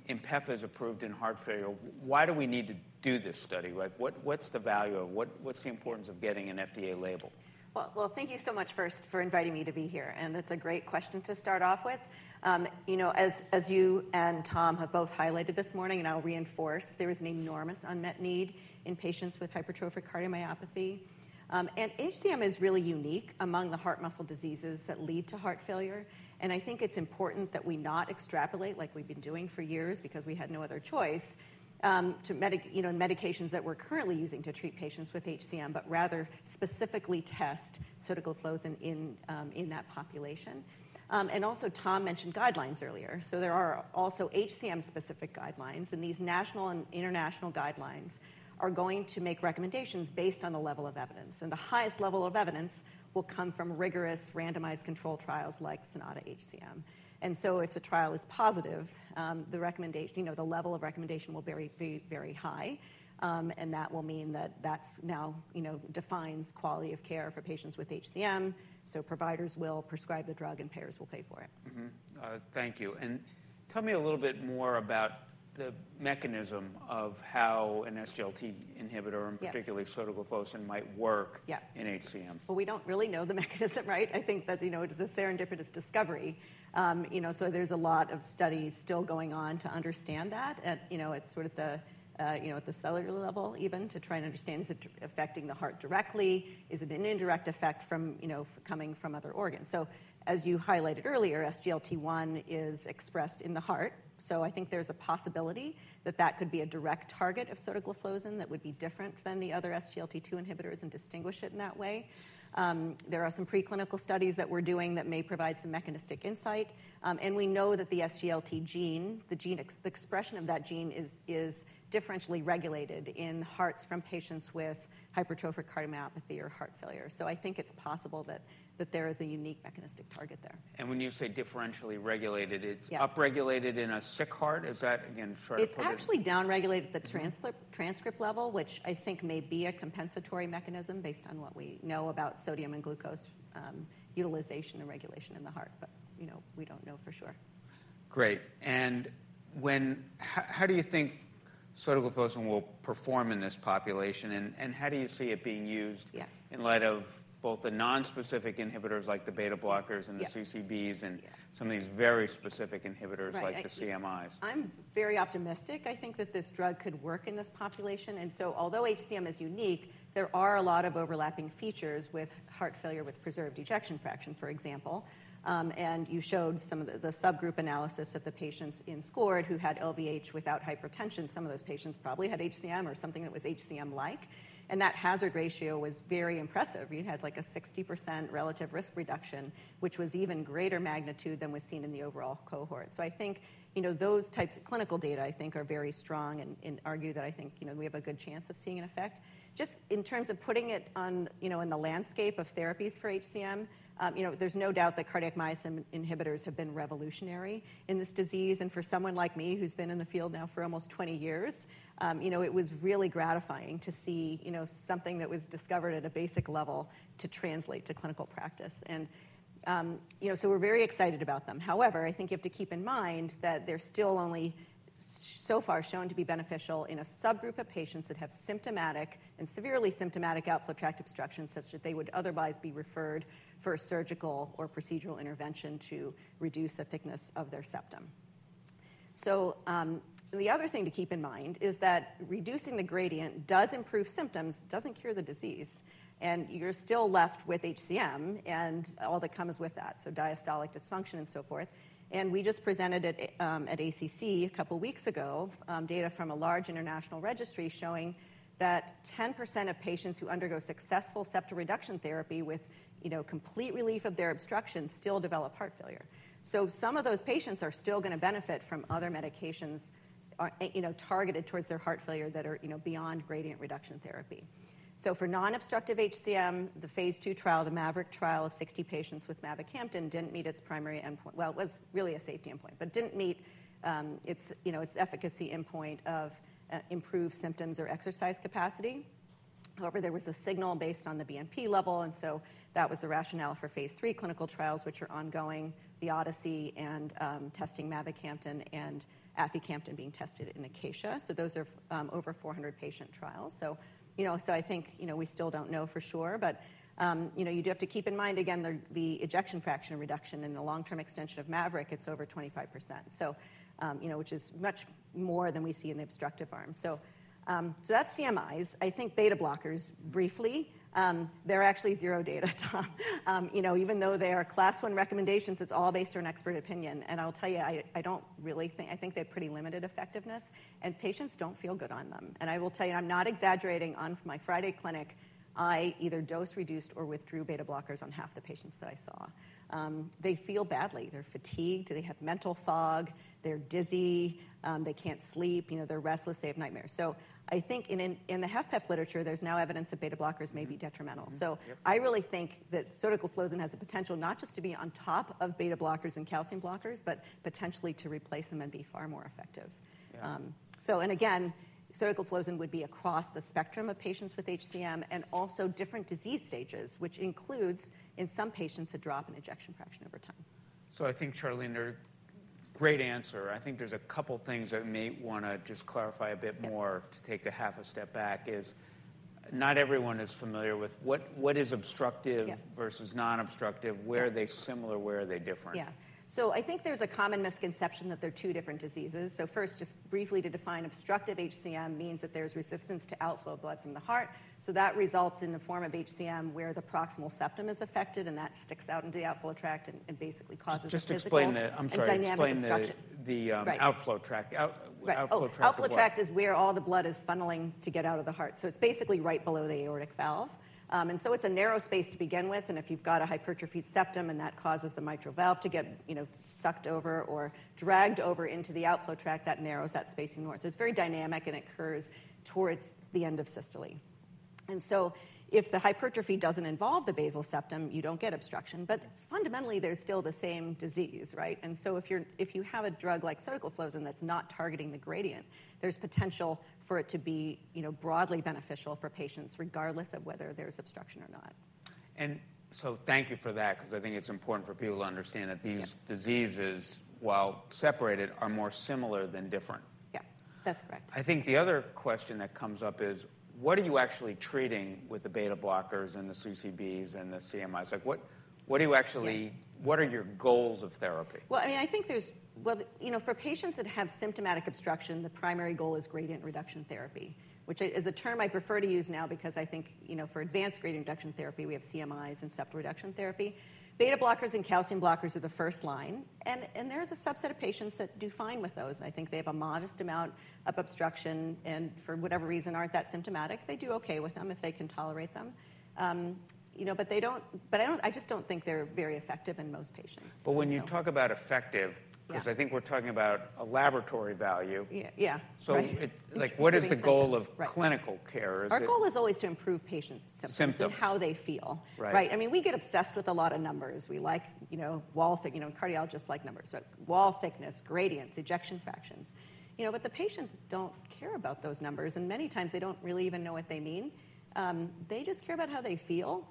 S4: INPEFA is approved in heart failure, why do we need to do this study? What's the value of what's the importance of getting an FDA label?
S9: Well, thank you so much first for inviting me to be here. That's a great question to start off with. As you and Tom have both highlighted this morning, and I'll reinforce, there is an enormous unmet need in patients with hypertrophic cardiomyopathy. HCM is really unique among the heart muscle diseases that lead to heart failure. I think it's important that we not extrapolate like we've been doing for years because we had no other choice to medications that we're currently using to treat patients with HCM but rather specifically test sotagliflozin in that population. Also, Tom mentioned guidelines earlier. There are also HCM-specific guidelines. These national and international guidelines are going to make recommendations based on the level of evidence. The highest level of evidence will come from rigorous randomized controlled trials like SONATA-HCM. And so if the trial is positive, the level of recommendation will be very high. And that will mean that that now defines quality of care for patients with HCM. So providers will prescribe the drug. And payers will pay for it.
S4: Thank you. Tell me a little bit more about the mechanism of how an SGLT inhibitor, and particularly sotagliflozin, might work in HCM?
S9: Well, we don't really know the mechanism, right? I think that it is a serendipitous discovery. So there's a lot of studies still going on to understand that at sort of the cellular level even to try and understand, is it affecting the heart directly? Is it an indirect effect coming from other organs? So as you highlighted earlier, SGLT1 is expressed in the heart. So I think there's a possibility that that could be a direct target of sotagliflozin that would be different than the other SGLT2 inhibitors and distinguish it in that way. There are some preclinical studies that we're doing that may provide some mechanistic insight. And we know that the SGLT gene, the expression of that gene is differentially regulated in hearts from patients with hypertrophic cardiomyopathy or heart failure. So I think it's possible that there is a unique mechanistic target there.
S4: When you say differentially regulated, it's upregulated in a sick heart? Is that, again, sort of.
S9: It's actually downregulated at the transcript level, which I think may be a compensatory mechanism based on what we know about sodium and glucose utilization and regulation in the heart. But we don't know for sure.
S4: Great. And how do you think sotagliflozin will perform in this population? And how do you see it being used in light of both the nonspecific inhibitors like the beta blockers and the CCBs and some of these very specific inhibitors like the CMIs?
S9: I'm very optimistic. I think that this drug could work in this population. Although HCM is unique, there are a lot of overlapping features with heart failure with preserved ejection fraction, for example. And you showed some of the subgroup analysis of the patients in SCORED who had LVH without hypertension. Some of those patients probably had HCM or something that was HCM-like. And that hazard ratio was very impressive. You had like a 60% relative risk reduction, which was even greater magnitude than was seen in the overall cohort. So I think those types of clinical data, I think, are very strong and argue that I think we have a good chance of seeing an effect. Just in terms of putting it in the landscape of therapies for HCM, there's no doubt that cardiac myosin inhibitors have been revolutionary in this disease. For someone like me who's been in the field now for almost 20 years, it was really gratifying to see something that was discovered at a basic level to translate to clinical practice. So we're very excited about them. However, I think you have to keep in mind that they're still only so far shown to be beneficial in a subgroup of patients that have symptomatic and severely symptomatic outflow tract obstruction such that they would otherwise be referred for a surgical or procedural intervention to reduce the thickness of their septum. So the other thing to keep in mind is that reducing the gradient does improve symptoms, doesn't cure the disease. You're still left with HCM and all that comes with that, so diastolic dysfunction and so forth. We just presented at ACC a couple of weeks ago data from a large international registry showing that 10% of patients who undergo successful septal reduction therapy with complete relief of their obstruction still develop heart failure. So some of those patients are still going to benefit from other medications targeted towards their heart failure that are beyond gradient reduction therapy. So for nonobstructive HCM, the phase II trial, the MAVRIC trial of 60 patients with mavacamten didn't meet its primary endpoint. Well, it was really a safety endpoint but didn't meet its efficacy endpoint of improved symptoms or exercise capacity. However, there was a signal based on the BNP level. And so that was the rationale for phase III clinical trials, which are ongoing, the Odyssey and testing mavacamten and aficamten being tested in Acacia. So those are over 400 patient trials. So I think we still don't know for sure. But you do have to keep in mind, again, the ejection fraction reduction and the long-term extension of MAVRIC, it's over 25%, which is much more than we see in the obstructive arm. So that's CMIs. I think beta blockers, briefly, they're actually zero data, Tom. Even though they are class one recommendations, it's all based on expert opinion. And I'll tell you, I don't really think they have pretty limited effectiveness. And patients don't feel good on them. And I will tell you, I'm not exaggerating. On my Friday clinic, I either dose reduced or withdrew beta blockers on half the patients that I saw. They feel badly. They're fatigued. They have mental fog. They're dizzy. They can't sleep. They're restless. They have nightmares. So I think in the HFpEF literature, there's now evidence that beta blockers may be detrimental. So I really think that sotagliflozin has the potential not just to be on top of beta blockers and calcium blockers but potentially to replace them and be far more effective. And again, sotagliflozin would be across the spectrum of patients with HCM and also different disease stages, which includes, in some patients, a drop in ejection fraction over time.
S4: So I think, Sharlene, great answer. I think there's a couple of things that I may want to just clarify a bit more. To take a half step back, not everyone is familiar with what is obstructive versus nonobstructive, where are they similar, where are they different.
S9: Yeah. So I think there's a common misconception that they're two different diseases. So first, just briefly to define, obstructive HCM means that there's resistance to outflow blood from the heart. So that results in the form of HCM where the proximal septum is affected. And that sticks out into the outflow tract and basically causes the.
S4: Just explain the. I'm sorry. Explain the.
S9: Dynamic obstruction.
S4: Outflow tract. Outflow tract of blood.
S9: Outflow tract is where all the blood is funneling to get out of the heart. So it's basically right below the aortic valve. And so it's a narrow space to begin with. And if you've got a hypertrophied septum and that causes the mitral valve to get sucked over or dragged over into the outflow tract, that narrows that space even more. So it's very dynamic. And it curves towards the end of systole. And so if the hypertrophy doesn't involve the basal septum, you don't get obstruction. But fundamentally, there's still the same disease, right? And so if you have a drug like sotagliflozin that's not targeting the gradient, there's potential for it to be broadly beneficial for patients regardless of whether there's obstruction or not.
S4: And so thank you for that because I think it's important for people to understand that these diseases, while separated, are more similar than different.
S9: Yeah. That's correct.
S4: I think the other question that comes up is, what are you actually treating with the beta blockers and the CCBs and the CMIs? What are you actually what are your goals of therapy?
S9: Well, I mean, I think, well, for patients that have symptomatic obstruction, the primary goal is gradient reduction therapy, which is a term I prefer to use now because I think for advanced gradient reduction therapy, we have CMIs and septal reduction therapy. Beta blockers and calcium blockers are the first line. There's a subset of patients that do fine with those. I think they have a modest amount of obstruction and, for whatever reason, aren't that symptomatic. They do OK with them if they can tolerate them. But I just don't think they're very effective in most patients.
S4: When you talk about effective because I think we're talking about a laboratory value, so what is the goal of clinical care?
S9: Our goal is always to improve patients' symptoms and how they feel, right? I mean, we get obsessed with a lot of numbers. We all cardiologists like numbers, wall thickness, gradients, ejection fractions. But the patients don't care about those numbers. And many times, they don't really even know what they mean. They just care about how they feel.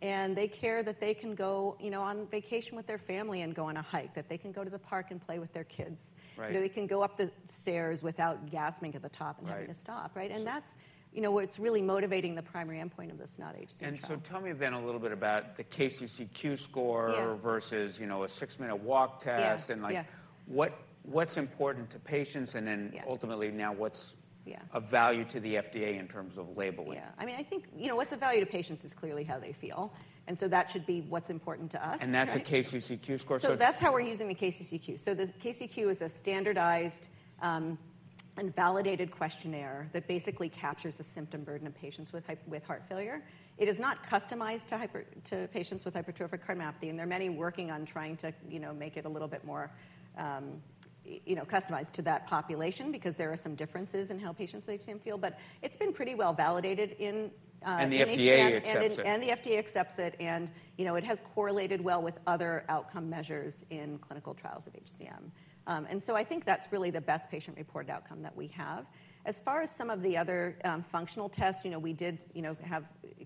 S9: And they care that they can go on vacation with their family and go on a hike, that they can go to the park and play with their kids, that they can go up the stairs without gasping at the top and having to stop, right? And that's what's really motivating the primary endpoint of this SONATA-HCM trial.
S4: Tell me then a little bit about the KCCQ score versus a six-minute walk test. What's important to patients? Then ultimately, now, what's of value to the FDA in terms of labeling?
S9: Yeah. I mean, I think what's of value to patients is clearly how they feel. And so that should be what's important to us.
S4: That's a KCCQ score?
S9: So that's how we're using the KCCQ. So the KCCQ is a standardized and validated questionnaire that basically captures the symptom burden of patients with heart failure. It is not customized to patients with hypertrophic cardiomyopathy. And there are many working on trying to make it a little bit more customized to that population because there are some differences in how patients with HCM feel. But it's been pretty well validated in.
S4: The FDA accepts it.
S9: The FDA accepts it. It has correlated well with other outcome measures in clinical trials of HCM. So I think that's really the best patient-reported outcome that we have. As far as some of the other functional tests, we did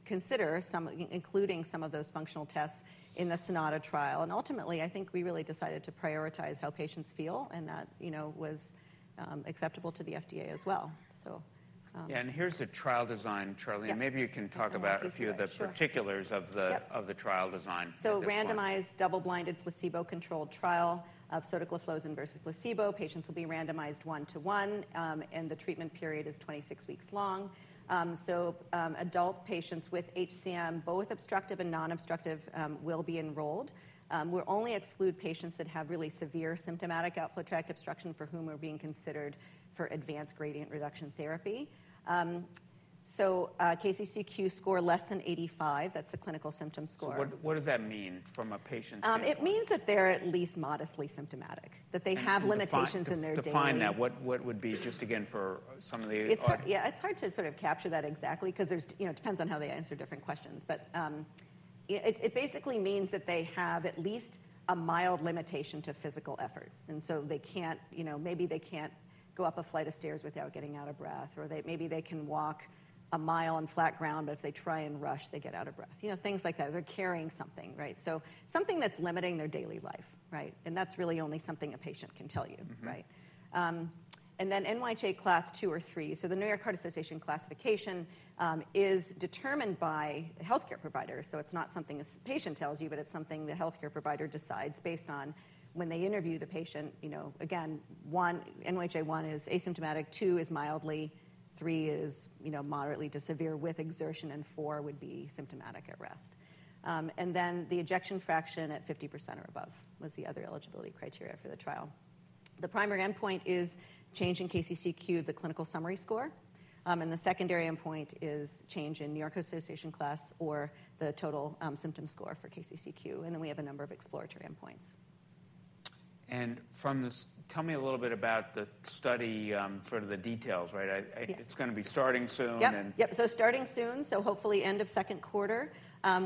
S9: consider including some of those functional tests in the SONATA trial. Ultimately, I think we really decided to prioritize how patients feel. That was acceptable to the FDA as well.
S4: Yeah. Here's the trial design, Sharlene. Maybe you can talk about a few of the particulars of the trial design.
S9: Randomized double-blind placebo-controlled trial of sotagliflozin versus placebo. Patients will be randomized 1:1. The treatment period is 26 weeks long. Adult patients with HCM, both obstructive and nonobstructive, will be enrolled. We'll only exclude patients that have really severe symptomatic outflow tract obstruction for whom we're being considered for advanced gradient reduction therapy. KCCQ score less than 85, that's the clinical symptom score.
S4: What does that mean from a patient's standpoint?
S9: It means that they're at least modestly symptomatic, that they have limitations in their daily functions.
S4: Define that. What would be, just again, for some of the.
S9: Yeah. It's hard to sort of capture that exactly because it depends on how they answer different questions. But it basically means that they have at least a mild limitation to physical effort. And so maybe they can't go up a flight of stairs without getting out of breath. Or maybe they can walk a mile on flat ground. But if they try and rush, they get out of breath, things like that. They're carrying something, right? So something that's limiting their daily life, right? And that's really only something a patient can tell you, right? And then NYHA class two or three. So the New York Heart Association classification is determined by health care providers. So it's not something a patient tells you. But it's something the health care provider decides based on when they interview the patient. Again, NYHA one is asymptomatic, two is mildly, three is moderately to severe with exertion, and four would be symptomatic at rest. And then the ejection fraction at 50% or above was the other eligibility criteria for the trial. The primary endpoint is change in KCCQ, the clinical summary score. And the secondary endpoint is change in New York Heart Association class or the total symptom score for KCCQ. And then we have a number of exploratory endpoints.
S4: Tell me a little bit about the study, sort of the details, right? It's going to be starting soon.
S9: Yep. So starting soon, so hopefully end of second quarter,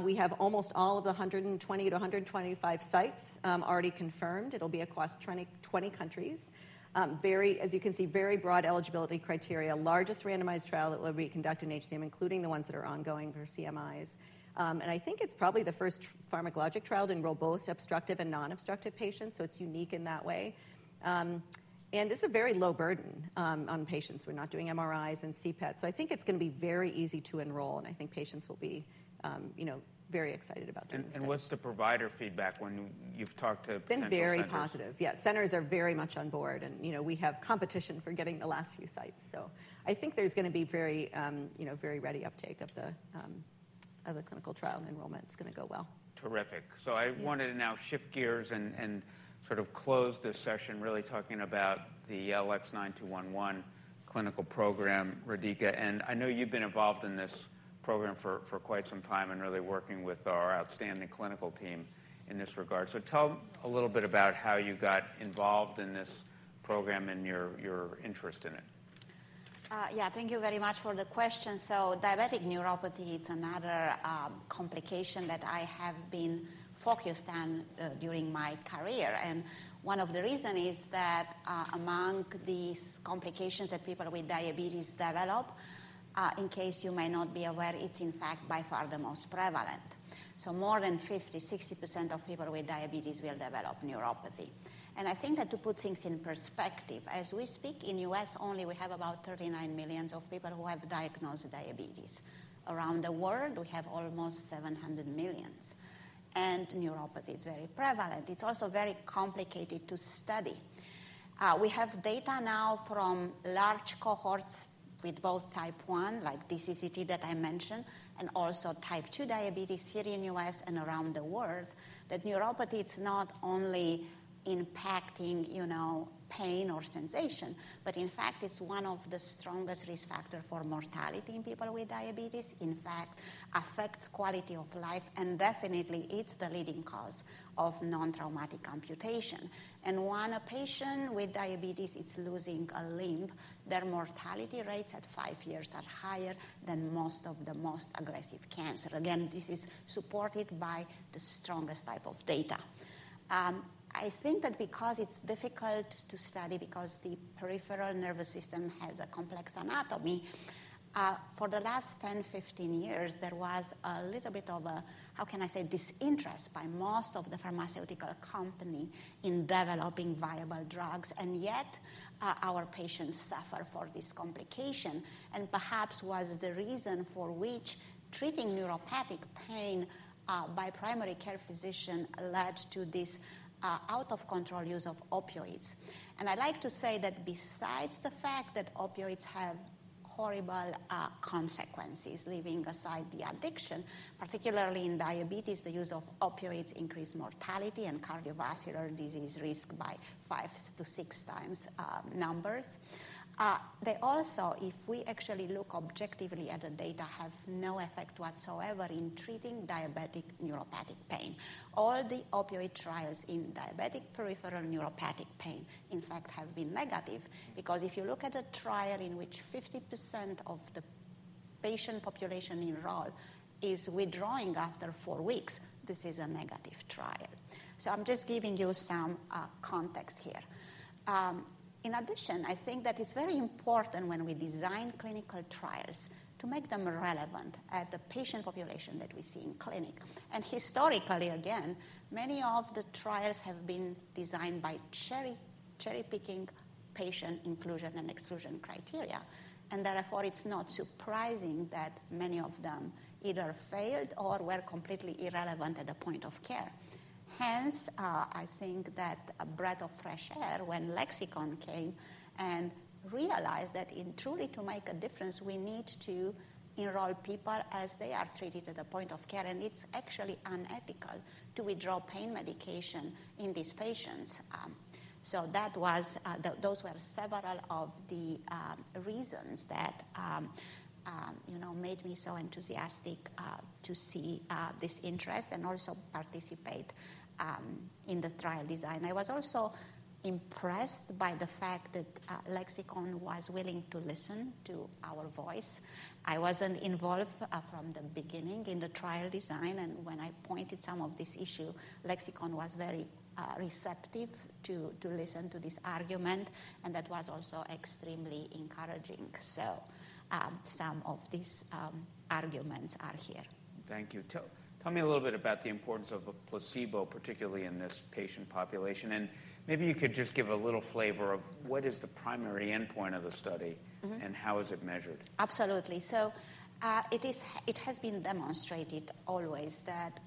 S9: we have almost all of the 120-125 sites already confirmed. It'll be across 20 countries, as you can see, very broad eligibility criteria, largest randomized trial that will be conducted in HCM, including the ones that are ongoing for CMIs. And I think it's probably the first pharmacologic trial to enroll both obstructive and nonobstructive patients. So it's unique in that way. And it's a very low burden on patients. We're not doing MRIs and CPET. So I think it's going to be very easy to enroll. And I think patients will be very excited about doing the study.
S4: What's the provider feedback when you've talked to potential centers?
S9: Been very positive. Yeah. Centers are very much on board. We have competition for getting the last few sites. I think there's going to be very ready uptake of the clinical trial. Enrollment's going to go well.
S4: Terrific. So I wanted to now shift gears and sort of close this session really talking about the LX9211 clinical program, Rodica. I know you've been involved in this program for quite some time and really working with our outstanding clinical team in this regard. So tell a little bit about how you got involved in this program and your interest in it.
S8: Yeah. Thank you very much for the question. So diabetic neuropathy, it's another complication that I have been focused on during my career. And one of the reasons is that among these complications that people with diabetes develop, in case you may not be aware, it's, in fact, by far the most prevalent. So more than 50%, 60% of people with diabetes will develop neuropathy. And I think that to put things in perspective, as we speak, in the U.S. only, we have about 39 million people who have diagnosed diabetes. Around the world, we have almost 700 million. And neuropathy is very prevalent. It's also very complicated to study. We have data now from large cohorts with both type 1, like DCCT that I mentioned, and also type 2 diabetes here in the U.S. and around the world that neuropathy, it's not only impacting pain or sensation but, in fact, it's one of the strongest risk factors for mortality in people with diabetes, in fact, affects quality of life. Definitely, it's the leading cause of non-traumatic amputation. When a patient with diabetes is losing a limb, their mortality rates at five years are higher than most of the most aggressive cancer. Again, this is supported by the strongest type of data. I think that because it's difficult to study, because the peripheral nervous system has a complex anatomy, for the last 10, 15 years, there was a little bit of a, how can I say, disinterest by most of the pharmaceutical companies in developing viable drugs. And yet, our patients suffer from this complication and perhaps was the reason for which treating neuropathic pain by primary care physician led to this out-of-control use of opioids. And I like to say that besides the fact that opioids have horrible consequences, leaving aside the addiction, particularly in diabetes, the use of opioids increases mortality and cardiovascular disease risk by five to six times numbers. They also, if we actually look objectively at the data, have no effect whatsoever in treating diabetic neuropathic pain. All the opioid trials in diabetic peripheral neuropathic pain, in fact, have been negative because if you look at a trial in which 50% of the patient population enrolled is withdrawing after four weeks, this is a negative trial. So I'm just giving you some context here. In addition, I think that it's very important when we design clinical trials to make them relevant to the patient population that we see in clinic. Historically, again, many of the trials have been designed by cherry-picking patient inclusion and exclusion criteria. Therefore, it's not surprising that many of them either failed or were completely irrelevant at the point of care. Hence, I think that a breath of fresh air when Lexicon came and realized that in truly to make a difference, we need to enroll people as they are treated at the point of care. It's actually unethical to withdraw pain medication in these patients. Those were several of the reasons that made me so enthusiastic to see this interest and also participate in the trial design. I was also impressed by the fact that Lexicon was willing to listen to our voice. I wasn't involved from the beginning in the trial design. When I pointed some of this issue, Lexicon was very receptive to listen to this argument. That was also extremely encouraging. Some of these arguments are here.
S4: Thank you. Tell me a little bit about the importance of a placebo, particularly in this patient population. Maybe you could just give a little flavor of what is the primary endpoint of the study and how is it measured?
S8: Absolutely. So it has been demonstrated always that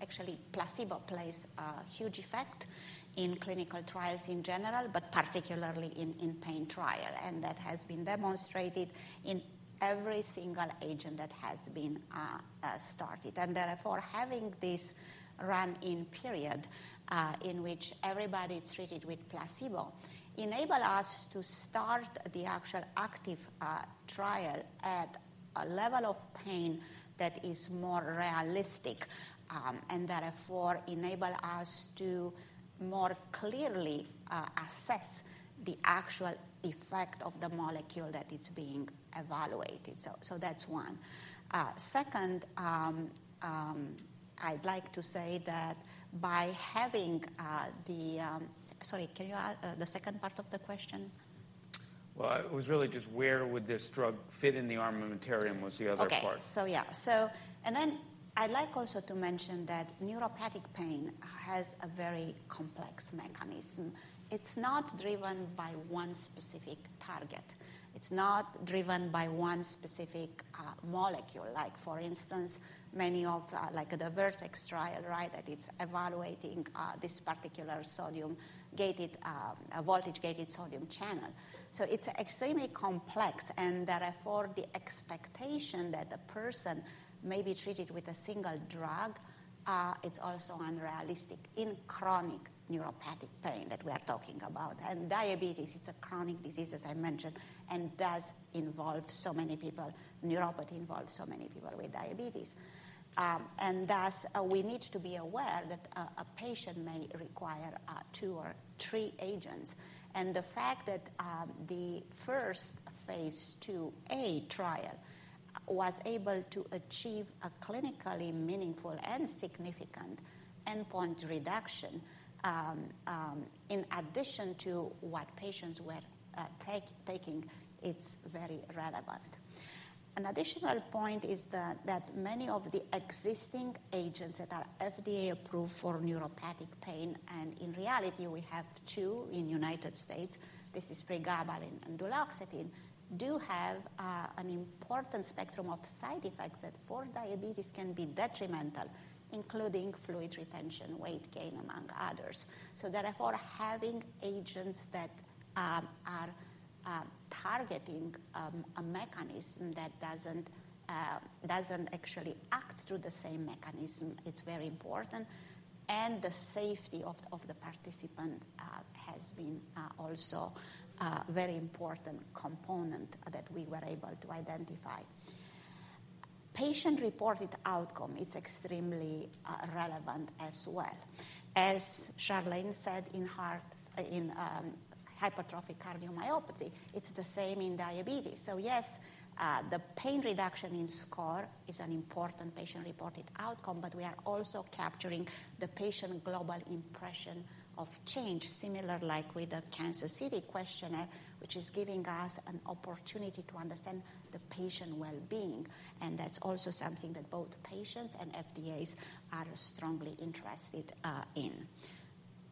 S8: actually, placebo plays a huge effect in clinical trials in general but particularly in pain trial. And that has been demonstrated in every single agent that has been started. And therefore, having this run-in period in which everybody is treated with placebo enables us to start the actual active trial at a level of pain that is more realistic. And therefore, enables us to more clearly assess the actual effect of the molecule that is being evaluated. So that's one. Second, I'd like to say that by having the sorry, can you ask the second part of the question?
S4: Well, it was really just where would this drug fit in the armamentarium was the other part.
S8: OK. So yeah. And then I'd like also to mention that neuropathic pain has a very complex mechanism. It's not driven by one specific target. It's not driven by one specific molecule. Like, for instance, many of the Vertex trial, right, that it's evaluating this particular voltage-gated sodium channel. So it's extremely complex. And therefore, the expectation that the person may be treated with a single drug, it's also unrealistic in chronic neuropathic pain that we are talking about. And diabetes, it's a chronic disease, as I mentioned, and does involve so many people. Neuropathy involves so many people with diabetes. And thus, we need to be aware that a patient may require two or three agents. And the fact that the first phase 2a trial was able to achieve a clinically meaningful and significant endpoint reduction in addition to what patients were taking, it's very relevant. An additional point is that many of the existing agents that are FDA approved for neuropathic pain and in reality, we have two in the United States, this is pregabalin and duloxetine, do have an important spectrum of side effects that for diabetes can be detrimental, including fluid retention, weight gain, among others. So therefore, having agents that are targeting a mechanism that doesn't actually act through the same mechanism, it's very important. And the safety of the participant has been also a very important component that we were able to identify. Patient-reported outcome, it's extremely relevant as well. As Sharlene said, in hypertrophic cardiomyopathy, it's the same in diabetes. So yes, the pain reduction in score is an important patient-reported outcome. But we are also capturing the patient global impression of change, similar like with the Kansas City questionnaire, which is giving us an opportunity to understand the patient well-being. That's also something that both patients and FDA are strongly interested in.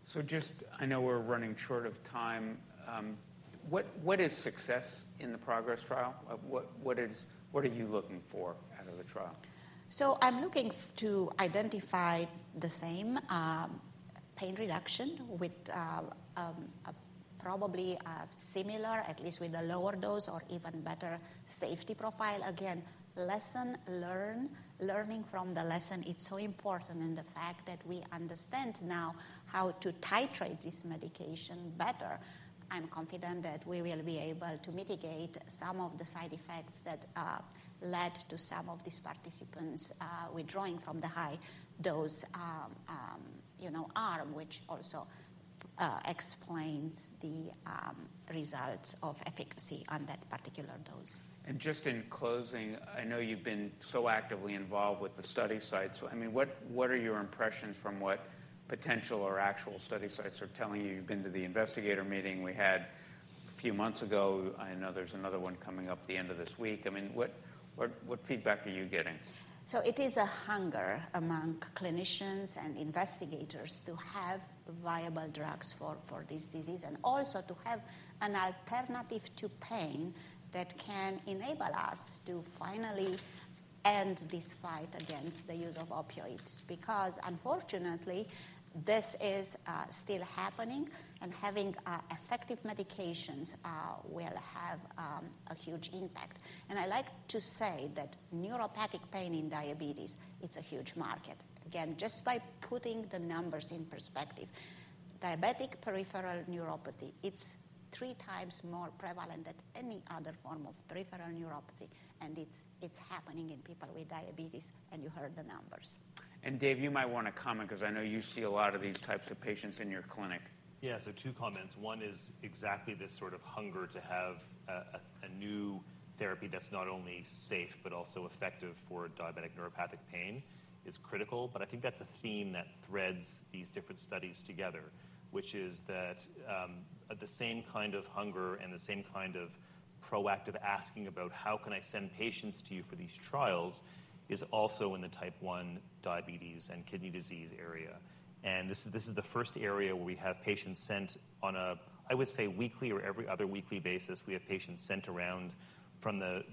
S4: So just I know we're running short of time. What is success in the progress trial? What are you looking for out of the trial?
S8: So I'm looking to identify the same pain reduction with probably a similar, at least with a lower dose or even better safety profile, again, learning from the lesson. It's so important. And the fact that we understand now how to titrate this medication better, I'm confident that we will be able to mitigate some of the side effects that led to some of these participants withdrawing from the high dose arm, which also explains the results of efficacy on that particular dose.
S4: Just in closing, I know you've been so actively involved with the study sites. I mean, what are your impressions from what potential or actual study sites are telling you? You've been to the investigator meeting we had a few months ago. I know there's another one coming up the end of this week. I mean, what feedback are you getting?
S8: So it is a hunger among clinicians and investigators to have viable drugs for this disease and also to have an alternative to pain that can enable us to finally end this fight against the use of opioids because, unfortunately, this is still happening. Having effective medications will have a huge impact. I like to say that neuropathic pain in diabetes, it's a huge market. Again, just by putting the numbers in perspective, diabetic peripheral neuropathy, it's three times more prevalent than any other form of peripheral neuropathy. It's happening in people with diabetes. You heard the numbers.
S4: Dave, you might want to comment because I know you see a lot of these types of patients in your clinic.
S7: Yeah. So two comments. One is exactly this sort of hunger to have a new therapy that's not only safe but also effective for diabetic neuropathic pain is critical. But I think that's a theme that threads these different studies together, which is that the same kind of hunger and the same kind of proactive asking about, how can I send patients to you for these trials, is also in the type 1 diabetes and kidney disease area. And this is the first area where we have patients sent on a, I would say, weekly or every other weekly basis. We have patients sent around from the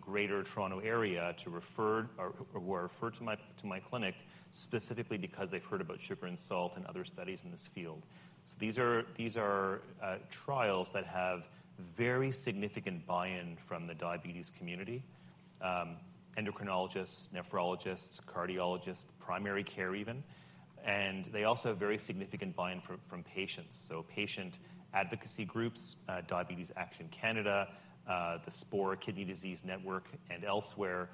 S7: greater Toronto area who are referred to my clinic specifically because they've heard about sugar and salt and other studies in this field. So these are trials that have very significant buy-in from the diabetes community, endocrinologists, nephrologists, cardiologists, primary care even. They also have very significant buy-in from patients. So patient advocacy groups, Diabetes Action Canada, the SPORE Kidney Disease Network, and elsewhere,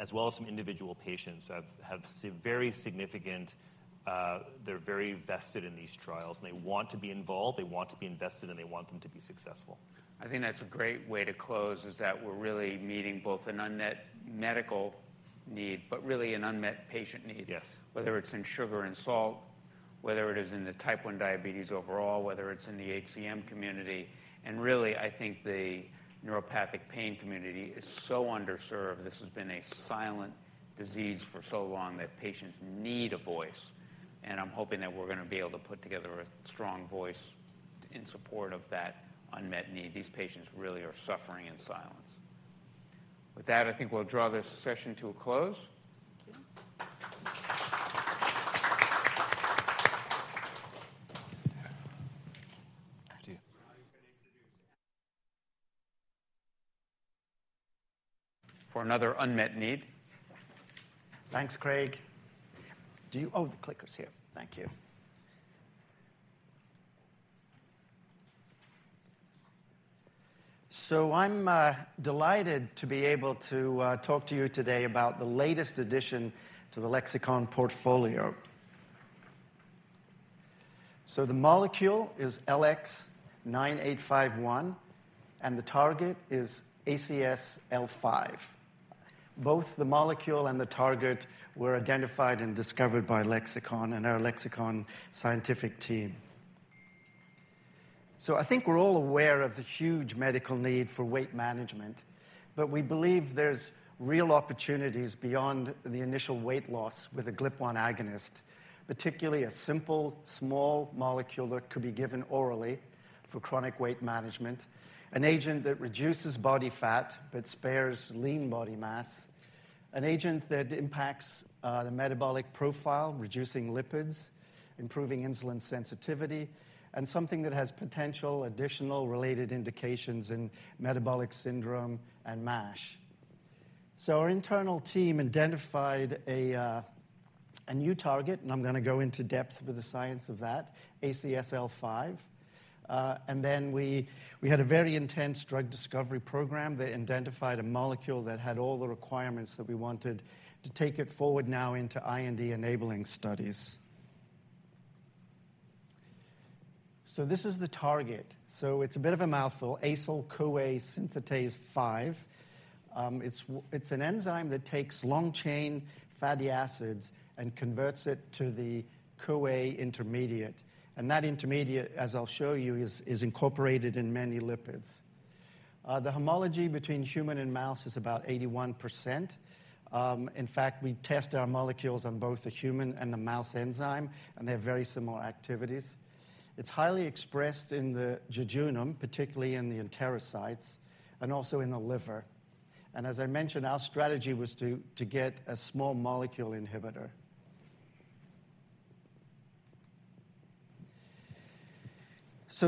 S7: as well as some individual patients have very significant they're very vested in these trials. And they want to be involved. They want to be invested. And they want them to be successful.
S4: I think that's a great way to close, is that we're really meeting both an unmet medical need but really an unmet patient need, whether it's in sugar and salt, whether it is in the type 1 diabetes overall, whether it's in the HCM community. Really, I think the neuropathic pain community is so underserved. This has been a silent disease for so long that patients need a voice. I'm hoping that we're going to be able to put together a strong voice in support of that unmet need. These patients really are suffering in silence. With that, I think we'll draw this session to a close.
S8: Thank you.
S3: For another unmet need.
S10: Thanks, Craig. Oh, the clicker's here. Thank you. So I'm delighted to be able to talk to you today about the latest edition to the Lexicon portfolio. So the molecule is LX9851. And the target is ACSL5. Both the molecule and the target were identified and discovered by Lexicon and our Lexicon scientific team. So I think we're all aware of the huge medical need for weight management. But we believe there's real opportunities beyond the initial weight loss with a GLP-1 agonist, particularly a simple, small molecule that could be given orally for chronic weight management, an agent that reduces body fat but spares lean body mass, an agent that impacts the metabolic profile, reducing lipids, improving insulin sensitivity, and something that has potential additional related indications in metabolic syndrome and MASH. So our internal team identified a new target. I'm going to go into depth with the science of that, ACSL5. Then we had a very intense drug discovery program that identified a molecule that had all the requirements that we wanted to take it forward now into IND-enabling studies. This is the target. It's a bit of a mouthful, acyl-CoA synthetase 5. It's an enzyme that takes long-chain fatty acids and converts it to the CoA intermediate. And that intermediate, as I'll show you, is incorporated in many lipids. The homology between human and mouse is about 81%. In fact, we test our molecules on both the human and the mouse enzyme. And they have very similar activities. It's highly expressed in the jejunum, particularly in the enterocytes, and also in the liver. And as I mentioned, our strategy was to get a small molecule inhibitor.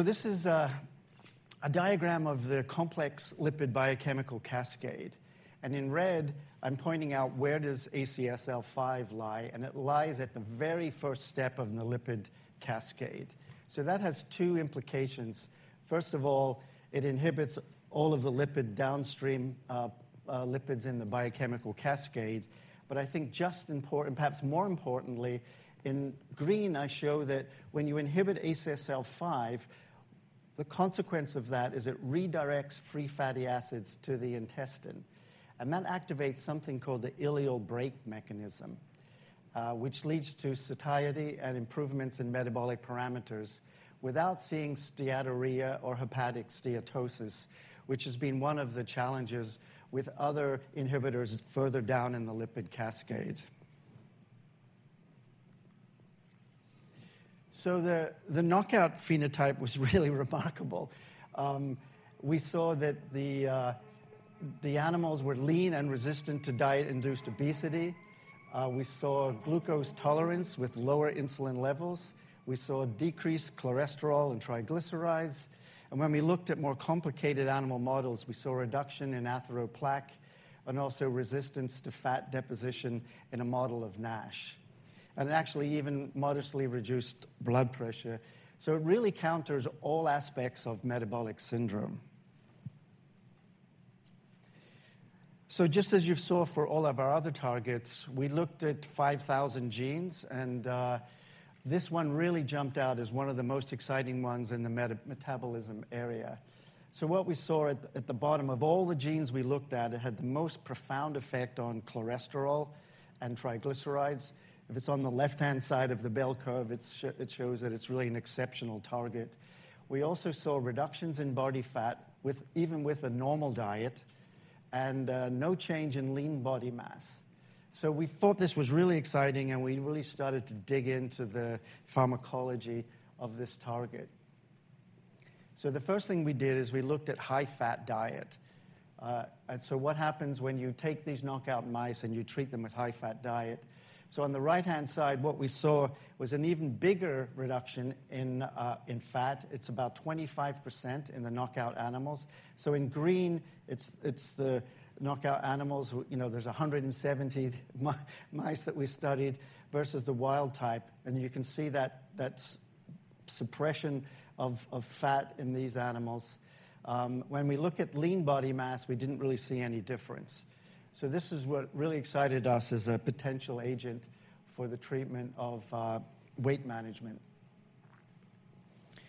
S10: This is a diagram of the complex lipid biochemical cascade. In red, I'm pointing out where does ACSL5 lie. It lies at the very first step of the lipid cascade. That has two implications. First of all, it inhibits all of the lipid downstream lipids in the biochemical cascade. But I think just important, perhaps more importantly, in green, I show that when you inhibit ACSL5, the consequence of that is it redirects free fatty acids to the intestine. That activates something called the ileal brake mechanism, which leads to satiety and improvements in metabolic parameters without seeing steatorrhea or hepatic steatosis, which has been one of the challenges with other inhibitors further down in the lipid cascade. The knockout phenotype was really remarkable. We saw that the animals were lean and resistant to diet-induced obesity. We saw glucose tolerance with lower insulin levels. We saw decreased cholesterol and triglycerides. When we looked at more complicated animal models, we saw reduction in atherosclerotic plaque and also resistance to fat deposition in a model of NASH and actually even modestly reduced blood pressure. So it really counters all aspects of metabolic syndrome. Just as you've saw for all of our other targets, we looked at 5,000 genes. And this one really jumped out as one of the most exciting ones in the metabolism area. What we saw at the bottom of all the genes we looked at, it had the most profound effect on cholesterol and triglycerides. If it's on the left-hand side of the bell curve, it shows that it's really an exceptional target. We also saw reductions in body fat even with a normal diet and no change in lean body mass. So we thought this was really exciting. We really started to dig into the pharmacology of this target. The first thing we did is we looked at high-fat diet. What happens when you take these knockout mice and you treat them with high-fat diet? On the right-hand side, what we saw was an even bigger reduction in fat. It's about 25% in the knockout animals. In green, it's the knockout animals. There's 170 mice that we studied versus the wild type. You can see that suppression of fat in these animals. When we look at lean body mass, we didn't really see any difference. This is what really excited us as a potential agent for the treatment of weight management.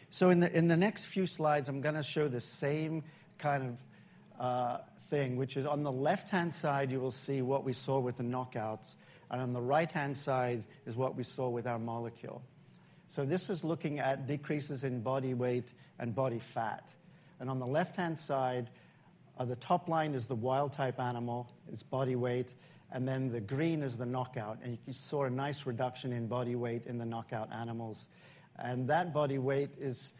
S10: So in the next few slides, I'm going to show the same kind of thing, which is on the left-hand side, you will see what we saw with the knockouts. And on the right-hand side is what we saw with our molecule. So this is looking at decreases in body weight and body fat. And on the left-hand side, the top line is the wild type animal. It's body weight. And then the green is the knockout. And you saw a nice reduction in body weight in the knockout animals. And that body weight is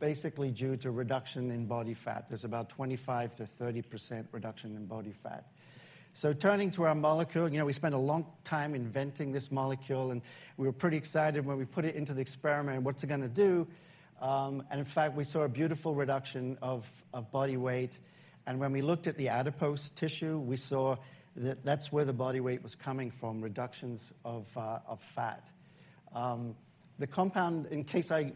S10: basically due to reduction in body fat. There's about 25%-30% reduction in body fat. So turning to our molecule, we spent a long time inventing this molecule. And we were pretty excited when we put it into the experiment and what's it going to do. In fact, we saw a beautiful reduction of body weight. When we looked at the adipose tissue, we saw that that's where the body weight was coming from, reductions of fat. The compound, in case I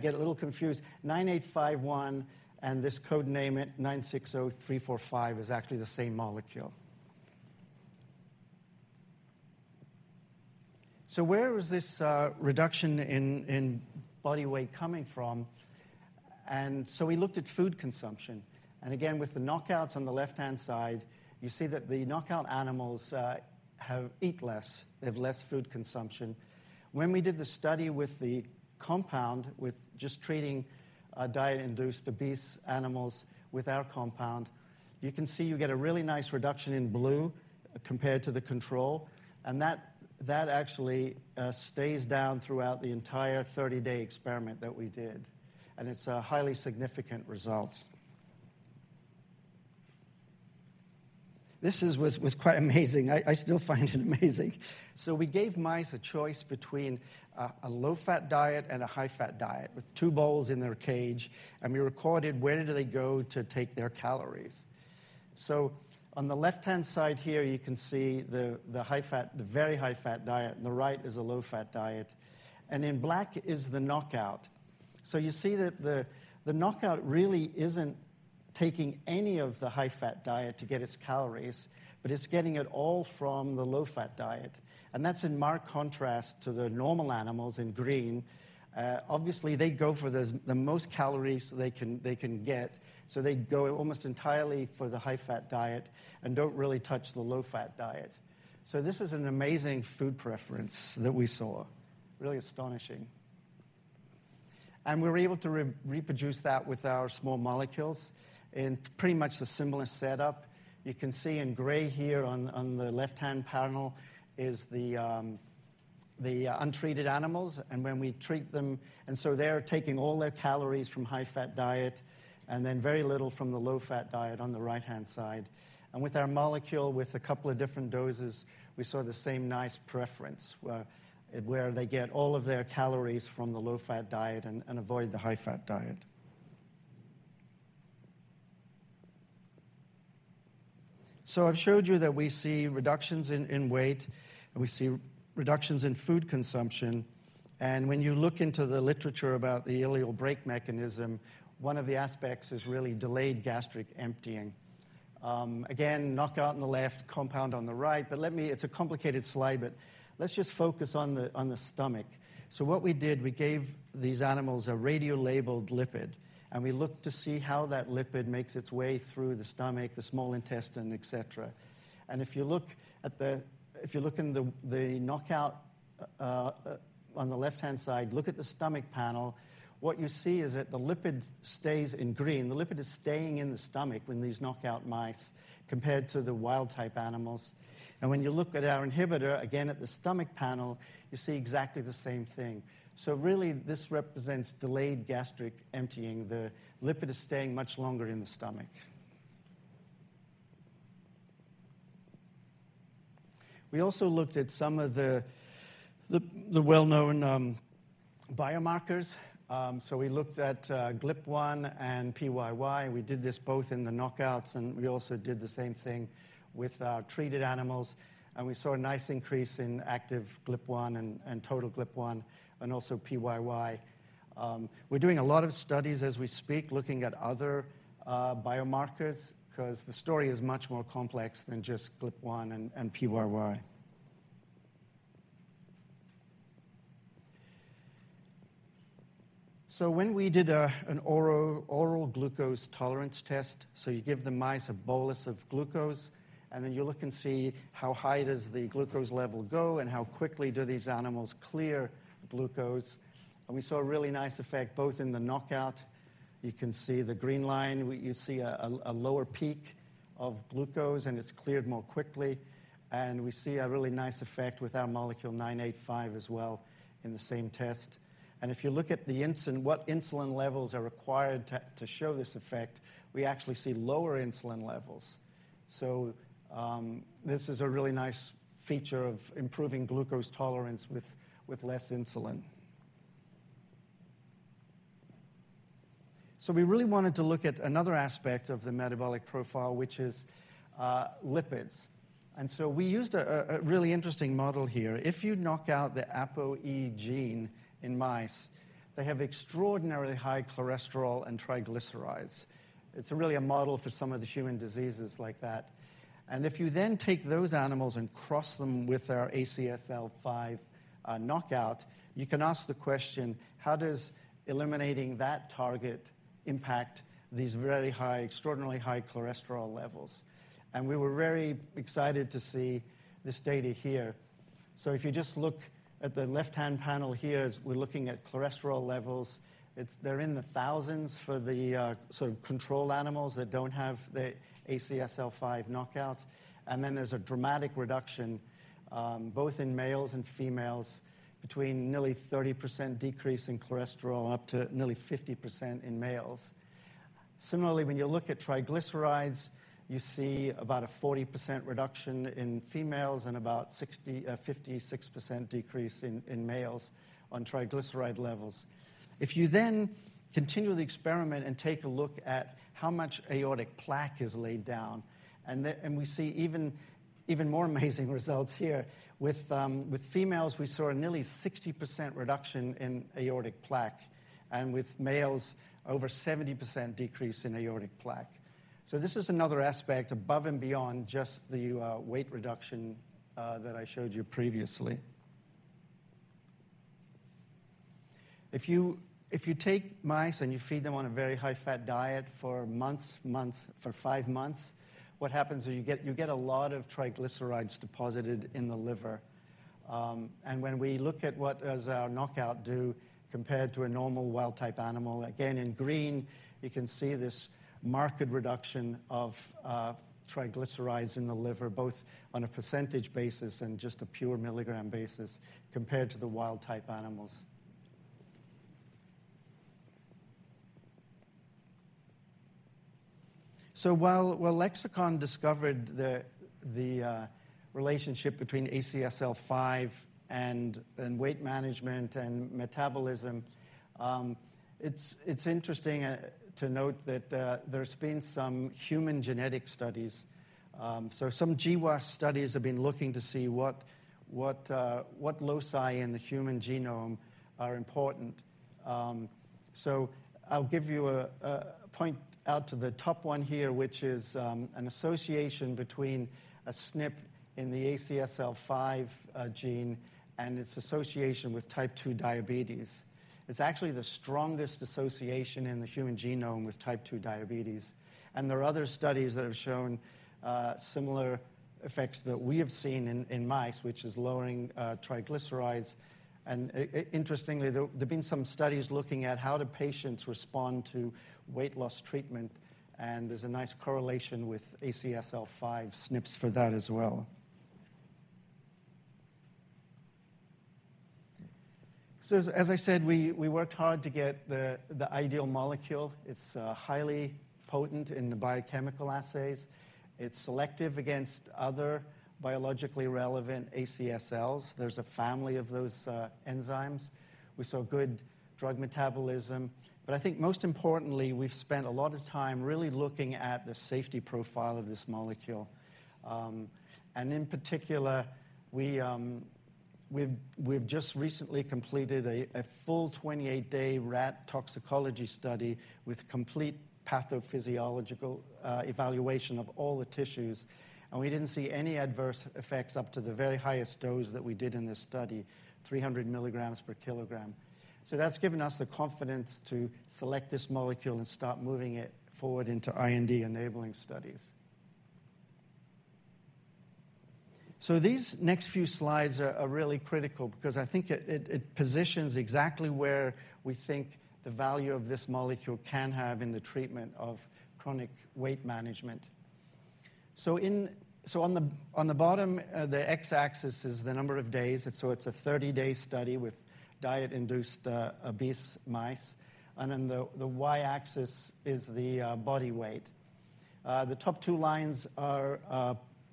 S10: get a little confused, 9851 and this code name it 960345 is actually the same molecule. So where was this reduction in body weight coming from? We looked at food consumption. Again, with the knockouts on the left-hand side, you see that the knockout animals eat less. They have less food consumption. When we did the study with the compound, with just treating diet-induced obese animals with our compound, you can see you get a really nice reduction in blue compared to the control. That actually stays down throughout the entire 30-day experiment that we did. It's a highly significant result. This was quite amazing. I still find it amazing. So we gave mice a choice between a low-fat diet and a high-fat diet with two bowls in their cage. And we recorded where did they go to take their calories. So on the left-hand side here, you can see the very high-fat diet. And the right is a low-fat diet. And in black is the knockout. So you see that the knockout really isn't taking any of the high-fat diet to get its calories. But it's getting it all from the low-fat diet. And that's in marked contrast to the normal animals in green. Obviously, they go for the most calories they can get. So they go almost entirely for the high-fat diet and don't really touch the low-fat diet. So this is an amazing food preference that we saw, really astonishing. We were able to reproduce that with our small molecules in pretty much the similarly set up. You can see in gray here on the left-hand panel is the untreated animals. And when we treat them and so they're taking all their calories from high-fat diet and then very little from the low-fat diet on the right-hand side. And with our molecule, with a couple of different doses, we saw the same nice preference where they get all of their calories from the low-fat diet and avoid the high-fat diet. So I've showed you that we see reductions in weight. And we see reductions in food consumption. And when you look into the literature about the ileal brake mechanism, one of the aspects is really delayed gastric emptying. Again, knockout on the left, compound on the right. But it's a complicated slide. But let's just focus on the stomach. So what we did, we gave these animals a radiolabeled lipid. And we looked to see how that lipid makes its way through the stomach, the small intestine, et cetera. And if you look in the knockout on the left-hand side, look at the stomach panel, what you see is that the lipid stays in green. The lipid is staying in the stomach when these knockout mice compared to the wild type animals. And when you look at our inhibitor, again, at the stomach panel, you see exactly the same thing. So really, this represents delayed gastric emptying. The lipid is staying much longer in the stomach. We also looked at some of the well-known biomarkers. So we looked at GLP-1 and PYY. And we did this both in the knockouts. And we also did the same thing with our treated animals. We saw a nice increase in active GLP-1 and total GLP-1 and also PYY. We're doing a lot of studies as we speak looking at other biomarkers because the story is much more complex than just GLP-1 and PYY. So when we did an oral glucose tolerance test, so you give the mice a bolus of glucose. And then you look and see how high does the glucose level go? And how quickly do these animals clear glucose? And we saw a really nice effect both in the knockout. You can see the green line. You see a lower peak of glucose. And it's cleared more quickly. And we see a really nice effect with our molecule LX9851 as well in the same test. And if you look at what insulin levels are required to show this effect, we actually see lower insulin levels. So this is a really nice feature of improving glucose tolerance with less insulin. So we really wanted to look at another aspect of the metabolic profile, which is lipids. And so we used a really interesting model here. If you knock out the ApoE gene in mice, they have extraordinarily high cholesterol and triglycerides. It's really a model for some of the human diseases like that. And if you then take those animals and cross them with our ACSL5 knockout, you can ask the question, how does eliminating that target impact these extraordinarily high cholesterol levels? And we were very excited to see this data here. So if you just look at the left-hand panel here, we're looking at cholesterol levels. They're in the thousands for the sort of control animals that don't have the ACSL5 knockout. And then there's a dramatic reduction both in males and females between nearly 30% decrease in cholesterol up to nearly 50% in males. Similarly, when you look at triglycerides, you see about a 40% reduction in females and about a 56% decrease in males on triglyceride levels. If you then continue the experiment and take a look at how much aortic plaque is laid down and we see even more amazing results here. With females, we saw a nearly 60% reduction in aortic plaque and with males, over 70% decrease in aortic plaque. So this is another aspect above and beyond just the weight reduction that I showed you previously. If you take mice and you feed them on a very high-fat diet for 5 months, what happens is you get a lot of triglycerides deposited in the liver. And when we look at what does our knockout do compared to a normal wild type animal, again, in green, you can see this marked reduction of triglycerides in the liver both on a percentage basis and just a pure milligram basis compared to the wild type animals. So while Lexicon discovered the relationship between ACSL5 and weight management and metabolism, it's interesting to note that there's been some human genetic studies. So some GWAS studies have been looking to see what loci in the human genome are important. So I'll give you a point out to the top one here, which is an association between a SNP in the ACSL5 gene and its association with type 2 diabetes. It's actually the strongest association in the human genome with type 2 diabetes. There are other studies that have shown similar effects that we have seen in mice, which is lowering triglycerides. Interestingly, there have been some studies looking at how do patients respond to weight loss treatment? There's a nice correlation with ACSL5 SNPs for that as well. So as I said, we worked hard to get the ideal molecule. It's highly potent in the biochemical assays. It's selective against other biologically relevant ACSLs. There's a family of those enzymes. We saw good drug metabolism. But I think most importantly, we've spent a lot of time really looking at the safety profile of this molecule. In particular, we've just recently completed a full 28-day rat toxicology study with complete pathophysiological evaluation of all the tissues. We didn't see any adverse effects up to the very highest dose that we did in this study, 300 mg per kg. That's given us the confidence to select this molecule and start moving it forward into IND-enabling studies. These next few slides are really critical because I think it positions exactly where we think the value of this molecule can have in the treatment of chronic weight management. On the bottom, the x-axis is the number of days. It's a 30-day study with diet-induced obese mice. Then the y-axis is the body weight. The top two lines are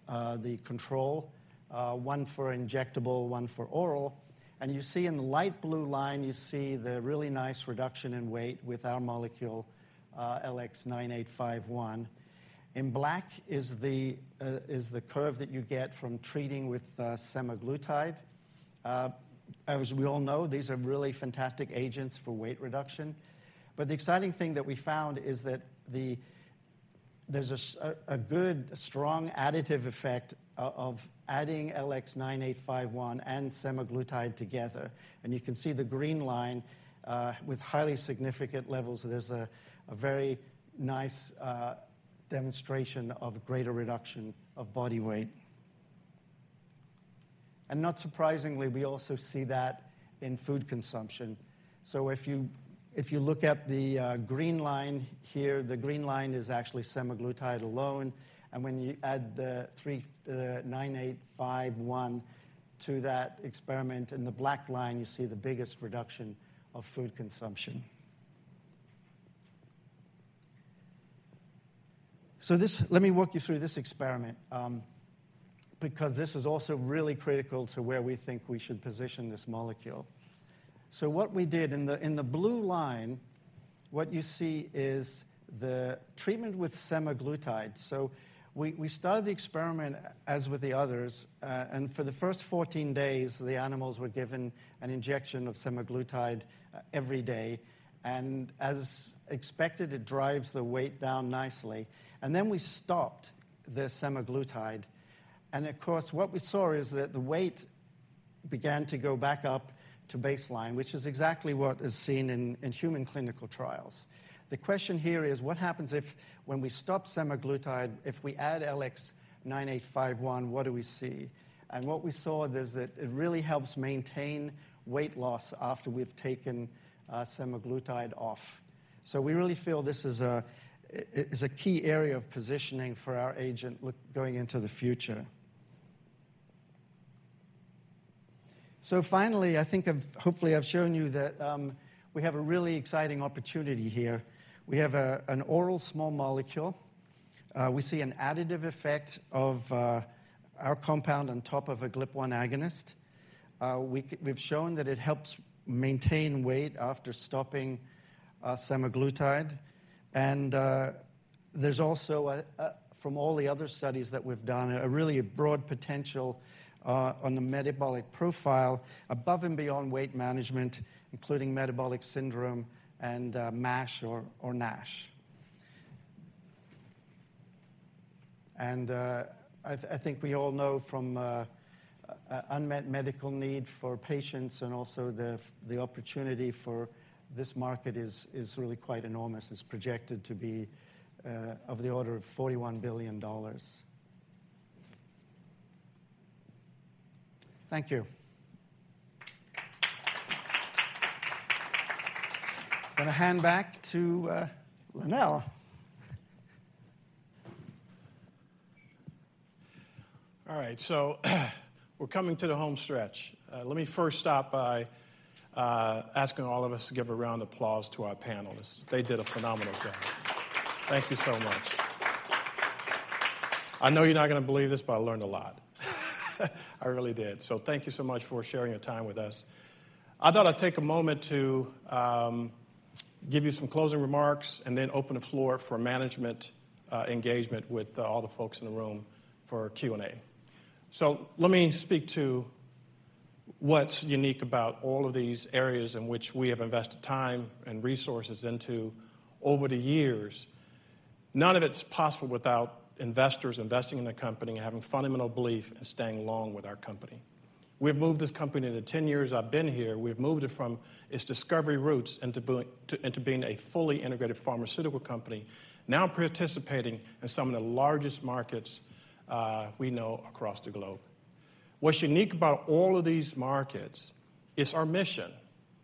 S10: the control, one for injectable, one for oral. You see in the light blue line, you see the really nice reduction in weight with our molecule LX9851. In black is the curve that you get from treating with semaglutide. As we all know, these are really fantastic agents for weight reduction. But the exciting thing that we found is that there's a good, strong additive effect of adding LX9851 and semaglutide together. You can see the green line with highly significant levels. There's a very nice demonstration of greater reduction of body weight. Not surprisingly, we also see that in food consumption. If you look at the green line here, the green line is actually semaglutide alone. When you add the 9851 to that experiment, in the black line, you see the biggest reduction of food consumption. Let me walk you through this experiment because this is also really critical to where we think we should position this molecule. What we did in the blue line, what you see is the treatment with semaglutide. We started the experiment as with the others. And for the first 14 days, the animals were given an injection of Semaglutide every day. And as expected, it drives the weight down nicely. And then we stopped the Semaglutide. And of course, what we saw is that the weight began to go back up to baseline, which is exactly what is seen in human clinical trials. The question here is, what happens when we stop Semaglutide? If we add LX9851, what do we see? And what we saw is that it really helps maintain weight loss after we've taken Semaglutide off. So we really feel this is a key area of positioning for our agent going into the future. So finally, I think hopefully, I've shown you that we have a really exciting opportunity here. We have an oral small molecule. We see an additive effect of our compound on top of a GLP-1 agonist. We've shown that it helps maintain weight after stopping Semaglutide. There's also, from all the other studies that we've done, a really broad potential on the metabolic profile above and beyond weight management, including metabolic syndrome and MASH or NASH. I think we all know from unmet medical need for patients and also the opportunity for this market is really quite enormous. It's projected to be of the order of $41 billion. Thank you. I'm going to hand back to Lonnel.
S2: All right. So we're coming to the home stretch. Let me first stop by asking all of us to give a round of applause to our panelists. They did a phenomenal job. Thank you so much. I know you're not going to believe this, but I learned a lot. I really did. So thank you so much for sharing your time with us. I thought I'd take a moment to give you some closing remarks and then open the floor for management engagement with all the folks in the room for Q&A. So let me speak to what's unique about all of these areas in which we have invested time and resources into over the years. None of it's possible without investors investing in the company and having fundamental belief in staying long with our company. We've moved this company into 10 years I've been here. We've moved it from its discovery roots into being a fully integrated pharmaceutical company, now participating in some of the largest markets we know across the globe. What's unique about all of these markets is our mission,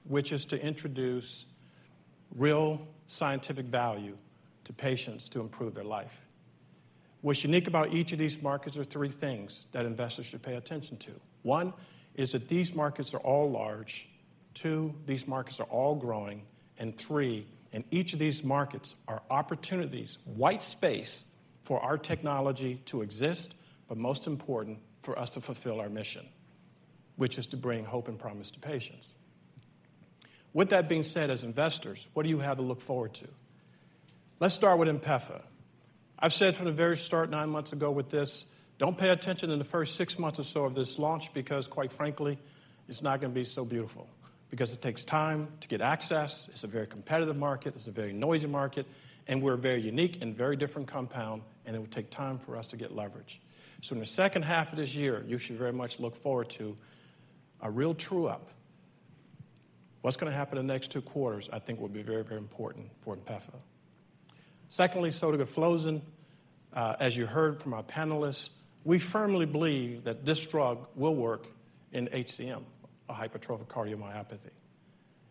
S2: which is to introduce real scientific value to patients to improve their life. What's unique about each of these markets are three things that investors should pay attention to. One is that these markets are all large. Two, these markets are all growing. And three, in each of these markets are opportunities, white space for our technology to exist, but most important, for us to fulfill our mission, which is to bring hope and promise to patients. With that being said, as investors, what do you have to look forward to? Let's start with INPEFA. I've said from the very start nine months ago with this, don't pay attention in the first six months or so of this launch because, quite frankly, it's not going to be so beautiful because it takes time to get access. It's a very competitive market. It's a very noisy market. And we're a very unique and very different compound. And it will take time for us to get leverage. So in the second half of this year, you should very much look forward to a real true-up. What's going to happen in the next two quarters, I think, will be very, very important for INPEFA. Secondly, so to go sotagliflozin. As you heard from our panelists, we firmly believe that this drug will work in HCM, hypertrophic cardiomyopathy.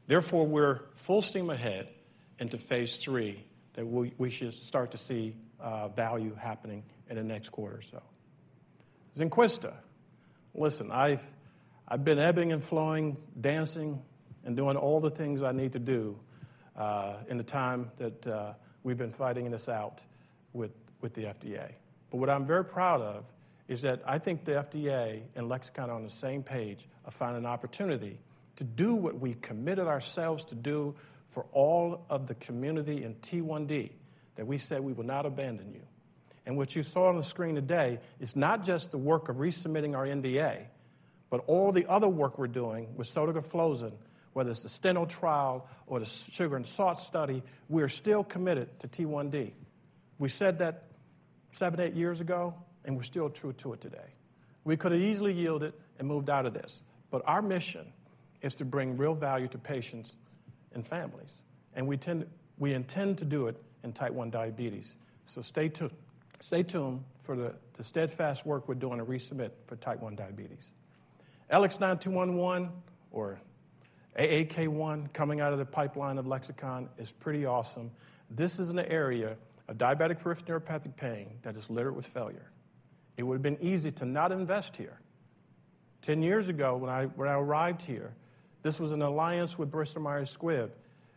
S2: Therefore, we're full steam ahead into phase III that we should start to see value happening in the next quarter or so. Zynquista. Listen, I've been ebbing and flowing, dancing, and doing all the things I need to do in the time that we've been fighting this out with the FDA. But what I'm very proud of is that I think the FDA and Lexicon are on the same page of finding an opportunity to do what we committed ourselves to do for all of the community in T1D that we said we will not abandon you. And what you saw on the screen today is not just the work of resubmitting our NDA, but all the other work we're doing with sotagliflozin, whether it's the STENO-1 trial or the SUGARNSALT study, we are still committed to T1D. We said that seven-eight years ago, and we're still true to it today. We could have easily yielded and moved out of this. But our mission is to bring real value to patients and families. And we intend to do it in type 1 diabetes. So stay tuned for the steadfast work we're doing to resubmit for type 1 diabetes. LX9211 or AAK1 coming out of the pipeline of Lexicon is pretty awesome. This is an area of diabetic peripheral neuropathic pain that is littered with failure. It would have been easy to not invest here. 10 years ago, when I arrived here, this was an alliance with Bristol Myers Squibb.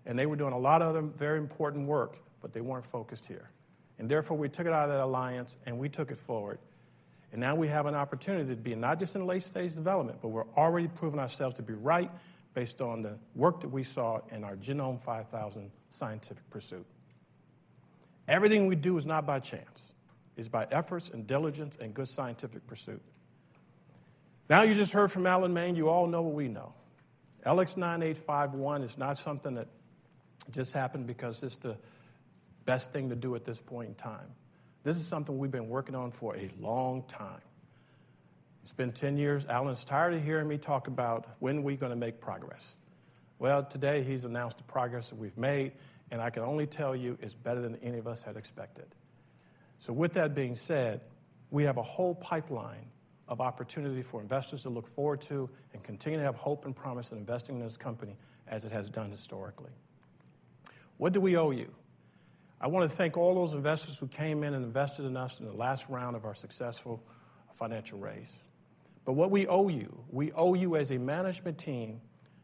S2: And they were doing a lot of other very important work, but they weren't focused here. And therefore, we took it out of that alliance, and we took it forward. Now we have an opportunity to be not just in late-stage development, but we're already proving ourselves to be right based on the work that we saw in our Genome5000 scientific pursuit. Everything we do is not by chance. It's by efforts and diligence and good scientific pursuit. Now you just heard from Alan Main. You all know what we know. LX9851 is not something that just happened because it's the best thing to do at this point in time. This is something we've been working on for a long time. It's been 10 years. Alan's tired of hearing me talk about when we're going to make progress. Well, today, he's announced the progress that we've made. I can only tell you, it's better than any of us had expected. So with that being said, we have a whole pipeline of opportunity for investors to look forward to and continue to have hope and promise in investing in this company as it has done historically. What do we owe you? I want to thank all those investors who came in and invested in us in the last round of our successful financial raise. But what we owe you, we owe you as a management team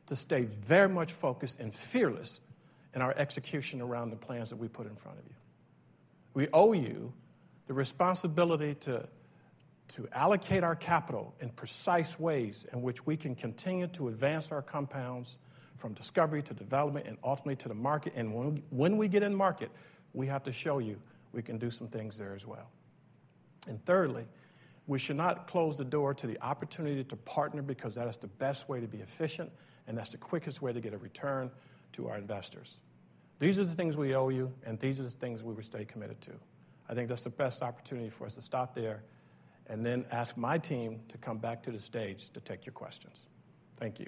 S2: to stay very much focused and fearless in our execution around the plans that we put in front of you. We owe you the responsibility to allocate our capital in precise ways in which we can continue to advance our compounds from discovery to development and ultimately to the market. And when we get in market, we have to show you we can do some things there as well. And thirdly, we should not close the door to the opportunity to partner because that is the best way to be efficient, and that's the quickest way to get a return to our investors. These are the things we owe you, and these are the things we will stay committed to. I think that's the best opportunity for us to stop there and then ask my team to come back to the stage to take your questions. Thank you.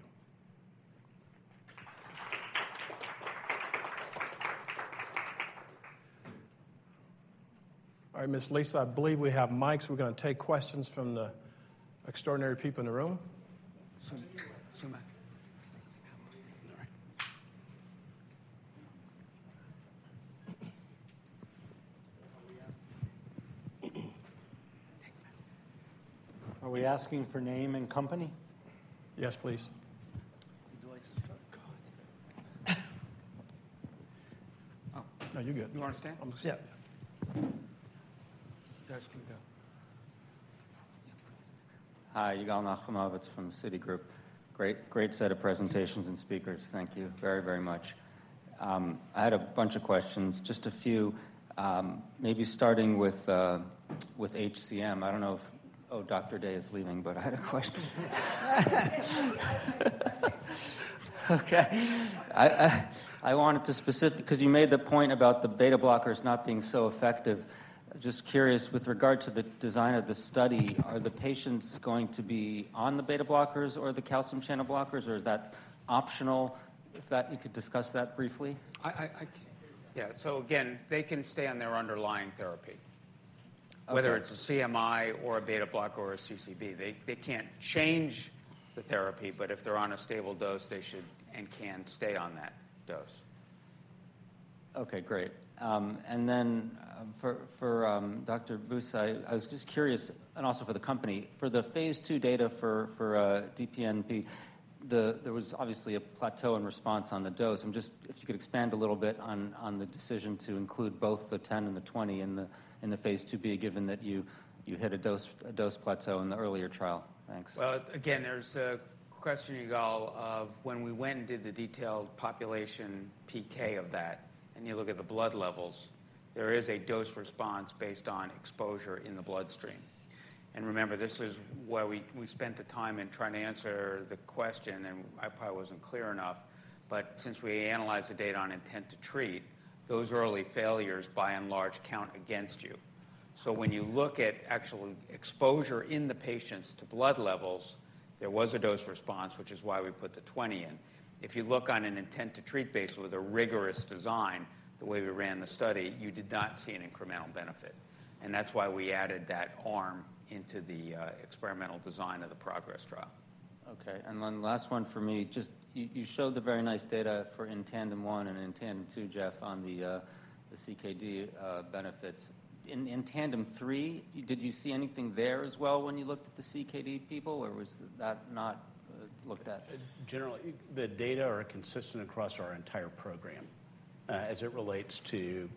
S2: All right, Ms. Lisa, I believe we have mics. We're going to take questions from the extraordinary people in the room.
S4: All right. Are we asking for name and company?
S2: Yes, please.
S4: Would you like to start?
S2: Oh, you good.
S4: You want to start?
S2: Yeah.
S4: Josh can go.
S11: Hi. Yigal Nochomovitz from Citigroup. Great set of presentations and speakers. Thank you very, very much. I had a bunch of questions. Just a few, maybe starting with HCM. I don't know if oh, Dr. Day is leaving, but I had a question. Okay. I wanted to specifically because you made the point about the beta blockers not being so effective. Just curious, with regard to the design of the study, are the patients going to be on the beta blockers or the calcium channel blockers, or is that optional? If that, you could discuss that briefly.
S5: Yeah. So again, they can stay on their underlying therapy, whether it's a CMI or a beta blocker or a CCB. They can't change the therapy, but if they're on a stable dose, they should and can stay on that dose.
S11: Okay. Great. Then for Dr. Busui, I was just curious, and also for the company, for the phase II data for DPNP, there was obviously a plateau in response on the dose. If you could expand a little bit on the decision to include both the 10 and the 20 in the phase 2b, given that you hit a dose plateau in the earlier trial. Thanks.
S5: Well, again, there's a question, Yigal, of when we went and did the detailed population PK of that, and you look at the blood levels, there is a dose response based on exposure in the bloodstream. And remember, this is where we spent the time in trying to answer the question. And I probably wasn't clear enough. But since we analyzed the data on intent to treat, those early failures, by and large, count against you. So when you look at actual exposure in the patients to blood levels, there was a dose response, which is why we put the 20 in. If you look on an intent to treat basis with a rigorous design, the way we ran the study, you did not see an incremental benefit. And that's why we added that arm into the experimental design of the progress trial.
S11: Okay. And then last one for me. You showed the very nice data for Intandem 1 and Intandem 2, Jeff, on the CKD benefits. In Intandem 3, did you see anything there as well when you looked at the CKD people, or was that not looked at?
S5: Generally, the data are consistent across our entire program as it relates to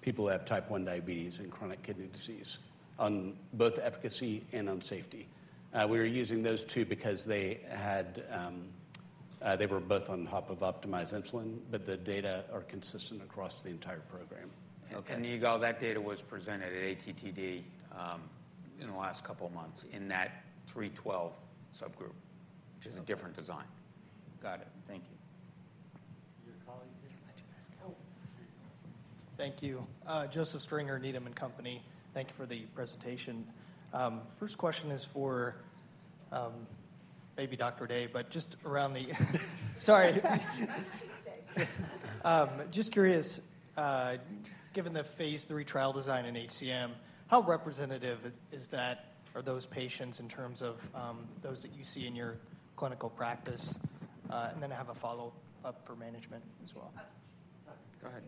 S5: people who have type 1 diabetes and chronic kidney disease, on both efficacy and on safety. We were using those two because they were both on top of optimized insulin, but the data are consistent across the entire program. And y'all, that data was presented at ATTD in the last couple of months in that 312 subgroup, which is a different design.
S11: Got it. Thank you.
S4: Your colleague here.
S12: Thank you. Joseph Stringer, Needham & Company. Thank you for the presentation. First question is for maybe Dr. Day, but just around the sorry. Just curious, given the phase III trial design in HCM, how representative are those patients in terms of those that you see in your clinical practice? And then I have a follow-up for management as well.
S4: Go ahead.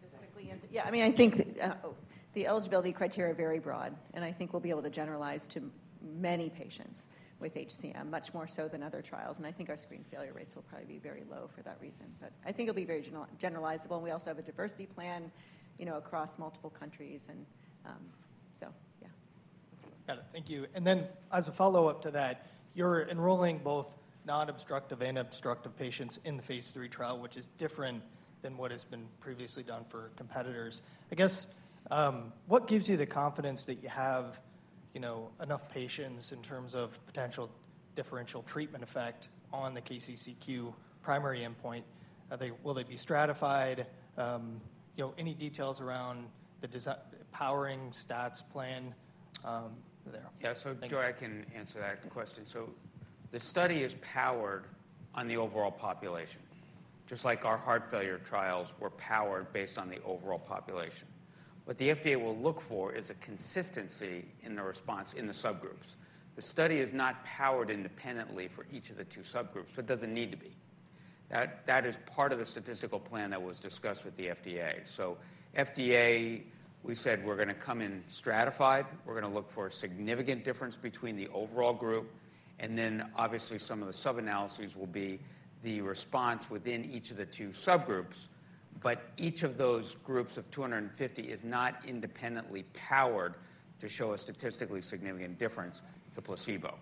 S9: Just quickly answer. Yeah. I mean, I think the eligibility criteria are very broad. And I think we'll be able to generalize to many patients with HCM, much more so than other trials. And I think our screen failure rates will probably be very low for that reason. But I think it'll be very generalizable. And we also have a diversity plan across multiple countries. And so yeah.
S12: Got it. Thank you. Then as a follow-up to that, you're enrolling both non-obstructive and obstructive patients in the phase III trial, which is different than what has been previously done for competitors. I guess, what gives you the confidence that you have enough patients in terms of potential differential treatment effect on the KCCQ primary endpoint? Will they be stratified? Any details around the powering stats plan there?
S5: Yeah. So Joy, I can answer that question. So the study is powered on the overall population, just like our heart failure trials were powered based on the overall population. What the FDA will look for is a consistency in the response in the subgroups. The study is not powered independently for each of the two subgroups. It doesn't need to be. That is part of the statistical plan that was discussed with the FDA. So FDA, we said we're going to come in stratified. We're going to look for a significant difference between the overall group. And then obviously, some of the sub-analyses will be the response within each of the two subgroups. But each of those groups of 250 is not independently powered to show a statistically significant difference to placebo.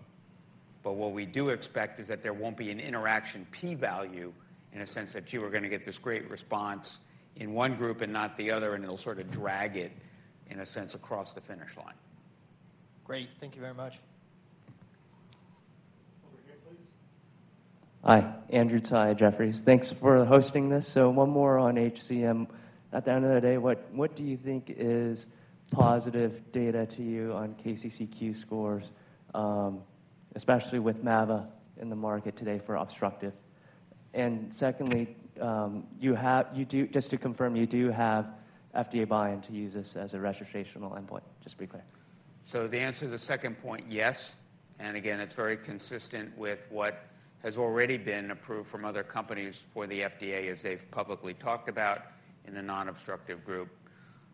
S5: What we do expect is that there won't be an interaction p-value in a sense that, "Gee, we're going to get this great response in one group and not the other," and it'll sort of drag it, in a sense, across the finish line.
S12: Great. Thank you very much.
S4: Over here, please.
S13: Hi. Andrew Tsai, Jefferies. Thanks for hosting this. So one more on HCM. At the end of the day, what do you think is positive data to you on KCCQ scores, especially with Mavacamten in the market today for obstructive? And secondly, just to confirm, you do have FDA buy-in to use this as a registrational endpoint, just to be clear.
S5: So the answer to the second point, yes. And again, it's very consistent with what has already been approved from other companies for the FDA as they've publicly talked about in the non-obstructive group.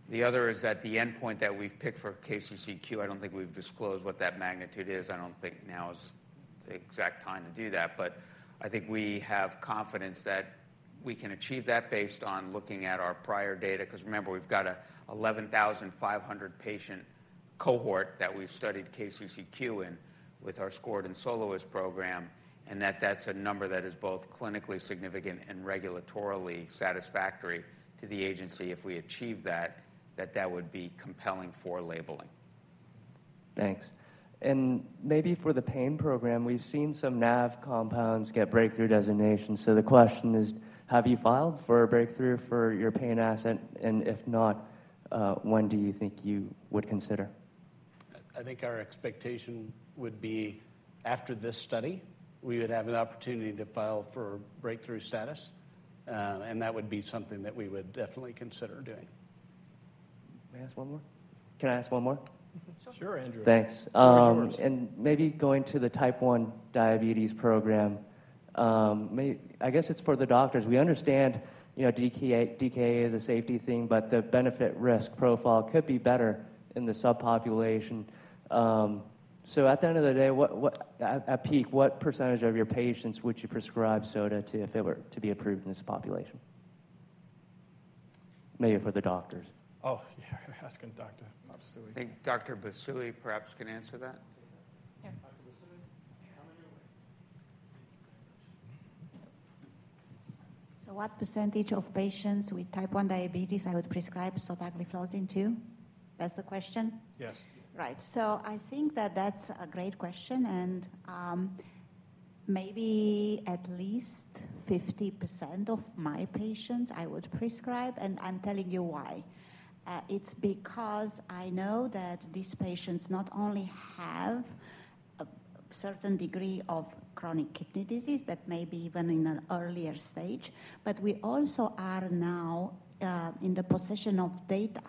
S5: The other is that the endpoint that we've picked for KCCQ, I don't think we've disclosed what that magnitude is. I don't think now is the exact time to do that. But I think we have confidence that we can achieve that based on looking at our prior data because remember, we've got an 11,500-patient cohort that we've studied KCCQ in with our SCORED and SOLOIST programs, and that's a number that is both clinically significant and regulatorily satisfactory to the agency. If we achieve that, that would be compelling for labeling.
S13: Thanks. And maybe for the pain program, we've seen some NaV compounds get breakthrough designations. So the question is, have you filed for a breakthrough for your pain asset? And if not, when do you think you would consider?
S5: I think our expectation would be, after this study, we would have an opportunity to file for breakthrough status. That would be something that we would definitely consider doing.
S13: May I ask one more? Can I ask one more?
S3: Sure, Andrew.
S13: Thanks. And maybe going to the type 1 diabetes program, I guess it's for the doctors. We understand DKA is a safety thing, but the benefit-risk profile could be better in the subpopulation. So at the end of the day, at peak, what percentage of your patients would you prescribe sotagliflozin to if it were to be approved in this population? Maybe for the doctors.
S4: Oh, you're asking Dr. Busui.
S3: I think Dr. Busui perhaps can answer that.
S4: Dr. Busui, come in your way.
S8: What percentage of patients with type 1 diabetes I would prescribe sotagliflozin to? That's the question?
S13: Yes.
S8: Right. So I think that that's a great question. Maybe at least 50% of my patients I would prescribe. I'm telling you why. It's because I know that these patients not only have a certain degree of chronic kidney disease that may be even in an earlier stage, but we also are now in the possession of data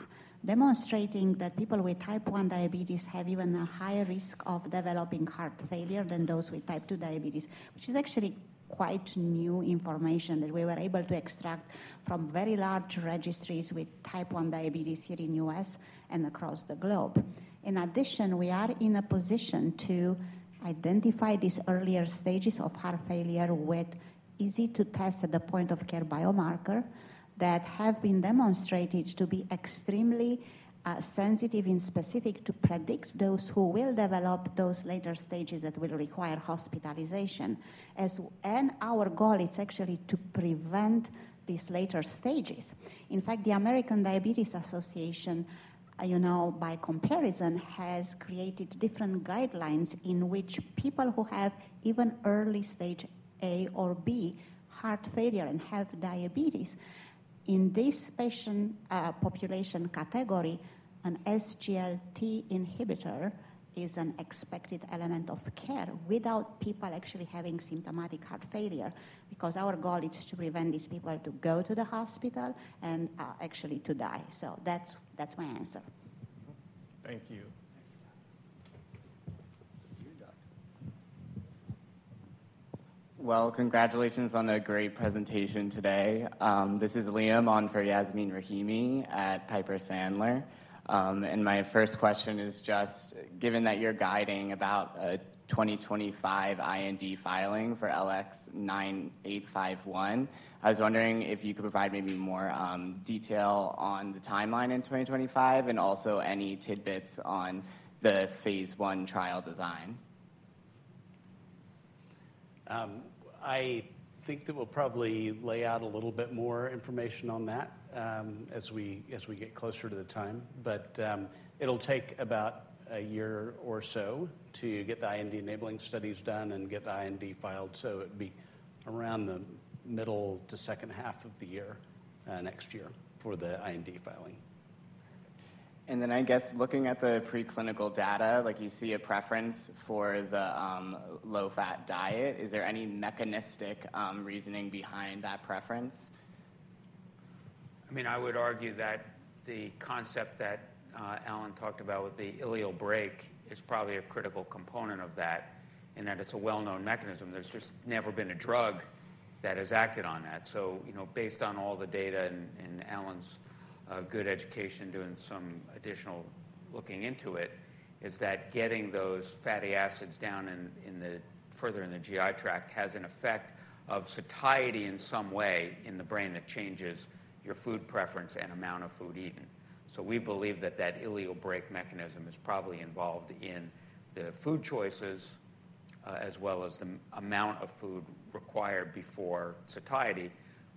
S8: demonstrating that people with type 1 diabetes have even a higher risk of developing heart failure than those with type 2 diabetes, which is actually quite new information that we were able to extract from very large registries with type 1 diabetes here in the U.S. and across the globe. In addition, we are in a position to identify these earlier stages of heart failure with easy-to-test at-the-point-of-care biomarkers that have been demonstrated to be extremely sensitive and specific to predict those who will develop those later stages that will require hospitalization. And our goal, it's actually to prevent these later stages. In fact, the American Diabetes Association, by comparison, has created different guidelines in which people who have even early stage A or B heart failure and have diabetes, in this patient population category, an SGLT inhibitor is an expected element of care without people actually having symptomatic heart failure because our goal, it's to prevent these people to go to the hospital and actually to die. So that's my answer.
S13: Thank you.
S4: Thank you, Doc.
S14: Well, congratulations on a great presentation today. This is Liam on for Yasmeen Rahimi at Piper Sandler. My first question is just, given that you're guiding about a 2025 IND filing for LX9851, I was wondering if you could provide maybe more detail on the timeline in 2025 and also any tidbits on the phase one trial design.
S5: I think that we'll probably lay out a little bit more information on that as we get closer to the time. But it'll take about a year or so to get the IND enabling studies done and get the IND filed. So it'd be around the middle to second half of the year next year for the IND filing.
S14: I guess looking at the preclinical data, you see a preference for the low-fat diet. Is there any mechanistic reasoning behind that preference?
S5: I mean, I would argue that the concept that Alan talked about with the ileal brake is probably a critical component of that in that it's a well-known mechanism. There's just never been a drug that has acted on that. So based on all the data and Alan's good education doing some additional looking into it, it's that getting those fatty acids further in the GI tract has an effect of satiety in some way in the brain that changes your food preference and amount of food eaten. So we believe that that ileal brake mechanism is probably involved in the food choices as well as the amount of food required before satiety.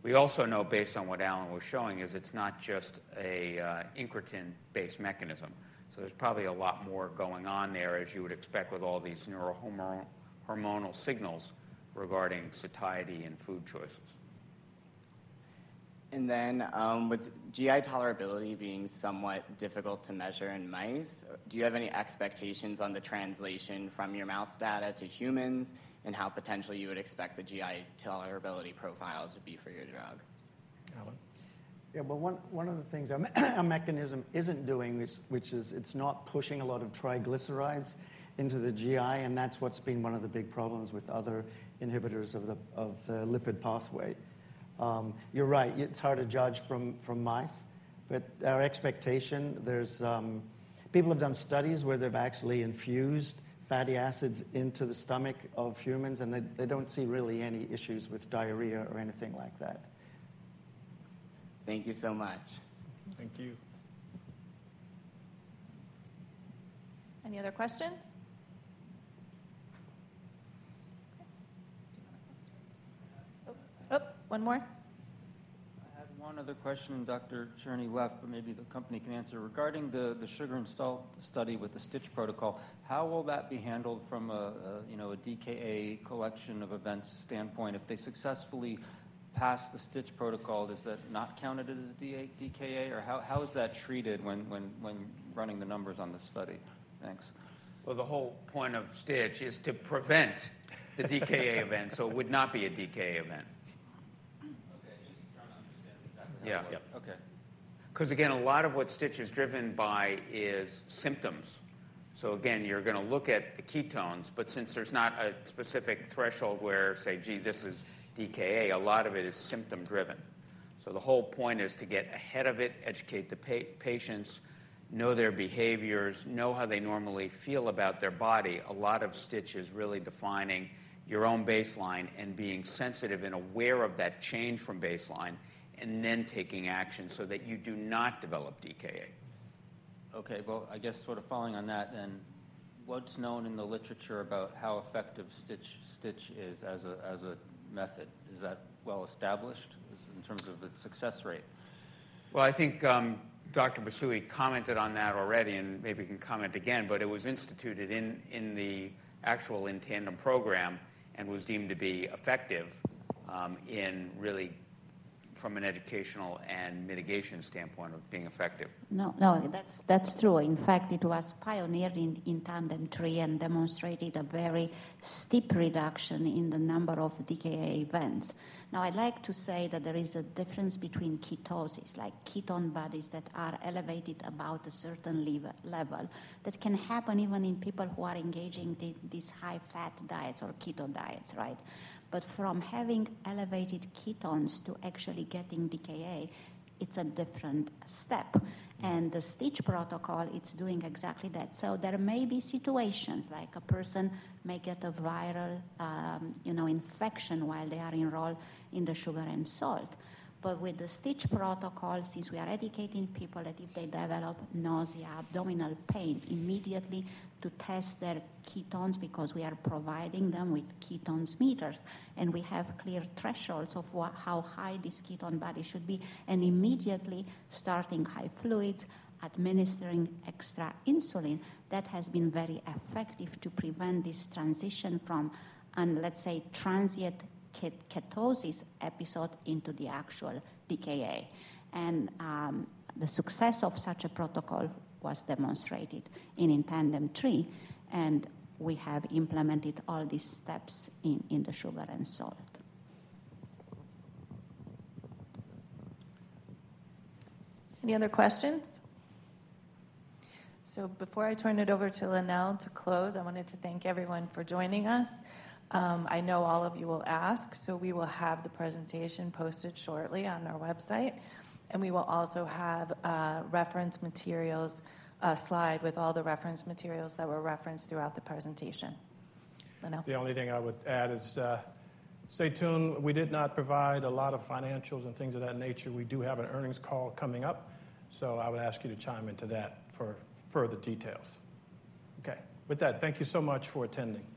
S5: We also know, based on what Alan was showing, that it's not just an incretin-based mechanism. So there's probably a lot more going on there, as you would expect with all these neurohormonal signals regarding satiety and food choices.
S15: And then with GI tolerability being somewhat difficult to measure in mice, do you have any expectations on the translation from your mouse data to humans and how potentially you would expect the GI tolerability profile to be for your drug?
S5: Alan.
S16: Yeah. Well, one of the things our mechanism isn't doing, which is it's not pushing a lot of triglycerides into the GI. And that's what's been one of the big problems with other inhibitors of the lipid pathway. You're right. It's hard to judge from mice. But our expectation, people have done studies where they've actually infused fatty acids into the stomach of humans. And they don't see really any issues with diarrhea or anything like that.
S15: Thank you so much.
S16: Thank you.
S1: Any other questions? Oops. One more.
S11: I had one other question, Dr. Cherney left, but maybe the company can answer. Regarding the sugar and salt study with the STITCH protocol, how will that be handled from a DKA collection of events standpoint? If they successfully pass the STITCH protocol, is that not counted as DKA? Or how is that treated when running the numbers on the study? Thanks.
S5: Well, the whole point of STITCH is to prevent the DKA event. So it would not be a DKA event.
S11: Okay. Just trying to understand exactly how it works.
S5: Yeah. Yeah. Okay. Because again, a lot of what STITCH is driven by is symptoms. So again, you're going to look at the ketones. But since there's not a specific threshold where, say, "Gee, this is DKA," a lot of it is symptom-driven. So the whole point is to get ahead of it, educate the patients, know their behaviors, know how they normally feel about their body. A lot of STITCH is really defining your own baseline and being sensitive and aware of that change from baseline and then taking action so that you do not develop DKA.
S11: Okay. Well, I guess sort of following on that then, what's known in the literature about how effective STITCH is as a method? Is that well-established in terms of its success rate?
S5: Well, I think Dr. Busui commented on that already. And maybe he can comment again. But it was instituted in the actual In Tandem program and was deemed to be effective from an educational and mitigation standpoint of being effective.
S8: No. No. That's true. In fact, it was pioneered in tandem tree and demonstrated a very steep reduction in the number of DKA events. Now, I'd like to say that there is a difference between ketosis, like ketone bodies that are elevated about a certain level that can happen even in people who are engaging these high-fat diets or keto diets, right? But from having elevated ketones to actually getting DKA, it's a different step. And the STITCH protocol, it's doing exactly that. So there may be situations like a person may get a viral infection while they are enrolled in the SUGARNSALT. But with the STITCH protocol, since we are educating people that if they develop nausea, abdominal pain, immediately to test their ketones because we are providing them with ketone meters and we have clear thresholds of how high this ketone body should be and immediately starting high fluids, administering extra insulin, that has been very effective to prevent this transition from, let's say, transient ketosis episode into the actual DKA. And the success of such a protocol was demonstrated in inTandem3. And we have implemented all these steps in the SUGARNSALT.
S1: Any other questions? So before I turn it over to Lonnel to close, I wanted to thank everyone for joining us. I know all of you will ask. So we will have the presentation posted shortly on our website. And we will also have a reference materials slide with all the reference materials that were referenced throughout the presentation. Lonnel?
S2: The only thing I would add is stay tuned. We did not provide a lot of financials and things of that nature. We do have an earnings call coming up. So I would ask you to chime into that for further details. Okay. With that, thank you so much for attending.